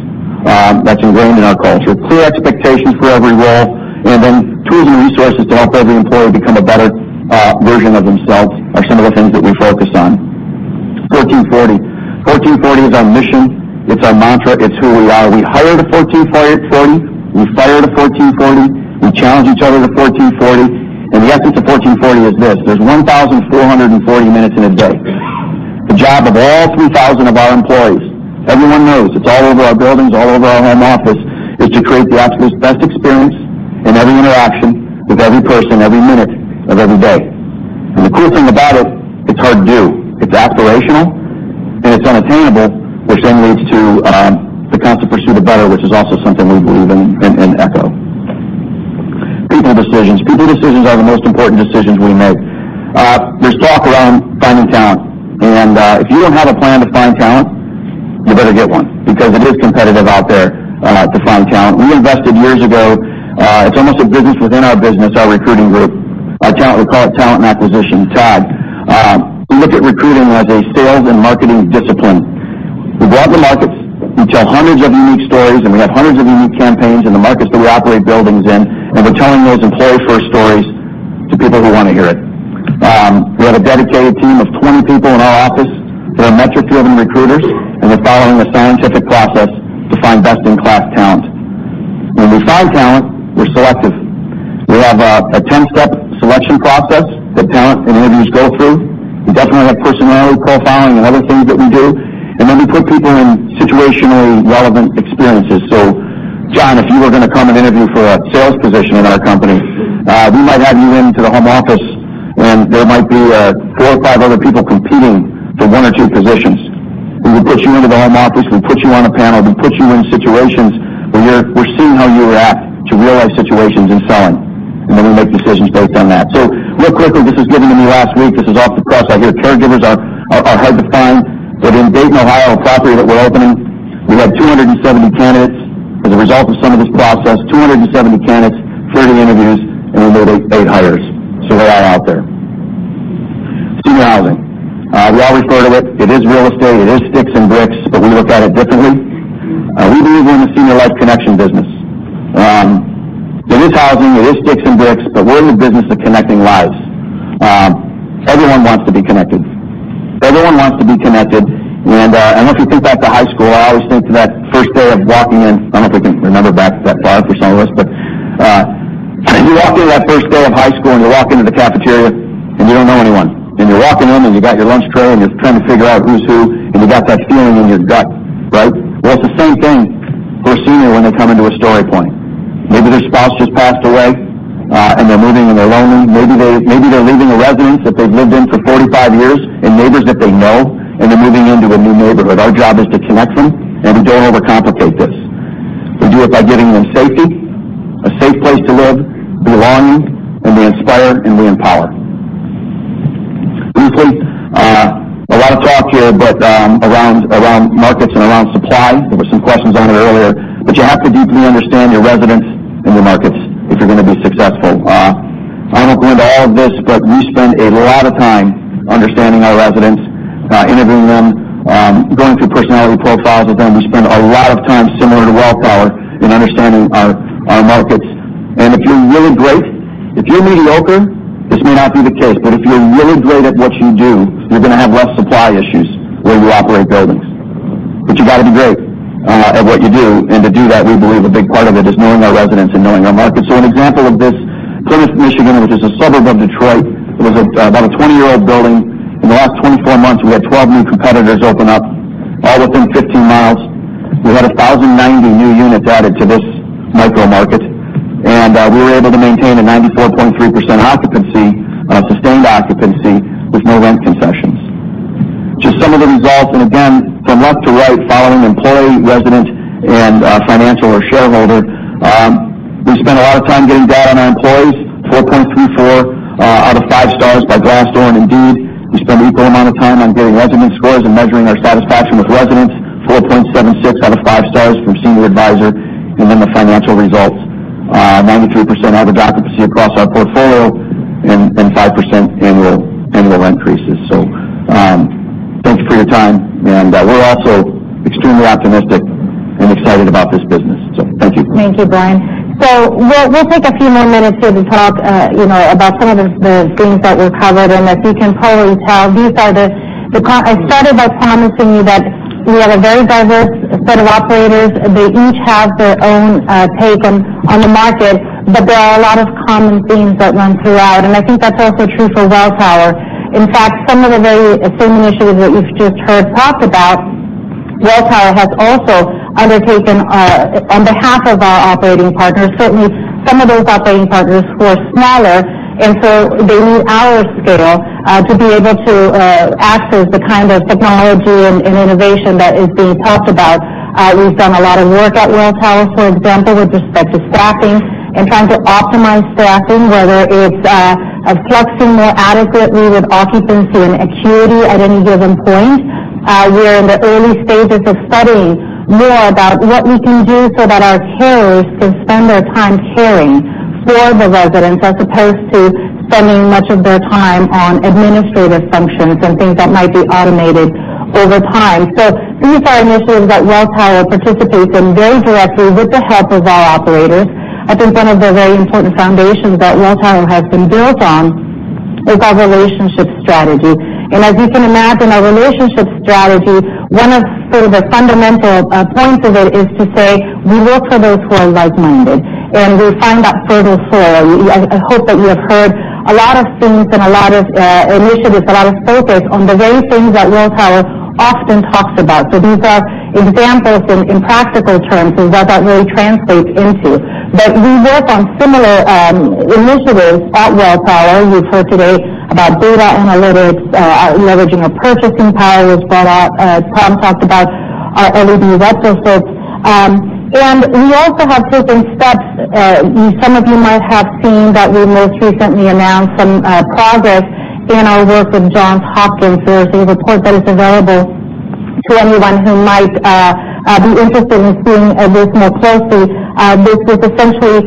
That's ingrained in our culture. Clear expectations for every role, tools and resources to help every employee become a better version of themselves are some of the things that we focus on. 1440. 1440 is our mission. It's our mantra. It's who we are. We hire to 1440, we fire to 1440, we challenge each other to 1440. The essence of 1440 is this: There's 1,440 minutes in a day. The job of all 3,000 of our employees, everyone knows, it's all over our buildings, all over our home office, is to create the absolute best experience in every interaction with every person, every minute of every day. The cool thing about it's hard to do. It's aspirational and it's unattainable, which leads to the constant pursuit of better, which is also something we believe in in Echo. People decisions. People decisions are the most important decisions we make. There's talk around finding talent. If you don't have a plan to find talent, you better get one, because it is competitive out there to find talent. We invested years ago. It's almost a business within our business, our recruiting group. Our talent, we call it Talent and Acquisition, TAG. We look at recruiting as a sales and marketing discipline. We go out to markets, we tell hundreds of unique stories. We have hundreds of unique campaigns in the markets that we operate buildings in. We're telling those employee-first stories to people who want to hear it. We have a dedicated team of 20 people in our office that are metric-driven recruiters. They're following a scientific process to find best-in-class talent. When we find talent, we're selective. We have a 10-step selection process that talent and interviews go through. We definitely have personality profiling and other things that we do. We put people in situationally relevant experiences. John, if you were going to come and interview for a sales position in our company, we might have you in to the home office, and there might be four or five other people competing for one or two positions. We would put you into the home office, we put you on a panel, we put you in situations where we're seeing how you react to real-life situations in selling. We make decisions based on that. Real quickly, this was given to me last week. This is off the press. I hear caregivers are hard to find. In Dayton, Ohio, a property that we're opening, we had 270 candidates as a result of some of this process, 270 candidates, 30 interviews. We made eight hires. They are out there. Senior housing. We all refer to it. It is real estate, it is sticks and bricks. We look at it differently. We believe we're in the Senior Life Connection Business. It is housing, it is sticks and bricks. We're in the business of connecting lives. Everyone wants to be connected. Everyone wants to be connected. If you think back to high school, I always think to that first day of walking in. I don't know if we can remember back that far for some of us, but you walk into that first day of high school, and you walk into the cafeteria, and you don't know anyone. You're walking in, and you got your lunch tray, and you're trying to figure out who's who, and you got that feeling in your gut, right? Well, it's the same thing for a senior when they come into a StoryPoint. Maybe their spouse just passed away, and they're moving and they're lonely. Maybe they're leaving a residence that they've lived in for 45 years and neighbors that they know, and they're moving into a new neighborhood. Our job is to connect them, we don't overcomplicate this. We do it by giving them safety, a safe place to live, belonging, we inspire and we empower. Briefly, a lot of talk here around markets and around supply. There were some questions on it earlier, you have to deeply understand your residents and your markets if you're going to be successful. I won't go into all of this, we spend a lot of time understanding our residents, interviewing them, going through personality profiles with them. We spend a lot of time similar to Welltower in understanding our markets. If you're really great, if you're mediocre, this may not be the case, if you're really great at what you do, you're going to have less supply issues where you operate buildings. You got to be great at what you do, to do that, we believe a big part of it is knowing our residents and knowing our markets. An example of this, Plymouth, Michigan, which is a suburb of Detroit. It was about a 20-year-old building. In the last 24 months, we had 12 new competitors open up all within 15 miles. We had 1,090 new units added to this micro market, we were able to maintain a 94.3% occupancy, sustained occupancy with no rent concessions. Just some of the results, again, from left to right, following employee, resident, and financial or shareholder. We spent a lot of time getting data on our employees, 4.34 out of five stars by Glassdoor and Indeed. We spend equal amount of time on getting resident scores and measuring our satisfaction with residents, 4.76 out of five stars from SeniorAdvisor.com. Then the financial results, 93% average occupancy across our portfolio and 5% annual rent increases. Thanks for your time, we're also extremely optimistic and excited about this business. Thank you. Thank you, Brian. We'll take a few more minutes here to talk about some of the themes that were covered. As you can probably tell, I started by promising you that we have a very diverse set of operators. They each have their own take on the market, there are a lot of common themes that run throughout, and I think that's also true for Welltower. In fact, some of the very same initiatives that you've just heard talked about, Welltower has also undertaken on behalf of our operating partners. Certainly, some of those operating partners who are smaller, they need our scale to be able to access the kind of technology and innovation that is being talked about. We've done a lot of work at Welltower, for example, with respect to staffing and trying to optimize staffing, whether it's flexing more adequately with occupancy and acuity at any given point. We're in the early stages of studying more about what we can do so that our carers can spend their time caring for the residents as opposed to spending much of their time on administrative functions and things that might be automated over time. These are initiatives that Welltower participates in very directly with the help of our operators. I think one of the very important foundations that Welltower has been built on is our relationship strategy. As you can imagine, our relationship strategy, one of sort of the fundamental points of it is to say, we look for those who are like-minded, we find that fertile soil. I hope that you have heard a lot of themes and a lot of initiatives, a lot of focus on the very things that Welltower often talks about. These are examples in practical terms of what that really translates into. We work on similar initiatives at Welltower. You've heard today about data analytics, our leveraging of purchasing power was brought up. Tom talked about our LED retrofits. We also have taken steps, some of you might have seen that we most recently announced some progress in our work with Johns Hopkins. There is a report that is available to anyone who might be interested in seeing this more closely. This is essentially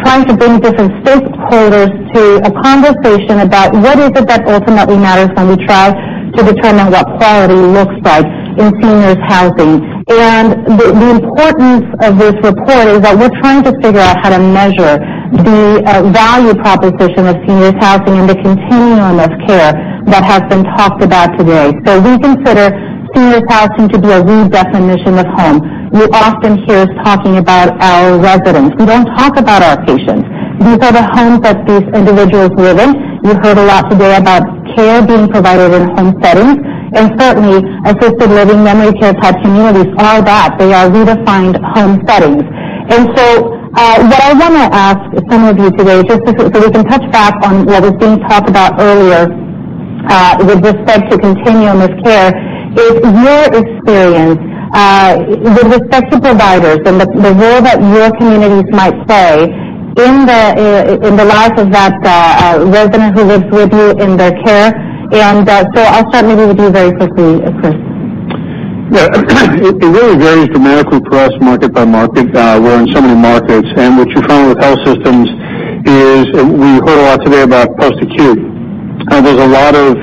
trying to bring different stakeholders to a conversation about what is it that ultimately matters when we try to determine what quality looks like in seniors housing. The importance of this report is that we're trying to figure out how to measure the value proposition of seniors housing and the continuum of care that has been talked about today. We consider seniors housing to be a redefinition of home. You often hear us talking about our residents. We don't talk about our patients. These are the homes that these individuals live in. You heard a lot today about care being provided in home settings, certainly, assisted living memory care type communities are that. They are redefined home settings. What I want to ask some of you today, just so we can touch back on what was being talked about earlier with respect to continuum of care, is your experience with respect to providers and the role that your communities might play in the life of that resident who lives with you in their care. I'll start maybe with you very quickly, Chris. Yeah. It really varies dramatically for us market by market. We're in so many markets, and what you find with health systems is, we heard a lot today about post-acute. There's a lot of,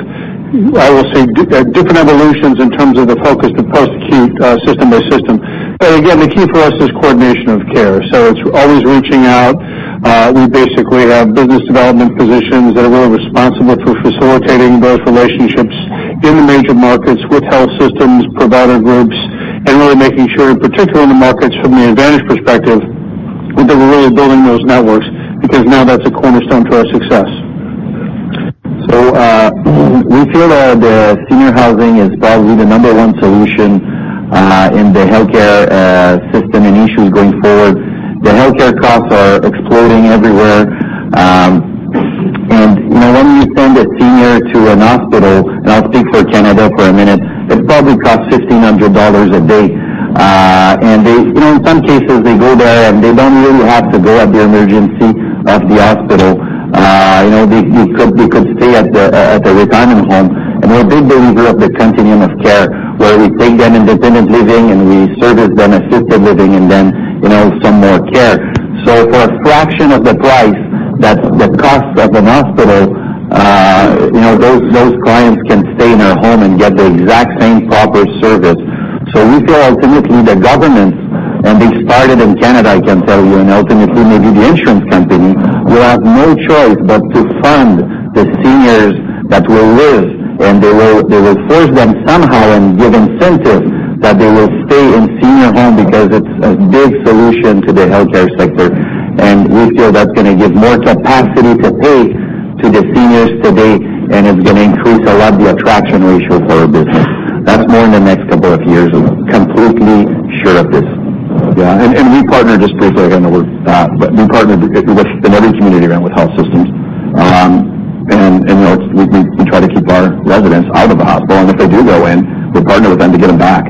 I will say, different evolutions in terms of the focus with post-acute system by system. Again, the key for us is coordination of care. It's always reaching out. We basically have business development positions that are really responsible for facilitating those relationships in the major markets with health systems, provider groups, and really making sure, particularly in the markets from the Advantage perspective, that we're really building those networks, because now that's a cornerstone to our success. We feel that senior housing is probably the number 1 solution in the healthcare system and issues going forward. The healthcare costs are exploding everywhere. When you send a senior to a hospital, and I'll speak for Canada for a minute, it probably costs 1,500 dollars a day. In some cases, they go there, and they don't really have to go to the emergency of the hospital. They could stay at the retirement home. We're big believers of the continuum of care, where we take them independent living, and we service them assisted living, and then some more care. For a fraction of the price that the cost of the hospital, those clients can stay in their home and get the exact same proper service. We feel ultimately the governments, and they started in Canada, I can tell you, and ultimately maybe the insurance company will have no choice but to fund the seniors that will live, and they will force them somehow and give incentives that they will stay in senior home because it's a big solution to the healthcare sector. We feel that's going to give more capacity to pay to the seniors today, and it's going to increase a lot the attraction ratio for our business. That's more in the next couple of years. Completely sure of this. Yeah. We partner, just briefly, with another community around with health systems. We try to keep our residents out of the hospital, and if they do go in, we partner with them to get them back,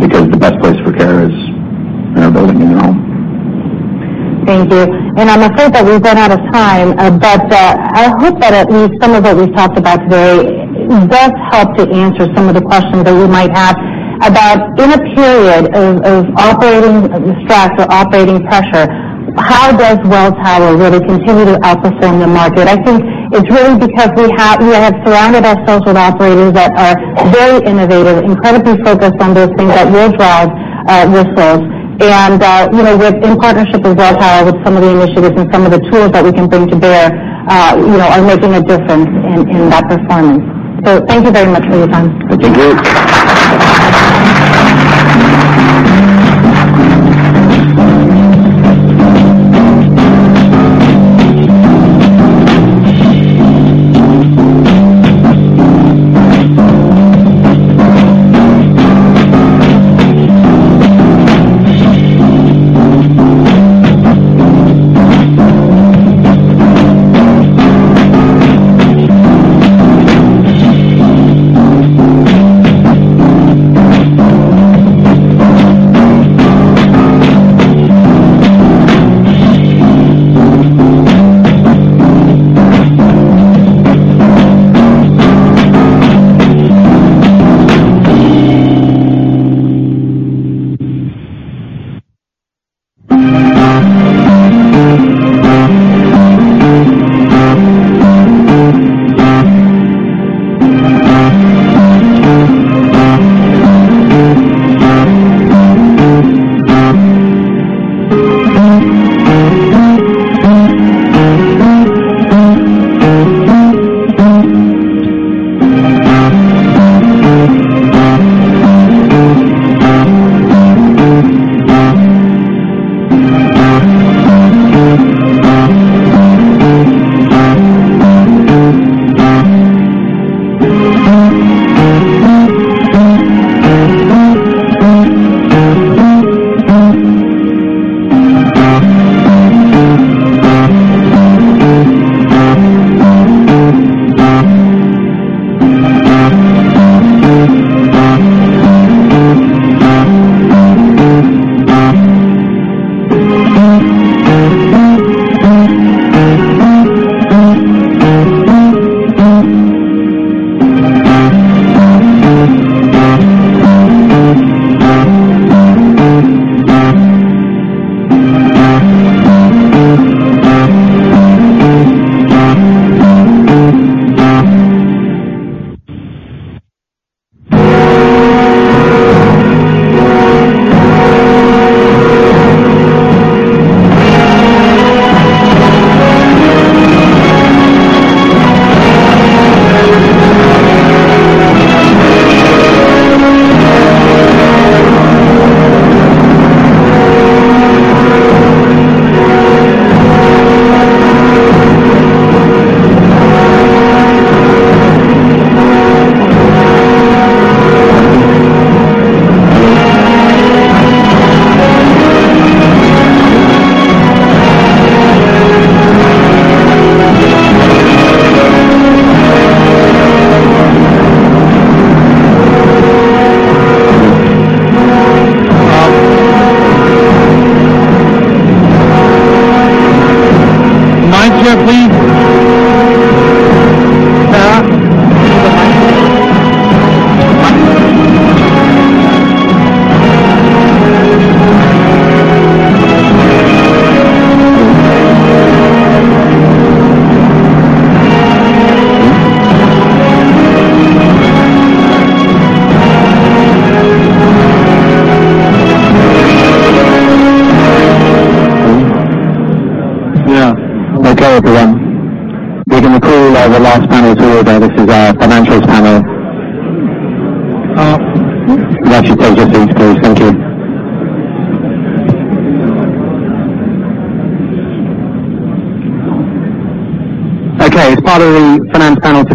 because the best place for care is in our building, in your home. Thank you. I'm afraid that we've run out of time, but I hope that at least some of what we've talked about today does help to answer some of the questions that you might have about in a period of operating stress or operating pressure. How does Welltower really continue to outperform the market? I think it's really because we have surrounded ourselves with operators that are very innovative, incredibly focused on those things that will drive results. In partnership with Welltower, with some of the initiatives and some of the tools that we can bring to bear, are making a difference in that performance. Thank you very much for your time. Thank you.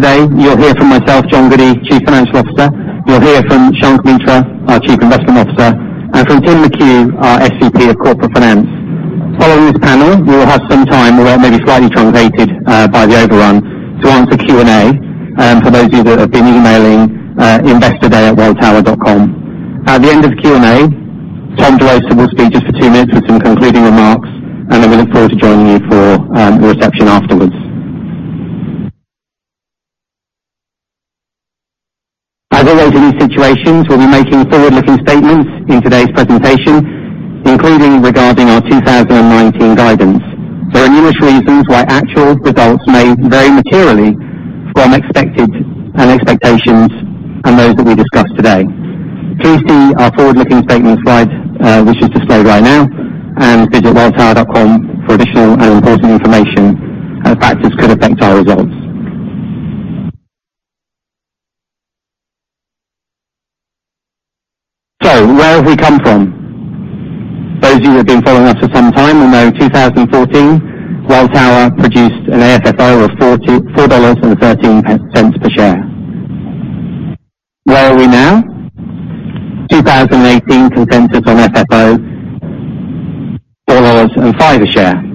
Yeah. Okay, everyone. We're going to call the last panel through order. This is our financials panel. If you can take your seats, please. Thank you. Okay. As part of the finance panel today, you'll hear from myself, John Goodey, Chief Financial Officer. You'll hear from Shankh Mitra, our Chief Investment Officer, and from Tim McHugh, our SVP of Corporate Finance. Following this panel, we will have some time, although it may be slightly truncated by the overrun, to answer Q&A, for those of you that have been emailing investortoday@welltower.com. At the end of the Q&A, Tom DeRosa will speak just for two minutes with some concluding remarks, and then we look forward to joining you for a reception afterwards. As always, in these situations, we'll be making forward-looking statements in today's presentation, including regarding our 2019 guidance. There are numerous reasons why actual results may vary materially from expected and expectations, and those that we discuss today. Please see our forward-looking statement slide, which is displayed right now, and visit welltower.com for additional and important information and factors could affect our results. Where have we come from? Those of you who have been following us for some time will know 2014, Welltower produced an AFFO of $4.13 per share. Where are we now? 2018 consensus on FFO, $4.05 a share.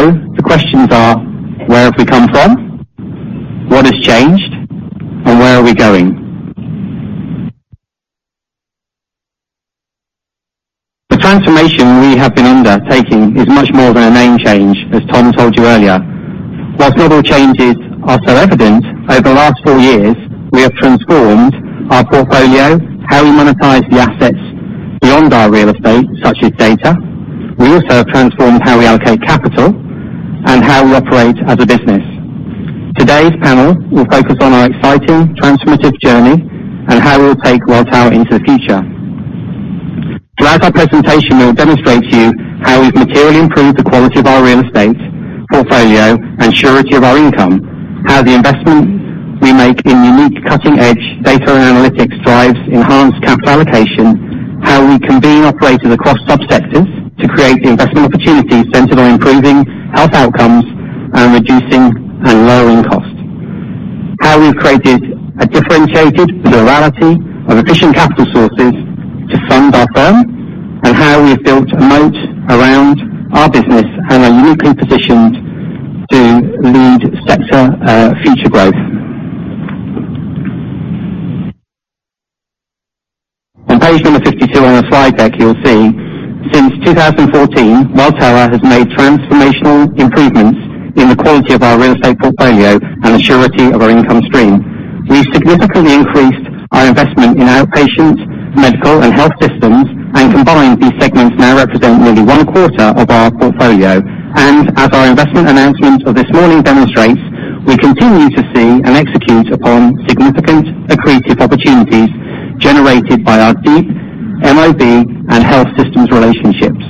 The questions are, where have we come from? What has changed? Where are we going? The transformation we have been undertaking is much more than a name change, as Tom told you earlier. Whilst little changes are so evident, over the last four years, we have transformed our portfolio, how we monetize the assets beyond our real estate, such as data. We also have transformed how we allocate capital and how we operate as a business. Today's panel will focus on our exciting transformative journey and how we'll take Welltower into the future. Throughout our presentation, we'll demonstrate to you how we've materially improved the quality of our real estate portfolio and surety of our income, how the investment we make in unique cutting-edge data and analytics drives enhanced capital allocation, how we convene operators across sub-sectors to create investment opportunities centered on improving health outcomes and reducing and lowering costs, how we've created a differentiated plurality of efficient capital sources to fund our firm, and how we've built a moat around our business and are uniquely positioned to lead sector future growth. On page number 52 on the slide deck, you'll see since 2014, Welltower has made transformational improvements in the quality of our real estate portfolio and the surety of our income stream. We've significantly increased our investment in outpatient medical and health systems, combined, these segments now represent nearly one-quarter of our portfolio. As our investment announcement of this morning demonstrates, we continue to see and execute upon significant accretive opportunities generated by our deep MOB and health systems relationships.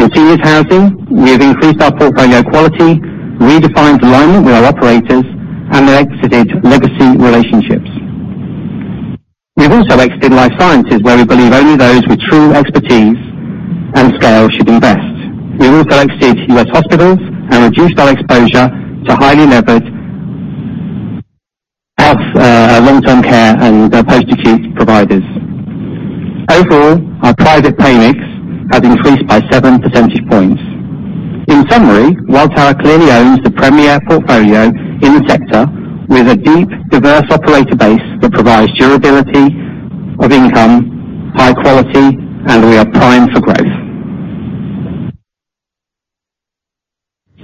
In seniors housing, we have increased our portfolio quality, redefined alignment with our operators, and exited legacy relationships. We've also exited life sciences, where we believe only those with true expertise and scale should invest. We also exited U.S. hospitals and reduced our exposure to highly levered long-term care and post-acute providers. Overall, our private pay mix has increased by seven percentage points. In summary, Welltower clearly owns the premier portfolio in the sector with a deep, diverse operator base that provides durability of income, high quality, and we are primed for growth.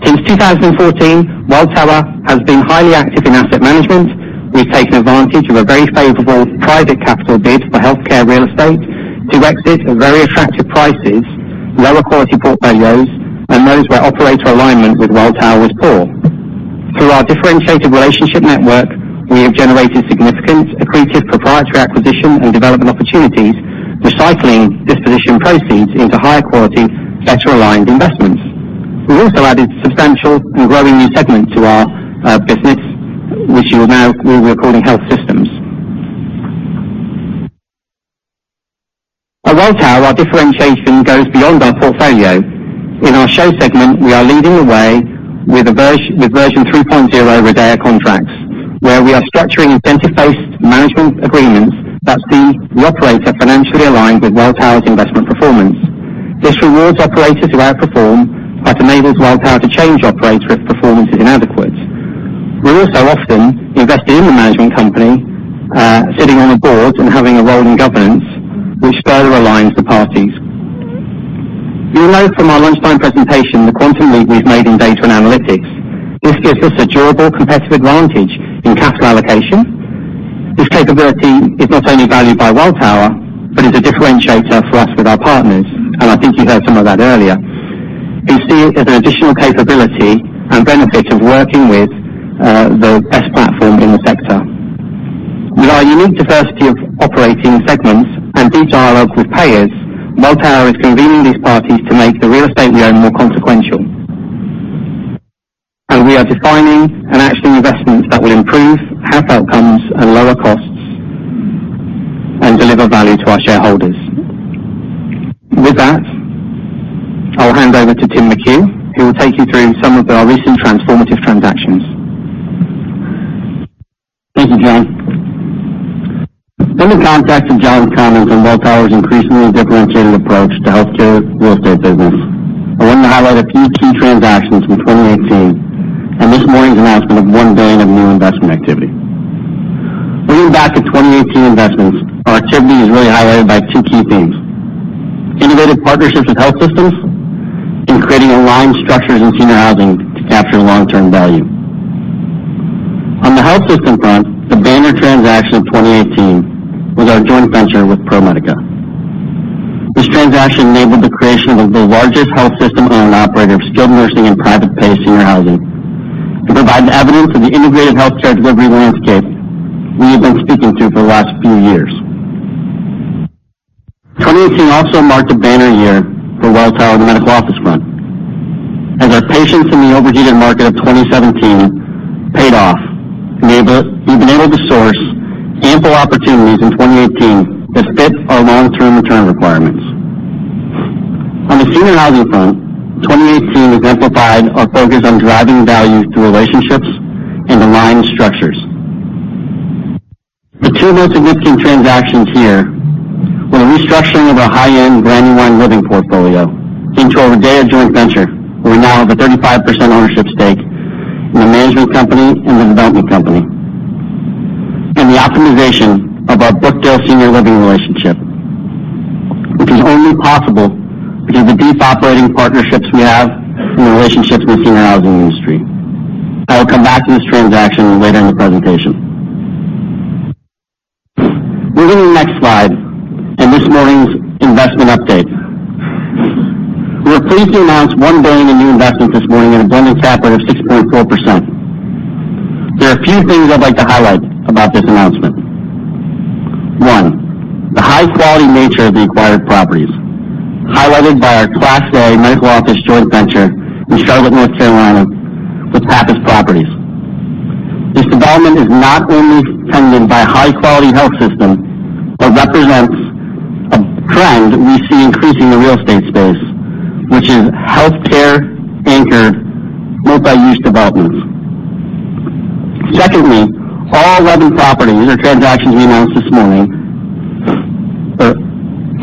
Since 2014, Welltower has been highly active in asset management. We've taken advantage of a very favorable private capital bid for healthcare real estate to exit at very attractive prices, lower quality portfolios, and those where operator alignment with Welltower was poor. Through our differentiated relationship network, we have generated significant accretive proprietary acquisition and development opportunities, recycling disposition proceeds into higher quality, better aligned investments. We also added substantial and growing new segment to our business, which we're now calling Health Systems. At Welltower, our differentiation goes beyond our portfolio. In our SHO segment, we are leading the way with version 3.0 RIDEA contracts, where we are structuring incentive-based management agreements that see the operator financially aligned with Welltower's investment performance. This rewards operators who outperform but enables Welltower to change operator if performance is inadequate. We also often invest in the management company, sitting on the boards and having a role in governance, which further aligns the parties. You'll note from our lunchtime presentation the quantum leap we've made in data and analytics. This gives us a durable competitive advantage in capital allocation. This capability is not only valued by Welltower, but is a differentiator for us with our partners, and I think you heard some of that earlier. We see it as an additional capability and benefit of working with the best platform in the sector. With our unique diversity of operating segments and deep dialogue with payers, Welltower is convening these parties to make the real estate we own more consequential. We are defining and actioning investments that will improve health outcomes and lower costs and deliver value to our shareholders. With that, I'll hand over to Tim McHugh, who will take you through some of our recent transformative transactions. Thank you, John. In the context of John's comments on Welltower's increasingly differentiated approach to healthcare real estate business, I want to highlight a few key transactions from 2018 and this morning's announcement of $1 billion of new investment activity. Looking back at 2018 investments, our activity is really highlighted by two key themes: innovative partnerships with Health Systems and creating aligned structures in senior housing to capture long-term value. On the Health Systems front, the banner transaction of 2018 was our joint venture with ProMedica. This transaction enabled the creation of the largest health system-owned operator of skilled nursing and private pay senior housing to provide the evidence of the integrated healthcare delivery landscape we have been speaking to for the last few years. 2018 also marked a banner year for Welltower on the medical office front, as our patience in the overheated market of 2017 paid off. We've been able to source ample opportunities in 2018 that fit our long-term return requirements. On the senior housing front, 2018 exemplified our focus on driving value through relationships and aligned structures. The two most significant transactions here were the restructuring of our high-end Grandeur Living portfolio into our RIDEA joint venture, where we now have a 35% ownership stake in the management company and the development company, and the optimization of our Brookdale Senior Living relationship, which is only possible because of the deep operating partnerships we have and the relationships with senior housing industry. I will come back to this transaction later in the presentation. Moving to the next slide and this morning's investment update. We are pleased to announce $1 billion in new investments this morning at a blended cap rate of 6.4%. There are a few things I'd like to highlight about this announcement. One, the high-quality nature of the acquired properties, highlighted by our class A medical office joint venture in Charlotte, North Carolina, with Pappas Properties. This development is not only funded by a high-quality health system, but represents a trend we see increasing the real estate space, which is healthcare anchored, multi-use developments. Secondly, all 11 properties or transactions we announced this morning, or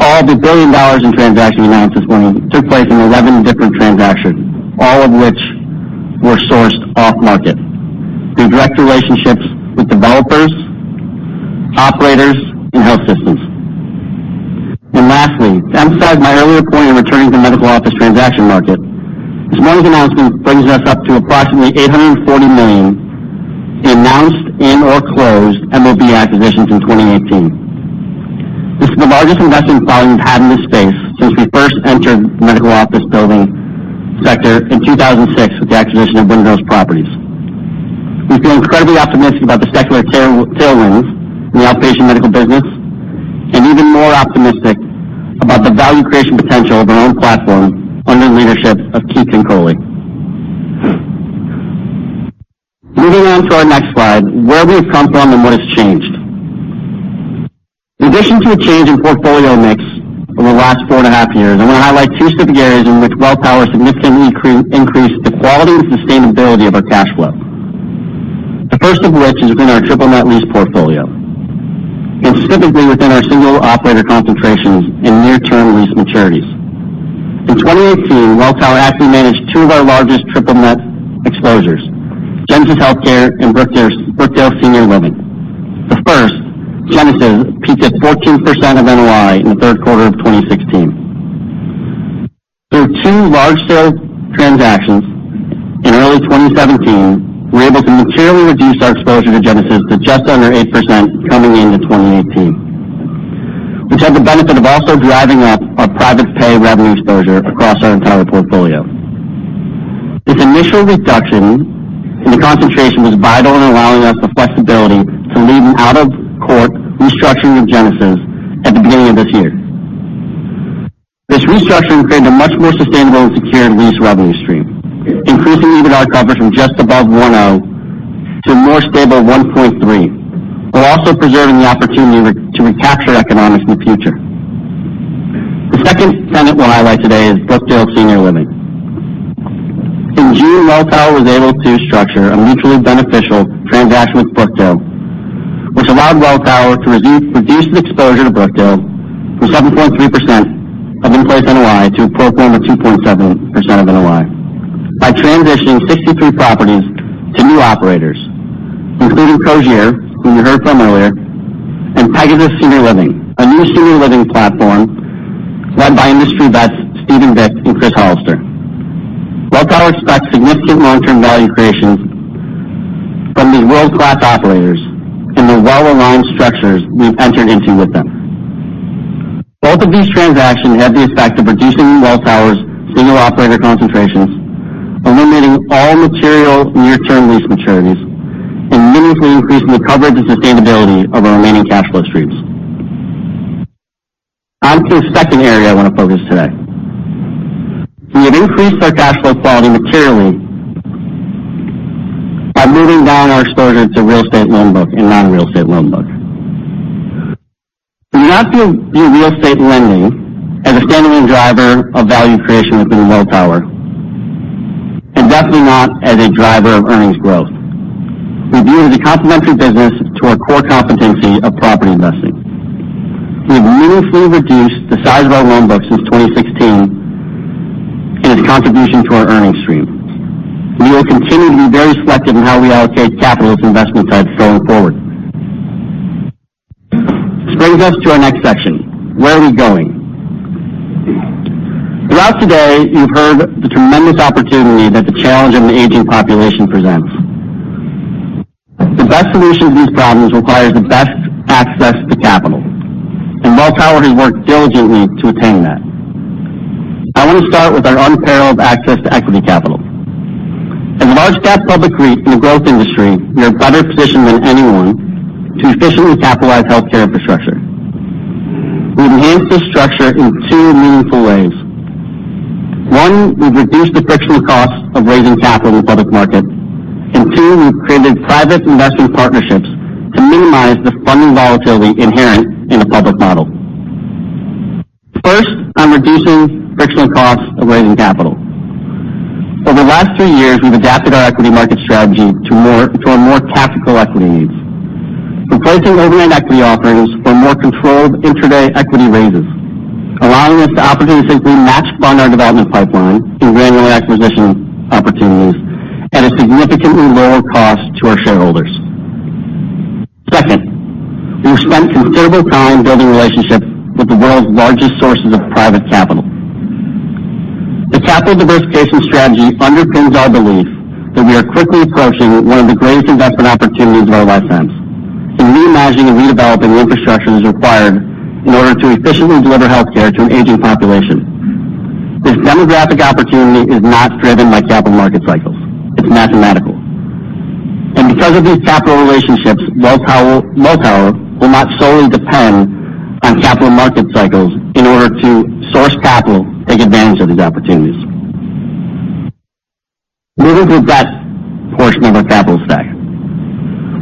all of the $1 billion in transactions announced this morning took place in 11 different transactions, all of which were sourced off-market through direct relationships with developers, operators, and health systems. Lastly, to emphasize my earlier point in returning to the medical office transaction market, this morning's announcement brings us up to approximately $840 million announced in or closed MOB acquisitions in 2018. This is the largest investment volume we've had in this space since we first entered the medical office building sector in 2006 with the acquisition of Windrose Properties. We feel incredibly optimistic about the secular tailwinds in the outpatient medical business, and even more optimistic about the value creation potential of our own platform under the leadership of Keith and Coley. Moving on to our next slide, where we've come from and what has changed. In addition to a change in portfolio mix over the last four and a half years, I want to highlight two specific areas in which Welltower significantly increased the quality and sustainability of our cash flow. The first of which is within our triple net lease portfolio, and specifically within our single operator concentrations in near-term lease maturities. In 2018, Welltower actively managed two of our largest triple net exposures, Genesis HealthCare and Brookdale Senior Living. The first, Genesis, peaked at 14% of NOI in the third quarter of 2016. Through two large sale transactions in early 2017, we were able to materially reduce our exposure to Genesis to just under 8% coming into 2018, which had the benefit of also driving up our private pay revenue exposure across our entire portfolio. This initial reduction in the concentration was vital in allowing us the flexibility to lead an out-of-court restructuring of Genesis at the beginning of this year. This restructuring created a much more sustainable and secure lease revenue stream, increasing EBITDA coverage from just above 1.0 to a more stable 1.3, while also preserving the opportunity to recapture economics in the future. The second tenant we'll highlight today is Brookdale Senior Living. In June, Welltower was able to structure a mutually beneficial transaction with Brookdale, which allowed Welltower to reduce its exposure to Brookdale from 7.3% of in-place NOI to approximately 2.7% of NOI by transitioning 63 properties to new operators, including Cogir, whom you heard from earlier, and Pegasus Senior Living, a new senior living platform led by industry vets Steven Vick and Chris Hollister. Welltower expects significant long-term value creation from these world-class operators and the well-aligned structures we've entered into with them. Both of these transactions had the effect of reducing Welltower's single operator concentrations, eliminating all material near-term lease maturities, and meaningfully increasing the coverage and sustainability of our remaining cash flow streams. On to the second area I want to focus today. We have increased our cash flow quality materially by moving down our exposure to real estate loan book and non-real estate loan book. We do not view real estate lending as a standalone driver of value creation within Welltower, definitely not as a driver of earnings growth. We view it as a complementary business to our core competency of property investing. We have meaningfully reduced the size of our loan book since 2016 and its contribution to our earnings stream. We will continue to be very selective in how we allocate capital to this investment type going forward. This brings us to our next section, where are we going? Throughout today, you've heard the tremendous opportunity that the challenge of an aging population presents. The best solution to these problems requires the best access to capital. Welltower has worked diligently to attain that. I want to start with our unparalleled access to equity capital. As a large cap public REIT in a growth industry, we are better positioned than anyone to efficiently capitalize healthcare infrastructure. We've enhanced this structure in two meaningful ways. One, we've reduced the frictional costs of raising capital in public markets. Two, we've created private investment partnerships to minimize the funding volatility inherent in a public model. First, on reducing frictional costs of raising capital. Over the last three years, we've adapted our equity market strategy to our more tactical equity needs, replacing overnight equity offerings for more controlled intraday equity raises, allowing us to opportunistically match fund our development pipeline through granular acquisition opportunities at a significantly lower cost to our shareholders. Second, we've spent considerable time building relationships with the world's largest sources of private capital. The capital diversification strategy underpins our belief that we are quickly approaching one of the greatest investment opportunities of our lifetimes in reimagining and redeveloping the infrastructure that is required in order to efficiently deliver healthcare to an aging population. This demographic opportunity is not driven by capital market cycles. It's mathematical. Because of these capital relationships, Welltower will not solely depend on capital market cycles in order to source capital to take advantage of these opportunities. Moving to the debt portion of our capital stack.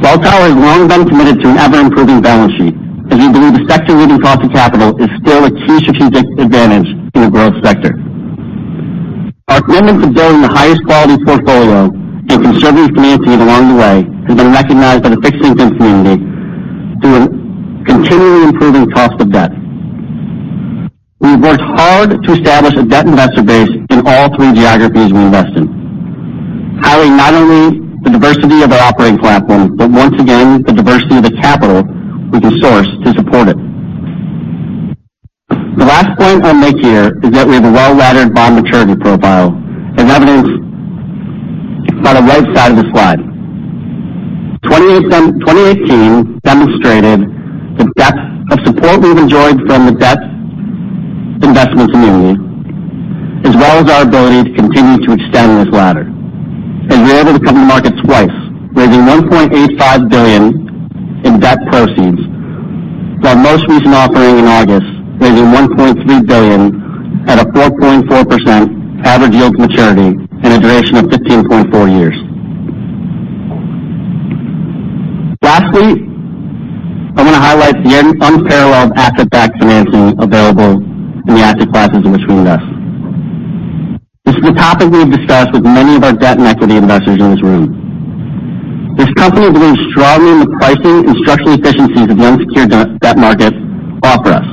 Welltower has long been committed to an ever-improving balance sheet, as we believe a sector-leading cost of capital is still a key strategic advantage in a growth sector. Our commitment to building the highest quality portfolio and conservative financing along the way has been recognized by the fixed income community through a continually improving cost of debt. We've worked hard to establish a debt investor base in all three geographies we invest in. Highlighting not only the diversity of our operating platform, but once again, the diversity of the capital we can source to support it. The last point I'll make here is that we have a well-laddered bond maturity profile, as evidenced by the right side of the slide. 2018 demonstrated the depth of support we've enjoyed from the debt investments community, as well as our ability to continue to extend this ladder. As we were able to come to market twice, raising $1.85 billion in debt proceeds, with our most recent offering in August, raising $1.3 billion at a 4.4% average yield to maturity and a duration of 15.4 years. Lastly, I want to highlight the unparalleled asset-backed financing available in the asset classes in which we invest. This is a topic we've discussed with many of our debt and equity investors in this room. This company believes strongly in the pricing and structural efficiencies the unsecured debt markets offer us,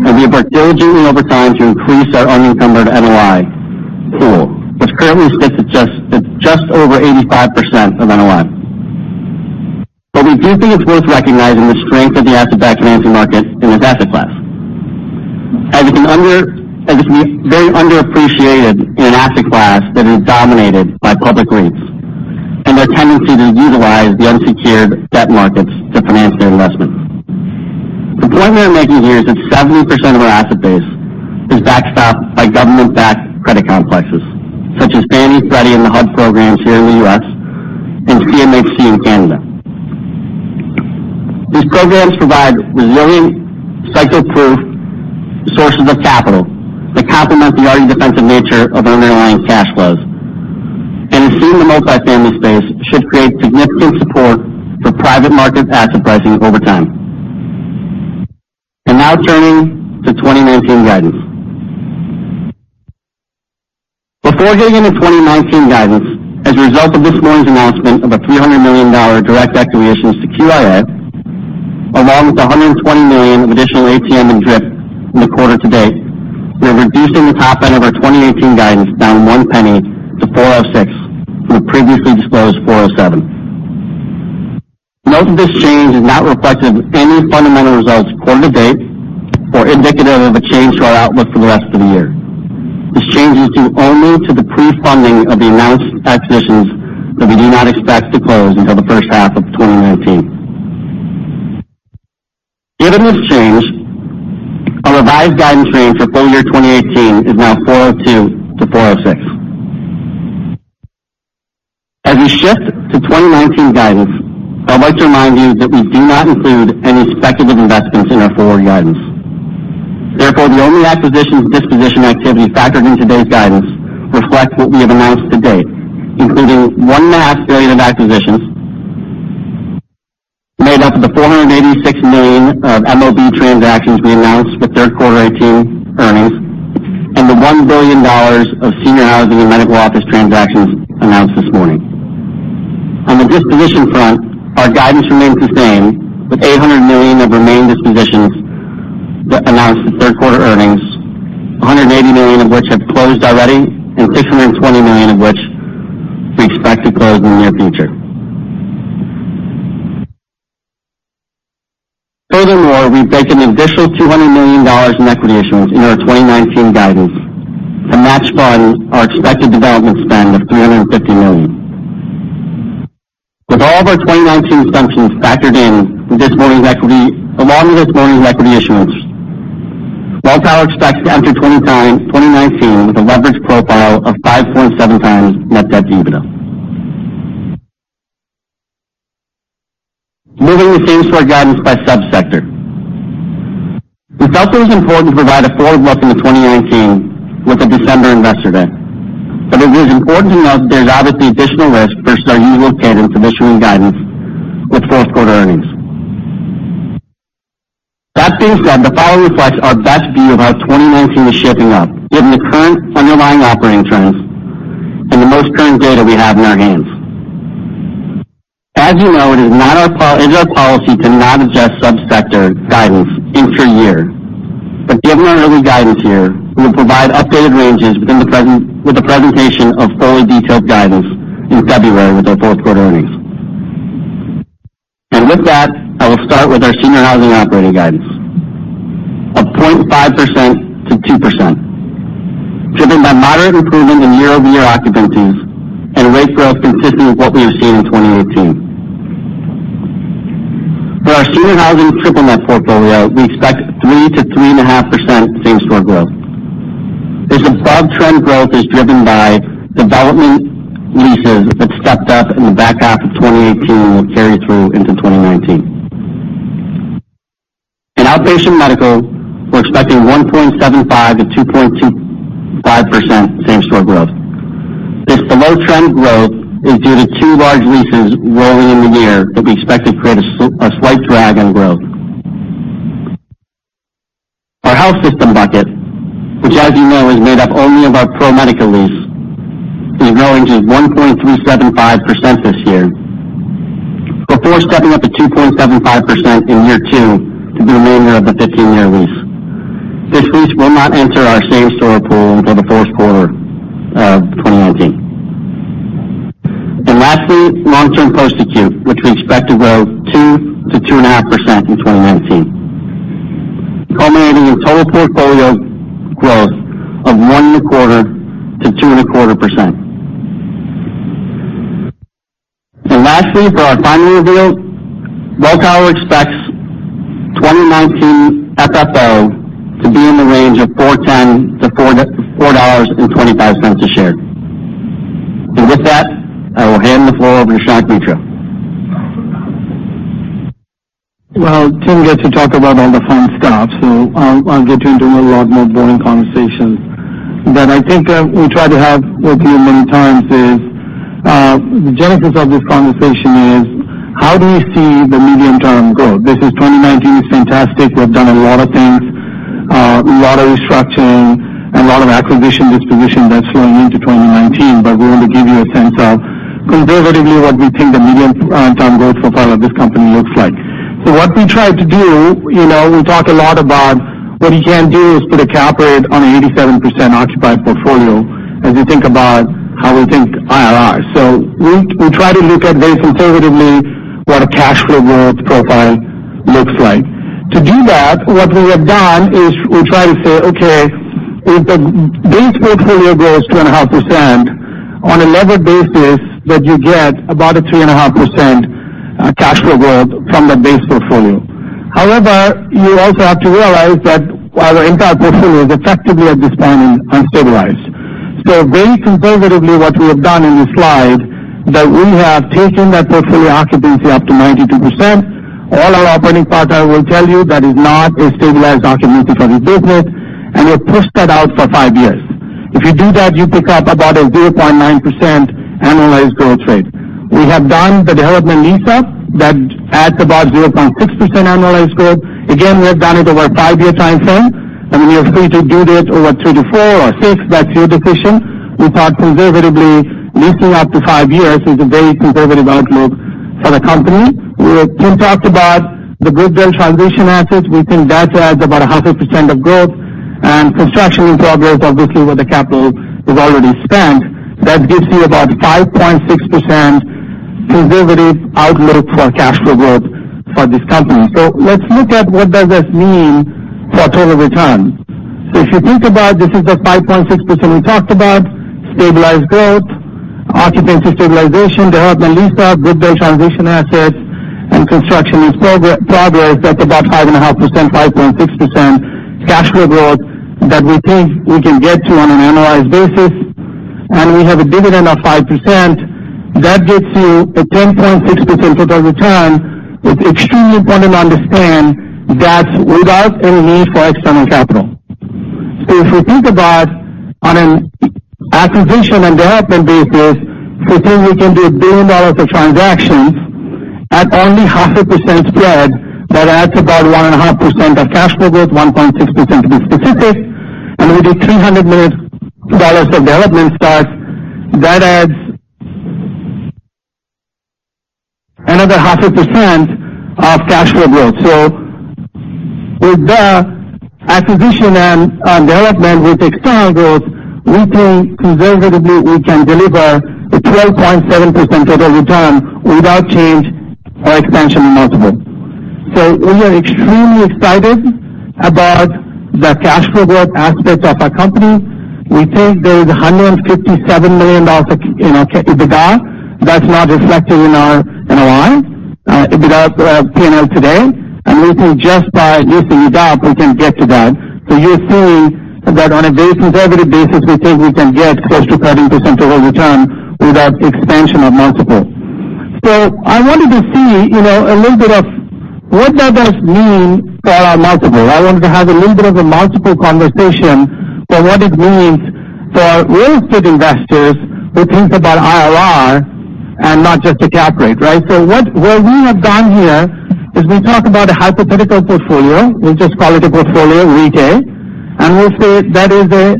and we have worked diligently over time to increase our unencumbered NOI pool, which currently sits at just over 85% of NOI. We do think it's worth recognizing the strength of the asset-backed financing market in this asset class, as it can be very underappreciated in an asset class that is dominated by public REITs, and their tendency to utilize the unsecured debt markets to finance their investments. The point we are making here is that 70% of our asset base is backstopped by government-backed credit complexes, such as Fannie, Freddie, and the HUD programs here in the U.S. and CMHC in Canada. These programs provide resilient, cycle-proof sources of capital that complement the already defensive nature of underlying cash flows, as seen in the multifamily space, should create significant support for private market asset pricing over time. Now turning to 2019 guidance. Before getting into 2019 guidance, as a result of this morning's announcement of a $300 million direct equity issuance to QIA, along with the $120 million of additional ATM and DRIP in the quarter to date, we are reducing the top end of our 2018 guidance down $0.01 to $4.06 from the previously disclosed $4.07. Note that this change is not reflective of any fundamental results quarter to date or indicative of a change to our outlook for the rest of the year. This change is due only to the pre-funding of the announced acquisitions that we do not expect to close until the first half of 2019. Given this change, our revised guidance range for full-year 2018 is now $4.02-$4.06. As we shift to 2019 guidance, I would like to remind you that we do not include any speculative investments in our forward guidance. Therefore, the only acquisitions/disposition activity factored in today's guidance reflect what we have announced to date, including $1.5 billion of acquisitions made up of the $486 million of MOB transactions we announced with third quarter 2018 earnings and the $1 billion of senior housing and medical office transactions announced this morning. On the disposition front, our guidance remains the same, with $800 million of remaining dispositions announced at third quarter earnings, $180 million of which have closed already and $620 million of which we expect to close in the near future. Furthermore, we baked in an additional $200 million in equity issuance in our 2019 guidance to match fund our expected development spend of $350 million. With all of our 2019 assumptions factored in from this morning's equity along with this morning's equity issuance, Welltower expects to enter 2019 with a leverage profile of 5.7 times net debt to EBITDA. Moving to same-store guidance by subsector. We felt it was important to provide a forward look into 2019 with the December investor day. It is important to note that there's obviously additional risk versus our usual cadence of issuing guidance with fourth quarter earnings. That being said, the following reflects our best view of how 2019 is shaping up given the current underlying operating trends and the most current data we have in our hands. As you know, it is our policy to not adjust subsector guidance intra-year. Given our early guidance here, we will provide updated ranges with the presentation of fully detailed guidance in February with our fourth quarter earnings. With that, I will start with our senior housing operating guidance of 0.5%-2%, driven by moderate improvement in year-over-year occupancies and rate growth consistent with what we are seeing in 2018. For our senior housing triple net portfolio, we expect 3%-3.5% same-store growth. This above-trend growth is driven by development leases that stepped up in the back half of 2018 and will carry through into 2019. In outpatient medical, we're expecting 1.75%-2.25% same-store growth. This below-trend growth is due to two large leases rolling in the year that we expect to create a slight drag on growth. Our health system bucket, which as you know, is made up only of our ProMedica lease, is growing just 1.375% this year, before stepping up to 2.75% in year two for the remainder of the 15-year lease. This lease will not enter our same-store pool until the first quarter of 2019. Lastly, long-term post-acute, which we expect to grow 2%-2.5% in 2019, culminating in total portfolio growth of 1.25%-2.25%. Lastly, for our final reveal, Welltower expects 2019 FFO to be in the range of $4.10-$4.25 a share. With that, I will hand the floor over to Shankh Mitra. Tim gets to talk about all the fun stuff, I'll get you into a lot more boring conversations. I think we try to have with you many times is, the genesis of this conversation is, how do we see the medium-term growth? This is 2019. It's fantastic. We've done a lot of things, a lot of restructuring, and a lot of acquisition disposition that's flowing into 2019. We want to give you a sense of conservatively what we think the medium long-term growth profile of this company looks like. What we try to do, we talk a lot about what you can't do is put a cap rate on an 87%-occupied portfolio as you think about how we think IRR. We try to look at this conservatively, what a cash flow growth profile looks like. To do that, what we have done is we try to say, okay, if the base portfolio grows 2.5% on a levered basis, that you get about a 3.5% cash flow growth from the base portfolio. However, you also have to realize that our entire portfolio is effectively, at this point, unstabilized. Very conservatively, what we have done in this slide, that we have taken that portfolio occupancy up to 92%. All our operating partners will tell you that is not a stabilized occupancy for this business, and we've pushed that out for 5 years. If you do that, you pick up about a 0.9% annualized growth rate. We have done the development lease-up that adds about 0.6% annualized growth. Again, we have done it over a 5-year timeframe, and you are free to do that over three to four or six. That's your decision. We thought conservatively leasing up to 5 years is a very conservative outlook for the company. Tim talked about the Goodey transition assets. We think that adds about a half a percent of growth and construction in progress, obviously, where the capital is already spent. That gives you about 5.6% conservative outlook for cash flow growth for this company. Let's look at what does this mean for total return. If you think about this is the 5.6% we talked about, stabilized growth, occupancy stabilization, development lease-up, Goodey transition assets, and construction in progress. That's about 5.5%, 5.6% cash flow growth that we think we can get to on an annualized basis. We have a dividend of 5%. That gets you a 10.6% total return. It's extremely important to understand that's without any need for external capital. If we think about on an acquisition and development basis, we think we can do a $1 billion of transactions at only half a percent spread. That adds about 1.5% of cash flow growth, 1.6% to be specific. We did $300 million of development starts. That adds another half a percent of cash flow growth. With the acquisition and development with external growth, we think conservatively we can deliver a 12.7% total return without change or expansion in multiple. We are extremely excited about the cash flow growth aspect of our company. We think there's $157 million in EBITDA that's not reflected in our NOI, EBITDA, P&L today. We think just by leasing it up, we can get to that. You're seeing that on a very conservative basis, we think we can get close to 13% total return without expansion of multiple. I wanted to see a little bit of what that does mean for our multiple. I wanted to have a little bit of a multiple conversation for what it means for real estate investors who think about IRR and not just a cap rate, right? What we have done here is we talk about a hypothetical portfolio. We'll just call it a portfolio, retail, and we'll say that is a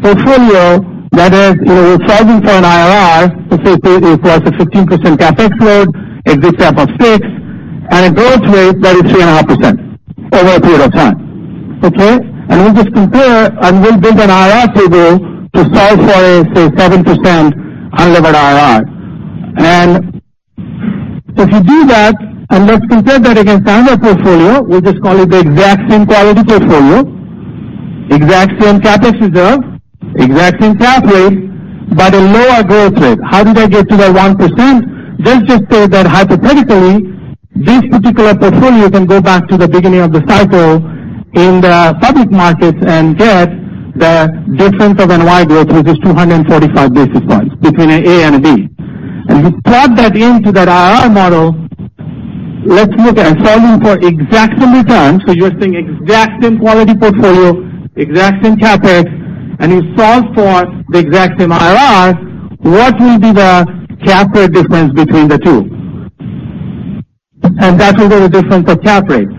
portfolio that we're charging for an IRR, let's say it requires a 15% CapEx load, a good chunk of fix, and a growth rate that is 3.5% over a period of time. Okay? We'll just compare, and we'll build an IRR table to solve for a, say, 7% unlevered IRR. If you do that, let's compare that against another portfolio, we'll just call it the exact same quality portfolio, exact same CapEx reserve, exact same cap rate, but a lower growth rate. How did I get to the 1%? Let's just say that hypothetically, this particular portfolio can go back to the beginning of the cycle in the public markets and get the difference of NOI growth, which is 245 basis points between A and B. You plug that into that IRR model. Let's look at solving for exact same returns. You're seeing exact same quality portfolio, exact same CapEx, and you solve for the exact same IRR. What will be the cap rate difference between the two? That will be the difference of cap rates.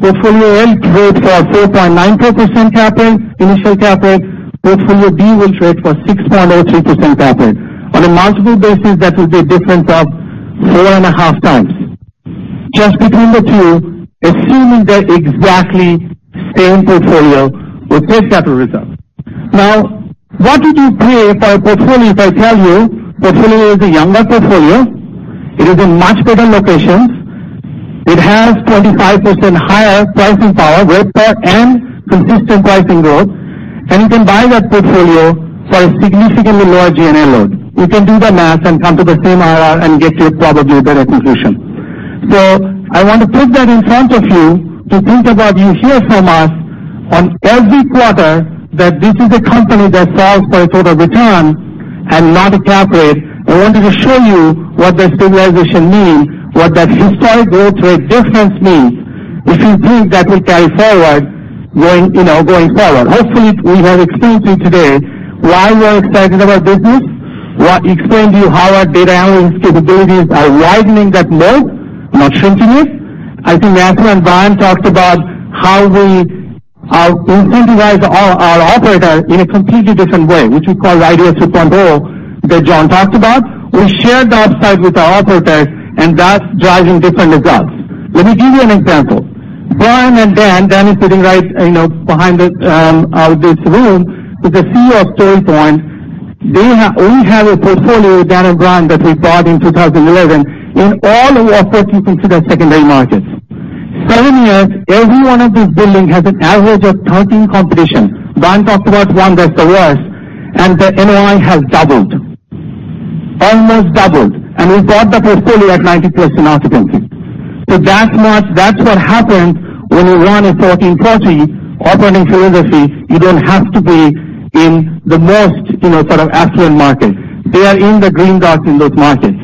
Portfolio A trades for 4.94% cap rate, initial cap rate. Portfolio B will trade for 6.03% cap rate. On a multiple basis, that will be a difference of 4.5 times. Just between the two, assuming they're exactly same portfolio with same capital reserve. Now, what would you pay for a portfolio if I tell you portfolio is a younger portfolio, it is in much better locations, it has 25% higher pricing power, growth rate, and consistent pricing growth, and you can buy that portfolio for a significantly lower G&A load. You can do the math and come to the same IRR and get you probably a better acquisition. I want to put that in front of you to think about you hear from us on every quarter that this is a company that solves for a total return and not a cap rate. I wanted to show you what that stabilization means, what that historic growth rate difference means, which we think that will carry forward going forward. Hopefully, we have explained to you today why we're excited about business. Explained to you how our data analytics capabilities are widening that moat, not shrinking it. I think Mathieu and Brian talked about how we incentivize our operator in a completely different way, which we call RIDEA 2.0 that John talked about. We share the upside with our operators, That's driving different results. Let me give you an example. Brian and Dan is sitting right behind us, this room, who's the CEO of StoryPoint. We have a portfolio with Dan and Brian that we bought in 2011 in all of what you consider secondary markets. Seven years, every one of these buildings has an average of 13 competition. Brian talked about one that's the worst, The NOI has doubled. Almost doubled. We bought the portfolio at 90% occupancy. That's what happens when you run a 1440 operating philosophy. You don't have to be in the most affluent markets. They are in the green dots in those markets.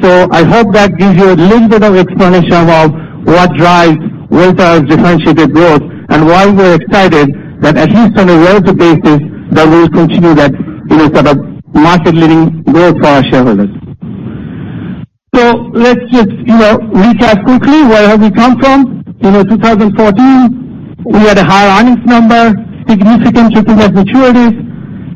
I hope that gives you a little bit of explanation about what drives Welltower's differentiated growth and why we're excited that at least on a relative basis, that we'll continue that sort of market-leading growth for our shareholders. Let's just recap quickly where have we come from. In 2014, we had a higher earnings number, significant tripping of maturities,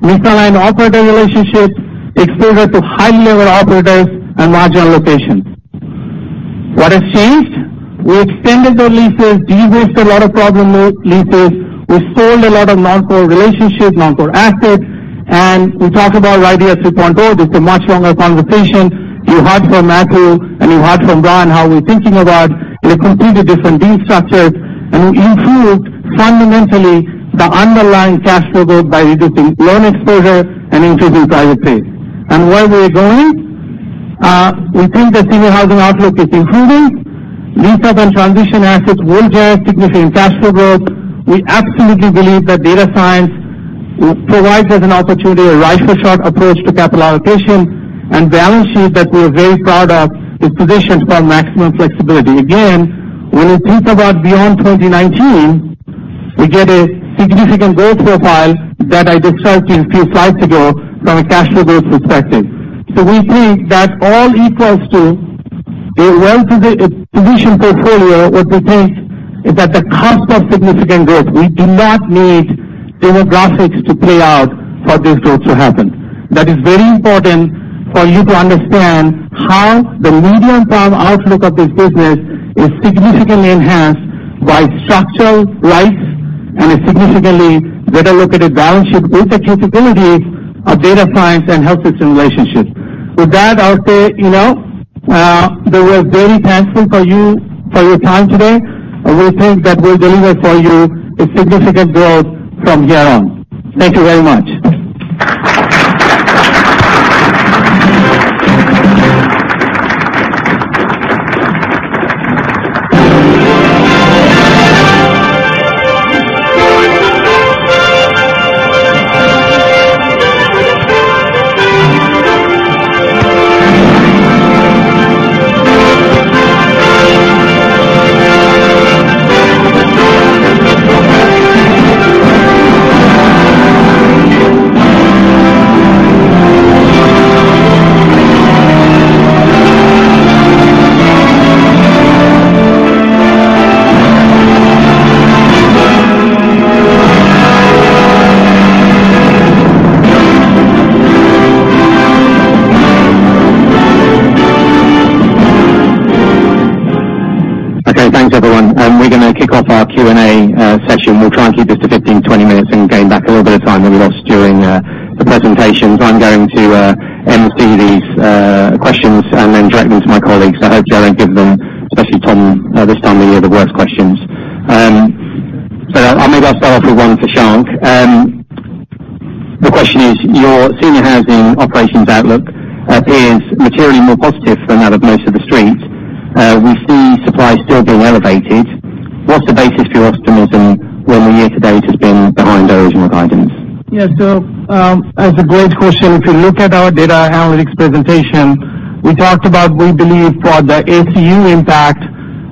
misaligned operator relationships, exposure to high-lever operators, and marginal locations. What has changed? We extended the leases, de-risked a lot of problem leases. We sold a lot of non-core relationships, non-core assets, and we talked about RIDEA 2.0. This is a much longer conversation. You heard from Mathieu and you heard from Brian how we're thinking about a completely different deal structure, and we improved fundamentally the underlying cash flow growth by reducing loan exposure and increasing private pay. And where we're going, we think the senior housing outlook is improving. Lease-up and transition assets will drive significant cash flow growth. We absolutely believe that data science provides us an opportunity, a rifle shot approach to capital allocation and balance sheet that we're very proud of is positioned for maximum flexibility. Again, when you think about beyond 2019, we get a significant growth profile that I described in few slides ago from a cash flow growth perspective. We think that all equals to a well-positioned portfolio what we think is at the cusp of significant growth. We do not need demographics to play out for this growth to happen. That is very important for you to understand how the medium-term outlook of this business is significantly enhanced by structural rights and a significantly better located balance sheet with the capabilities of data science and healthy relationships. With that, I'll say, we are very thankful for your time today, and we think that we'll deliver for you a significant growth from here on. Thank you very much. Okay, thanks everyone. We're going to kick off our Q&A session. We'll try and keep this to 15-20 minutes and gain back a little bit of time that we lost during the presentations. I'm going to MC these questions and then direct them to my colleagues. I hope I don't give them, especially Tom, this time of the year, the worst questions. I maybe I'll start off with one for Shank. The question is, your senior housing operations outlook appears materially more positive than that of most of the street. We see supply still being elevated. What's the basis for your optimism when the year to date has been behind original guidance? That's a great question. If you look at our data analytics presentation, we talked about, we believe for the ACU impact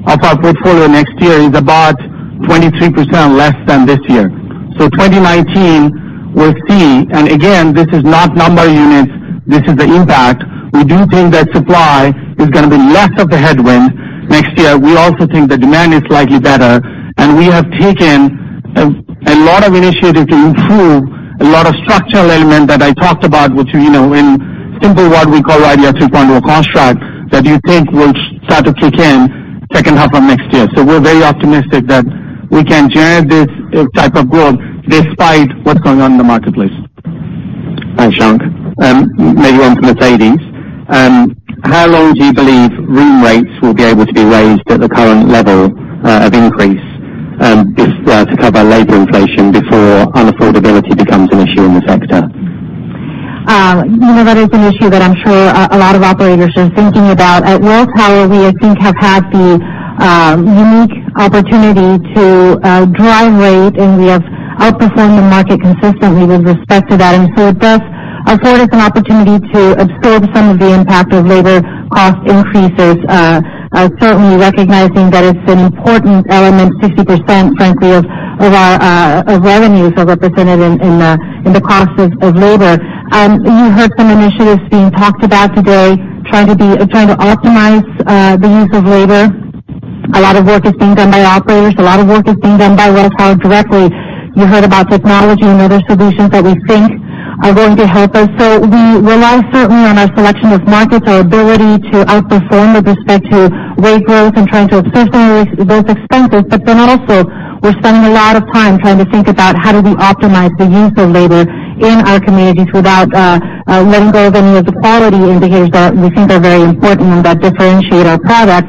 of our portfolio next year is about 23% less than this year. 2019, we'll see. And again, this is not number units, this is the impact. We do think that supply is going to be less of a headwind next year. We also think the demand is slightly better, and we have taken a lot of initiative to improve a lot of structural elements that I talked about, which in simple word, we call RIDEA 2.0 construct, that you think will start to kick in second half of next year. We're very optimistic that we can generate this type of growth despite what's going on in the marketplace. Thanks, Shank. Maybe on to Mercedes. How long do you believe room rates will be able to be raised at the current level of increase to cover labor inflation before unaffordability becomes an issue in the sector? That is an issue that I'm sure a lot of operators are thinking about. At Welltower, we, I think, have had the unique opportunity to drive rate. We have outperformed the market consistently with respect to that. It does afford us an opportunity to absorb some of the impact of labor cost increases, certainly recognizing that it's an important element, 60%, frankly, of our revenues are represented in the costs of labor. You heard some initiatives being talked about today, trying to optimize the use of labor. A lot of work is being done by operators. A lot of work is being done by Welltower directly. You heard about technology and other solutions that we think are going to help us. We rely certainly on our selection of markets, our ability to outperform with respect to rate growth, and trying to absorb some of those expenses. Also, we're spending a lot of time trying to think about how do we optimize the use of labor in our communities without letting go of any of the quality indicators that we think are very important and that differentiate our product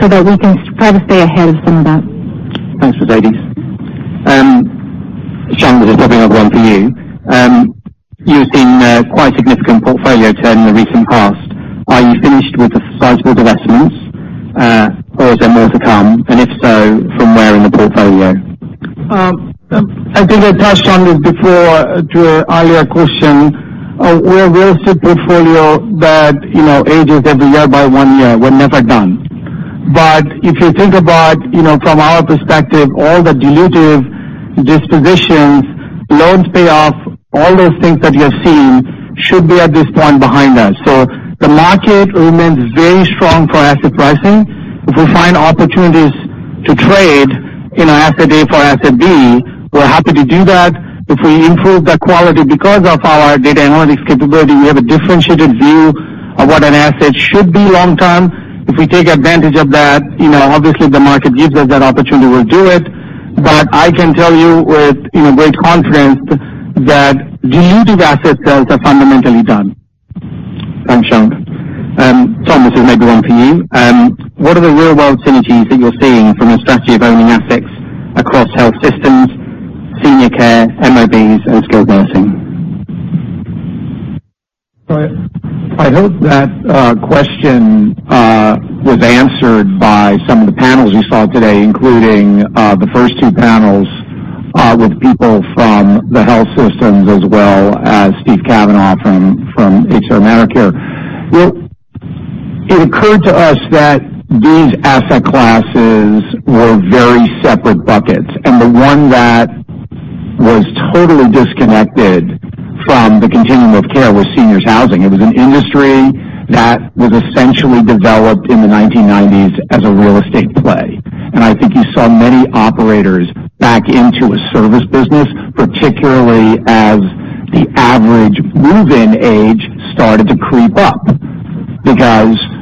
so that we can try to stay ahead of some of that. Thanks, Mercedes. Shank, there's probably another one for you. You've seen a quite significant portfolio turn in the recent past. Are you finished with the sizable divestments, or is there more to come, and if so, from where in the portfolio? I think I touched on it before to an earlier question. We're a real estate portfolio that ages every year by one year. We're never done. If you think about, from our perspective, all the dilutive dispositions, loans pay off, all those things that you have seen should be at this point behind us. The market remains very strong for asset pricing. If we find opportunities to trade asset A for asset B, we're happy to do that. If we improve the quality because of our data analytics capability, we have a differentiated view of what an asset should be long-term. If we take advantage of that, obviously, if the market gives us that opportunity, we'll do it. I can tell you with great confidence that dilutive asset sales are fundamentally done. Thanks, Shank. Tom, this is maybe one for you. What are the real-world synergies that you're seeing from a strategy of owning assets across health systems, senior care, MOBs, and skilled nursing? I hope that question was answered by some of the panels you saw today, including the first two panels, with people from the health systems, as well as Steve Cavanaugh from HCR ManorCare. It occurred to us that these asset classes were very separate buckets, and the one that was totally disconnected from the continuum of care was seniors housing. It was an industry that was essentially developed in the 1990s as a real estate play. I think you saw many operators back into a service business, particularly as the average move-in age started to creep up.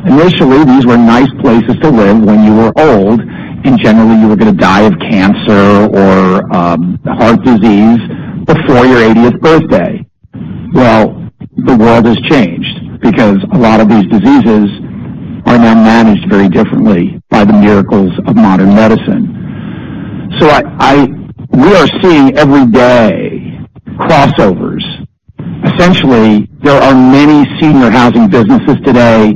Initially, these were nice places to live when you were old, and generally, you were going to die of cancer or heart disease before your 80th birthday. The world has changed because a lot of these diseases are now managed very differently by the miracles of modern medicine. We are seeing every day crossovers. Essentially, there are many senior housing businesses today,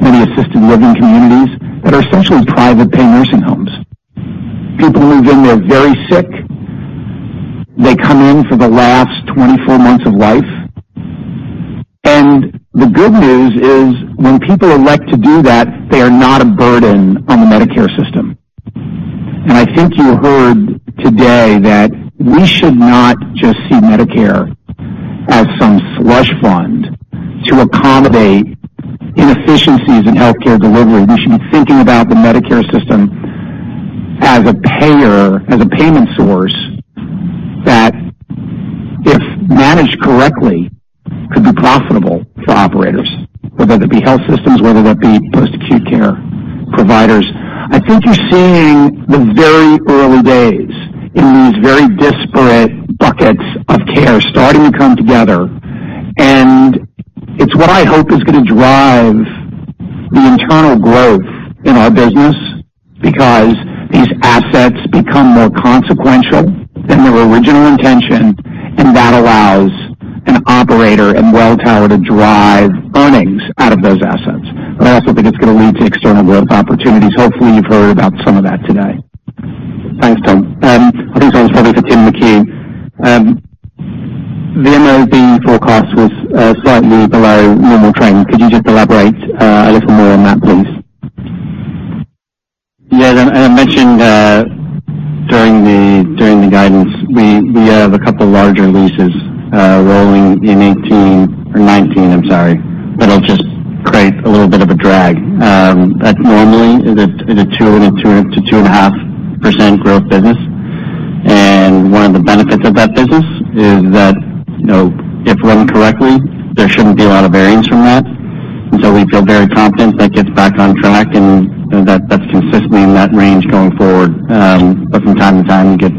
many assisted living communities that are essentially private pay nursing homes. People move in, they're very sick. They come in for the last 24 months of life. The good news is when people elect to do that, they are not a burden on the Medicare system. I think you heard today that we should not just see Medicare as some slush fund to accommodate inefficiencies in healthcare delivery. We should be thinking about the Medicare system as a payer, as a payment source that, if managed correctly, could be profitable for operators, whether that be health systems, whether that be post-acute care providers. I think you're seeing the very early days in these very disparate buckets of care starting to come together, and it's what I hope is going to drive the internal growth in our business, because these assets become more consequential than their original intention, and that allows an operator and Welltower to drive earnings out of those assets. I also think it's going to lead to external growth opportunities. Hopefully, you've heard about some of that today. Thanks, Tom. I think this one's probably for Tim McHugh. The MOB forecast was slightly below normal trend. Could you just elaborate a little more on that, please? I mentioned, during the guidance, we have a couple larger leases rolling in 2018 or 2019, I'm sorry. That'll just create a little bit of a drag. That normally is a 2%-2.5% growth business, and one of the benefits of that business is that, if run correctly, there shouldn't be a lot of variance from that. We feel very confident that gets back on track and that's consistently in that range going forward. From time to time, you get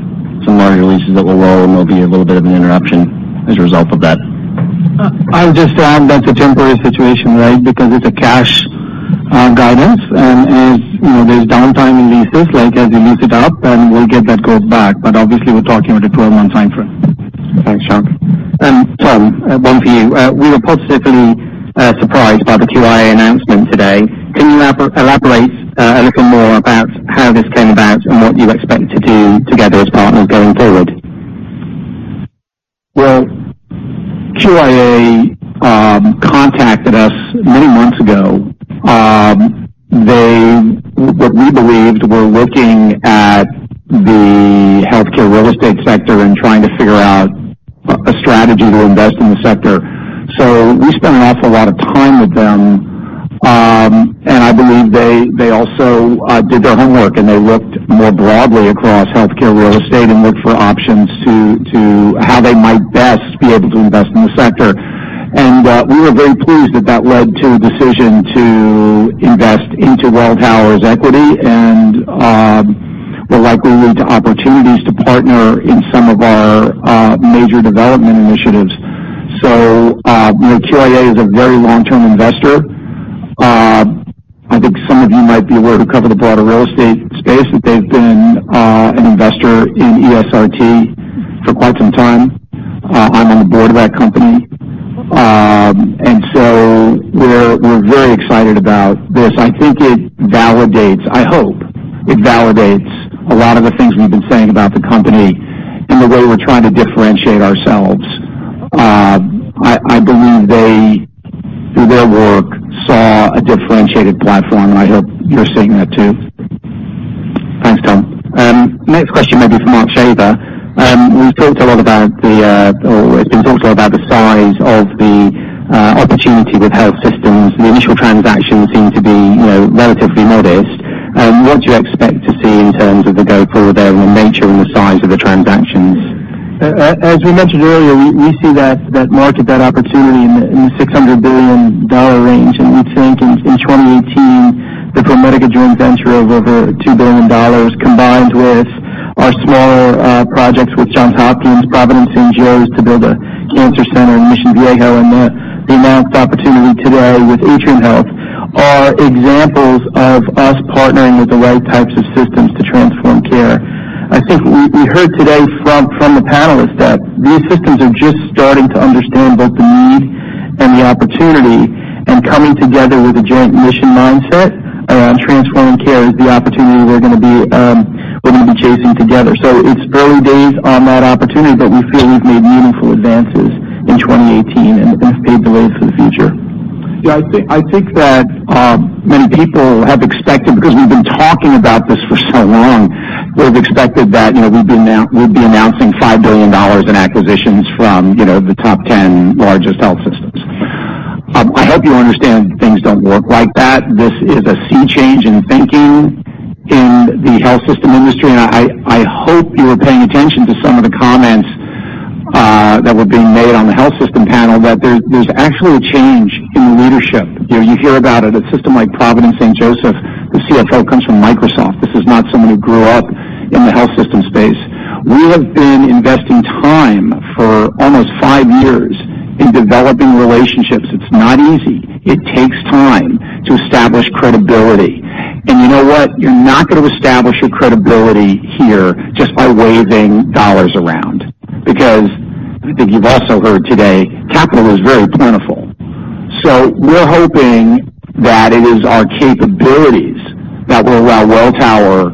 some larger leases that will roll, and there'll be a little bit of an interruption as a result of that. I would just add that's a temporary situation, right? Because it's a cash guidance, and there's downtime in leases, like as you lease it up, and we'll get that growth back. Obviously, we're talking about a 12-month timeframe. Thanks, Shankh. Tom, one for you. We were positively surprised by the QIA announcement today. Can you elaborate a little more about how this came about and what you expect to do together as partners going forward? QIA contacted us many months ago. What we believed were looking at the healthcare real estate sector and trying to figure out a strategy to invest in the sector. We spent an awful lot of time with them, and I believe they also did their homework, and they looked more broadly across healthcare real estate and looked for options to how they might best be able to invest in the sector. We were very pleased that that led to a decision to invest into Welltower's equity and will likely lead to opportunities to partner in some of our major development initiatives. QIA is a very long-term investor. I think some of you might be aware, who cover the broader real estate space, that they've been an investor in ESRT for quite some time. I'm on the board of that company. We're very excited about this. I think it validates, I hope it validates a lot of the things we've been saying about the company and the way we're trying to differentiate ourselves. I believe they, through their work, saw a differentiated platform, and I hope you're seeing that too. Thanks, Tom. Next question may be for Mark Shaver. It's been talked about the size of the opportunity with health systems. The initial transactions seem to be relatively modest. What do you expect to see in terms of the go-forward there and the nature and the size of the transactions? As we mentioned earlier, we see that market, that opportunity in the $600 billion range. We think in 2018, the ProMedica joint venture of over $2 billion, combined with our smaller projects with Johns Hopkins, Providence St. Joseph to build a cancer center in Mission Viejo, the announced opportunity today with Atrium Health, are examples of us partnering with the right types of systems to transform care. I think we heard today from the panelists that these systems are just starting to understand both the need and the opportunity and coming together with a joint mission mindset around transforming care is the opportunity we're going to be chasing together. It's early days on that opportunity, but we feel we've made meaningful advances in 2018. It's paved the way for the future. I think that many people have expected, because we've been talking about this for so long, would've expected that we'd be announcing $5 billion in acquisitions from the top 10 largest health systems. I hope you understand things don't work like that. This is a sea change in thinking in the health system industry. I hope you were paying attention to some of the comments that were being made on the health system panel, that there's actually a change in the leadership. You hear about it, a system like Providence St. Joseph, the CFO comes from Microsoft. This is not someone who grew up in the health system space. We have been investing time for almost five years in developing relationships. It's not easy. It takes time to establish credibility. You know what? You're not going to establish your credibility here just by waving dollars around because I think you've also heard today, capital is very plentiful. We're hoping that it is our capabilities that will allow Welltower,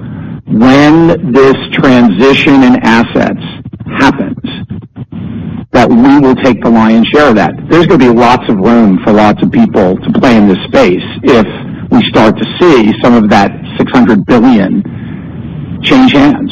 when this transition in assets happens. That we will take the lion's share of that. There's going to be lots of room for lots of people to play in this space if we start to see some of that $600 billion change hands.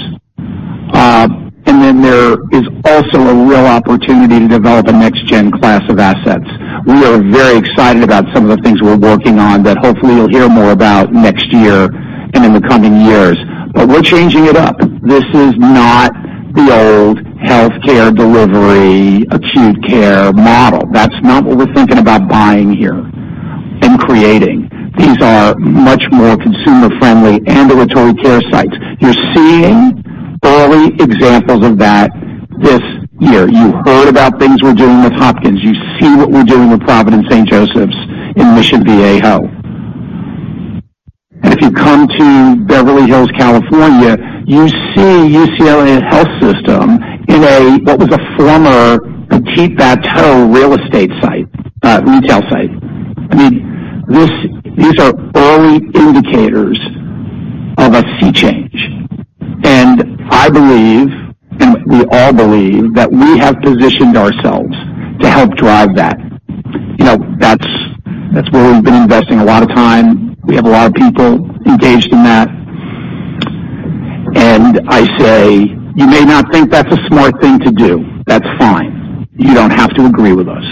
There is also a real opportunity to develop a next-gen class of assets. We are very excited about some of the things we're working on that hopefully you'll hear more about next year and in the coming years. We're changing it up. This is not the old healthcare delivery, acute care model. That's not what we're thinking about buying here and creating. These are much more consumer-friendly ambulatory care sites. You're seeing early examples of that this year. You heard about things we're doing with Hopkins. You see what we're doing with Providence St. Joseph in Mission Viejo. If you come to Beverly Hills, California, you see UCLA Health System in what was a former Petit Bateau retail site. These are early indicators of a sea change. I believe, and we all believe, that we have positioned ourselves to help drive that. That's where we've been investing a lot of time. We have a lot of people engaged in that. I say, you may not think that's a smart thing to do. That's fine. You don't have to agree with us.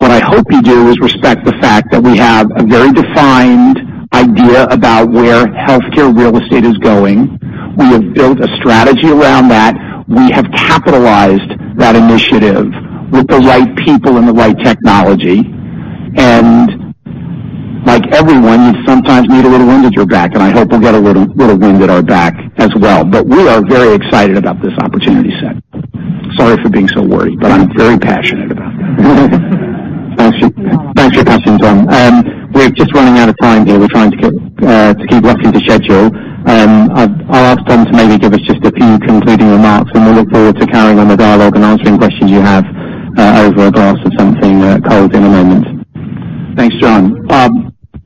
What I hope you do is respect the fact that we have a very defined idea about where healthcare real estate is going. We have built a strategy around that. We have capitalized that initiative with the right people and the right technology. Like everyone, you sometimes need a little wind at your back, and I hope we'll get a little wind at our back as well. We are very excited about this opportunity set. Sorry for being so wordy, but I'm very passionate about that. Thanks for your passion, Tom. We're just running out of time here. We're trying to keep roughly to schedule. I'll ask Dan to maybe give us just a few concluding remarks. We'll look forward to carrying on the dialogue and answering questions you have over a glass of something cold in a moment. Thanks, John.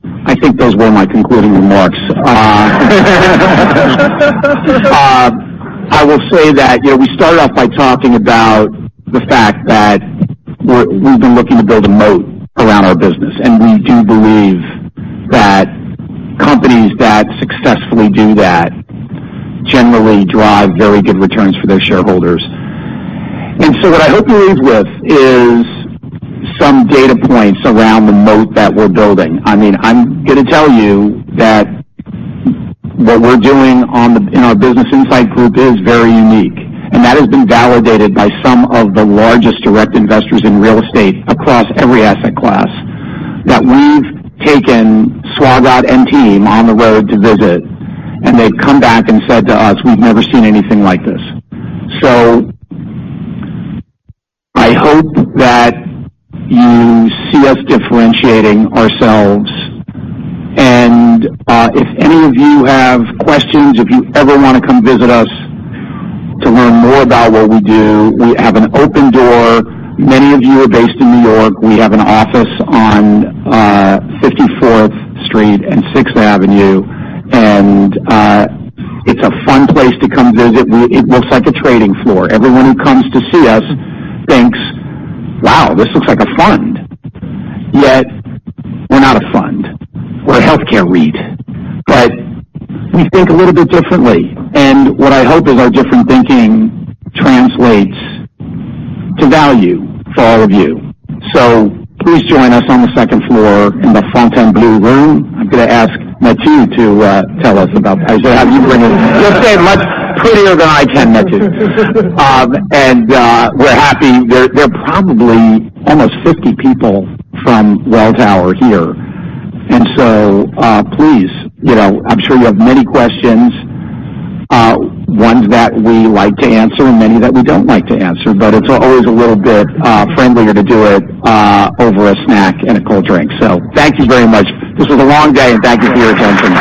I think those were my concluding remarks. I will say that we started off by talking about the fact that we've been looking to build a moat around our business, and we do believe that companies that successfully do that generally drive very good returns for their shareholders. What I hope you leave with is some data points around the moat that we're building. I'm going to tell you that what we're doing in our Business Insight group is very unique, and that has been validated by some of the largest direct investors in real estate across every asset class. That we've taken Swagat and team on the road to visit, and they've come back and said to us, "We've never seen anything like this." I hope that you see us differentiating ourselves. If any of you have questions, if you ever want to come visit us to learn more about what we do, we have an open door. Many of you are based in New York. We have an office on 54th Street and 6th Avenue, and it's a fun place to come visit. It looks like a trading floor. Everyone who comes to see us thinks, "Wow, this looks like a fund." Yet we're not a fund. We're a healthcare REIT. We think a little bit differently, and what I hope is our different thinking translates to value for all of you. Please join us on the second floor in the Fontainebleau Room. I'm going to ask Mathieu to tell us about that. I should have you bring it. You'll say it much prettier than I can, Mathieu. We're happy. There are probably almost 50 people from Welltower here. Please, I'm sure you have many questions, ones that we like to answer and many that we don't like to answer, but it's always a little bit friendlier to do it over a snack and a cold drink. Thank you very much. This was a long day, and thank you for your attention.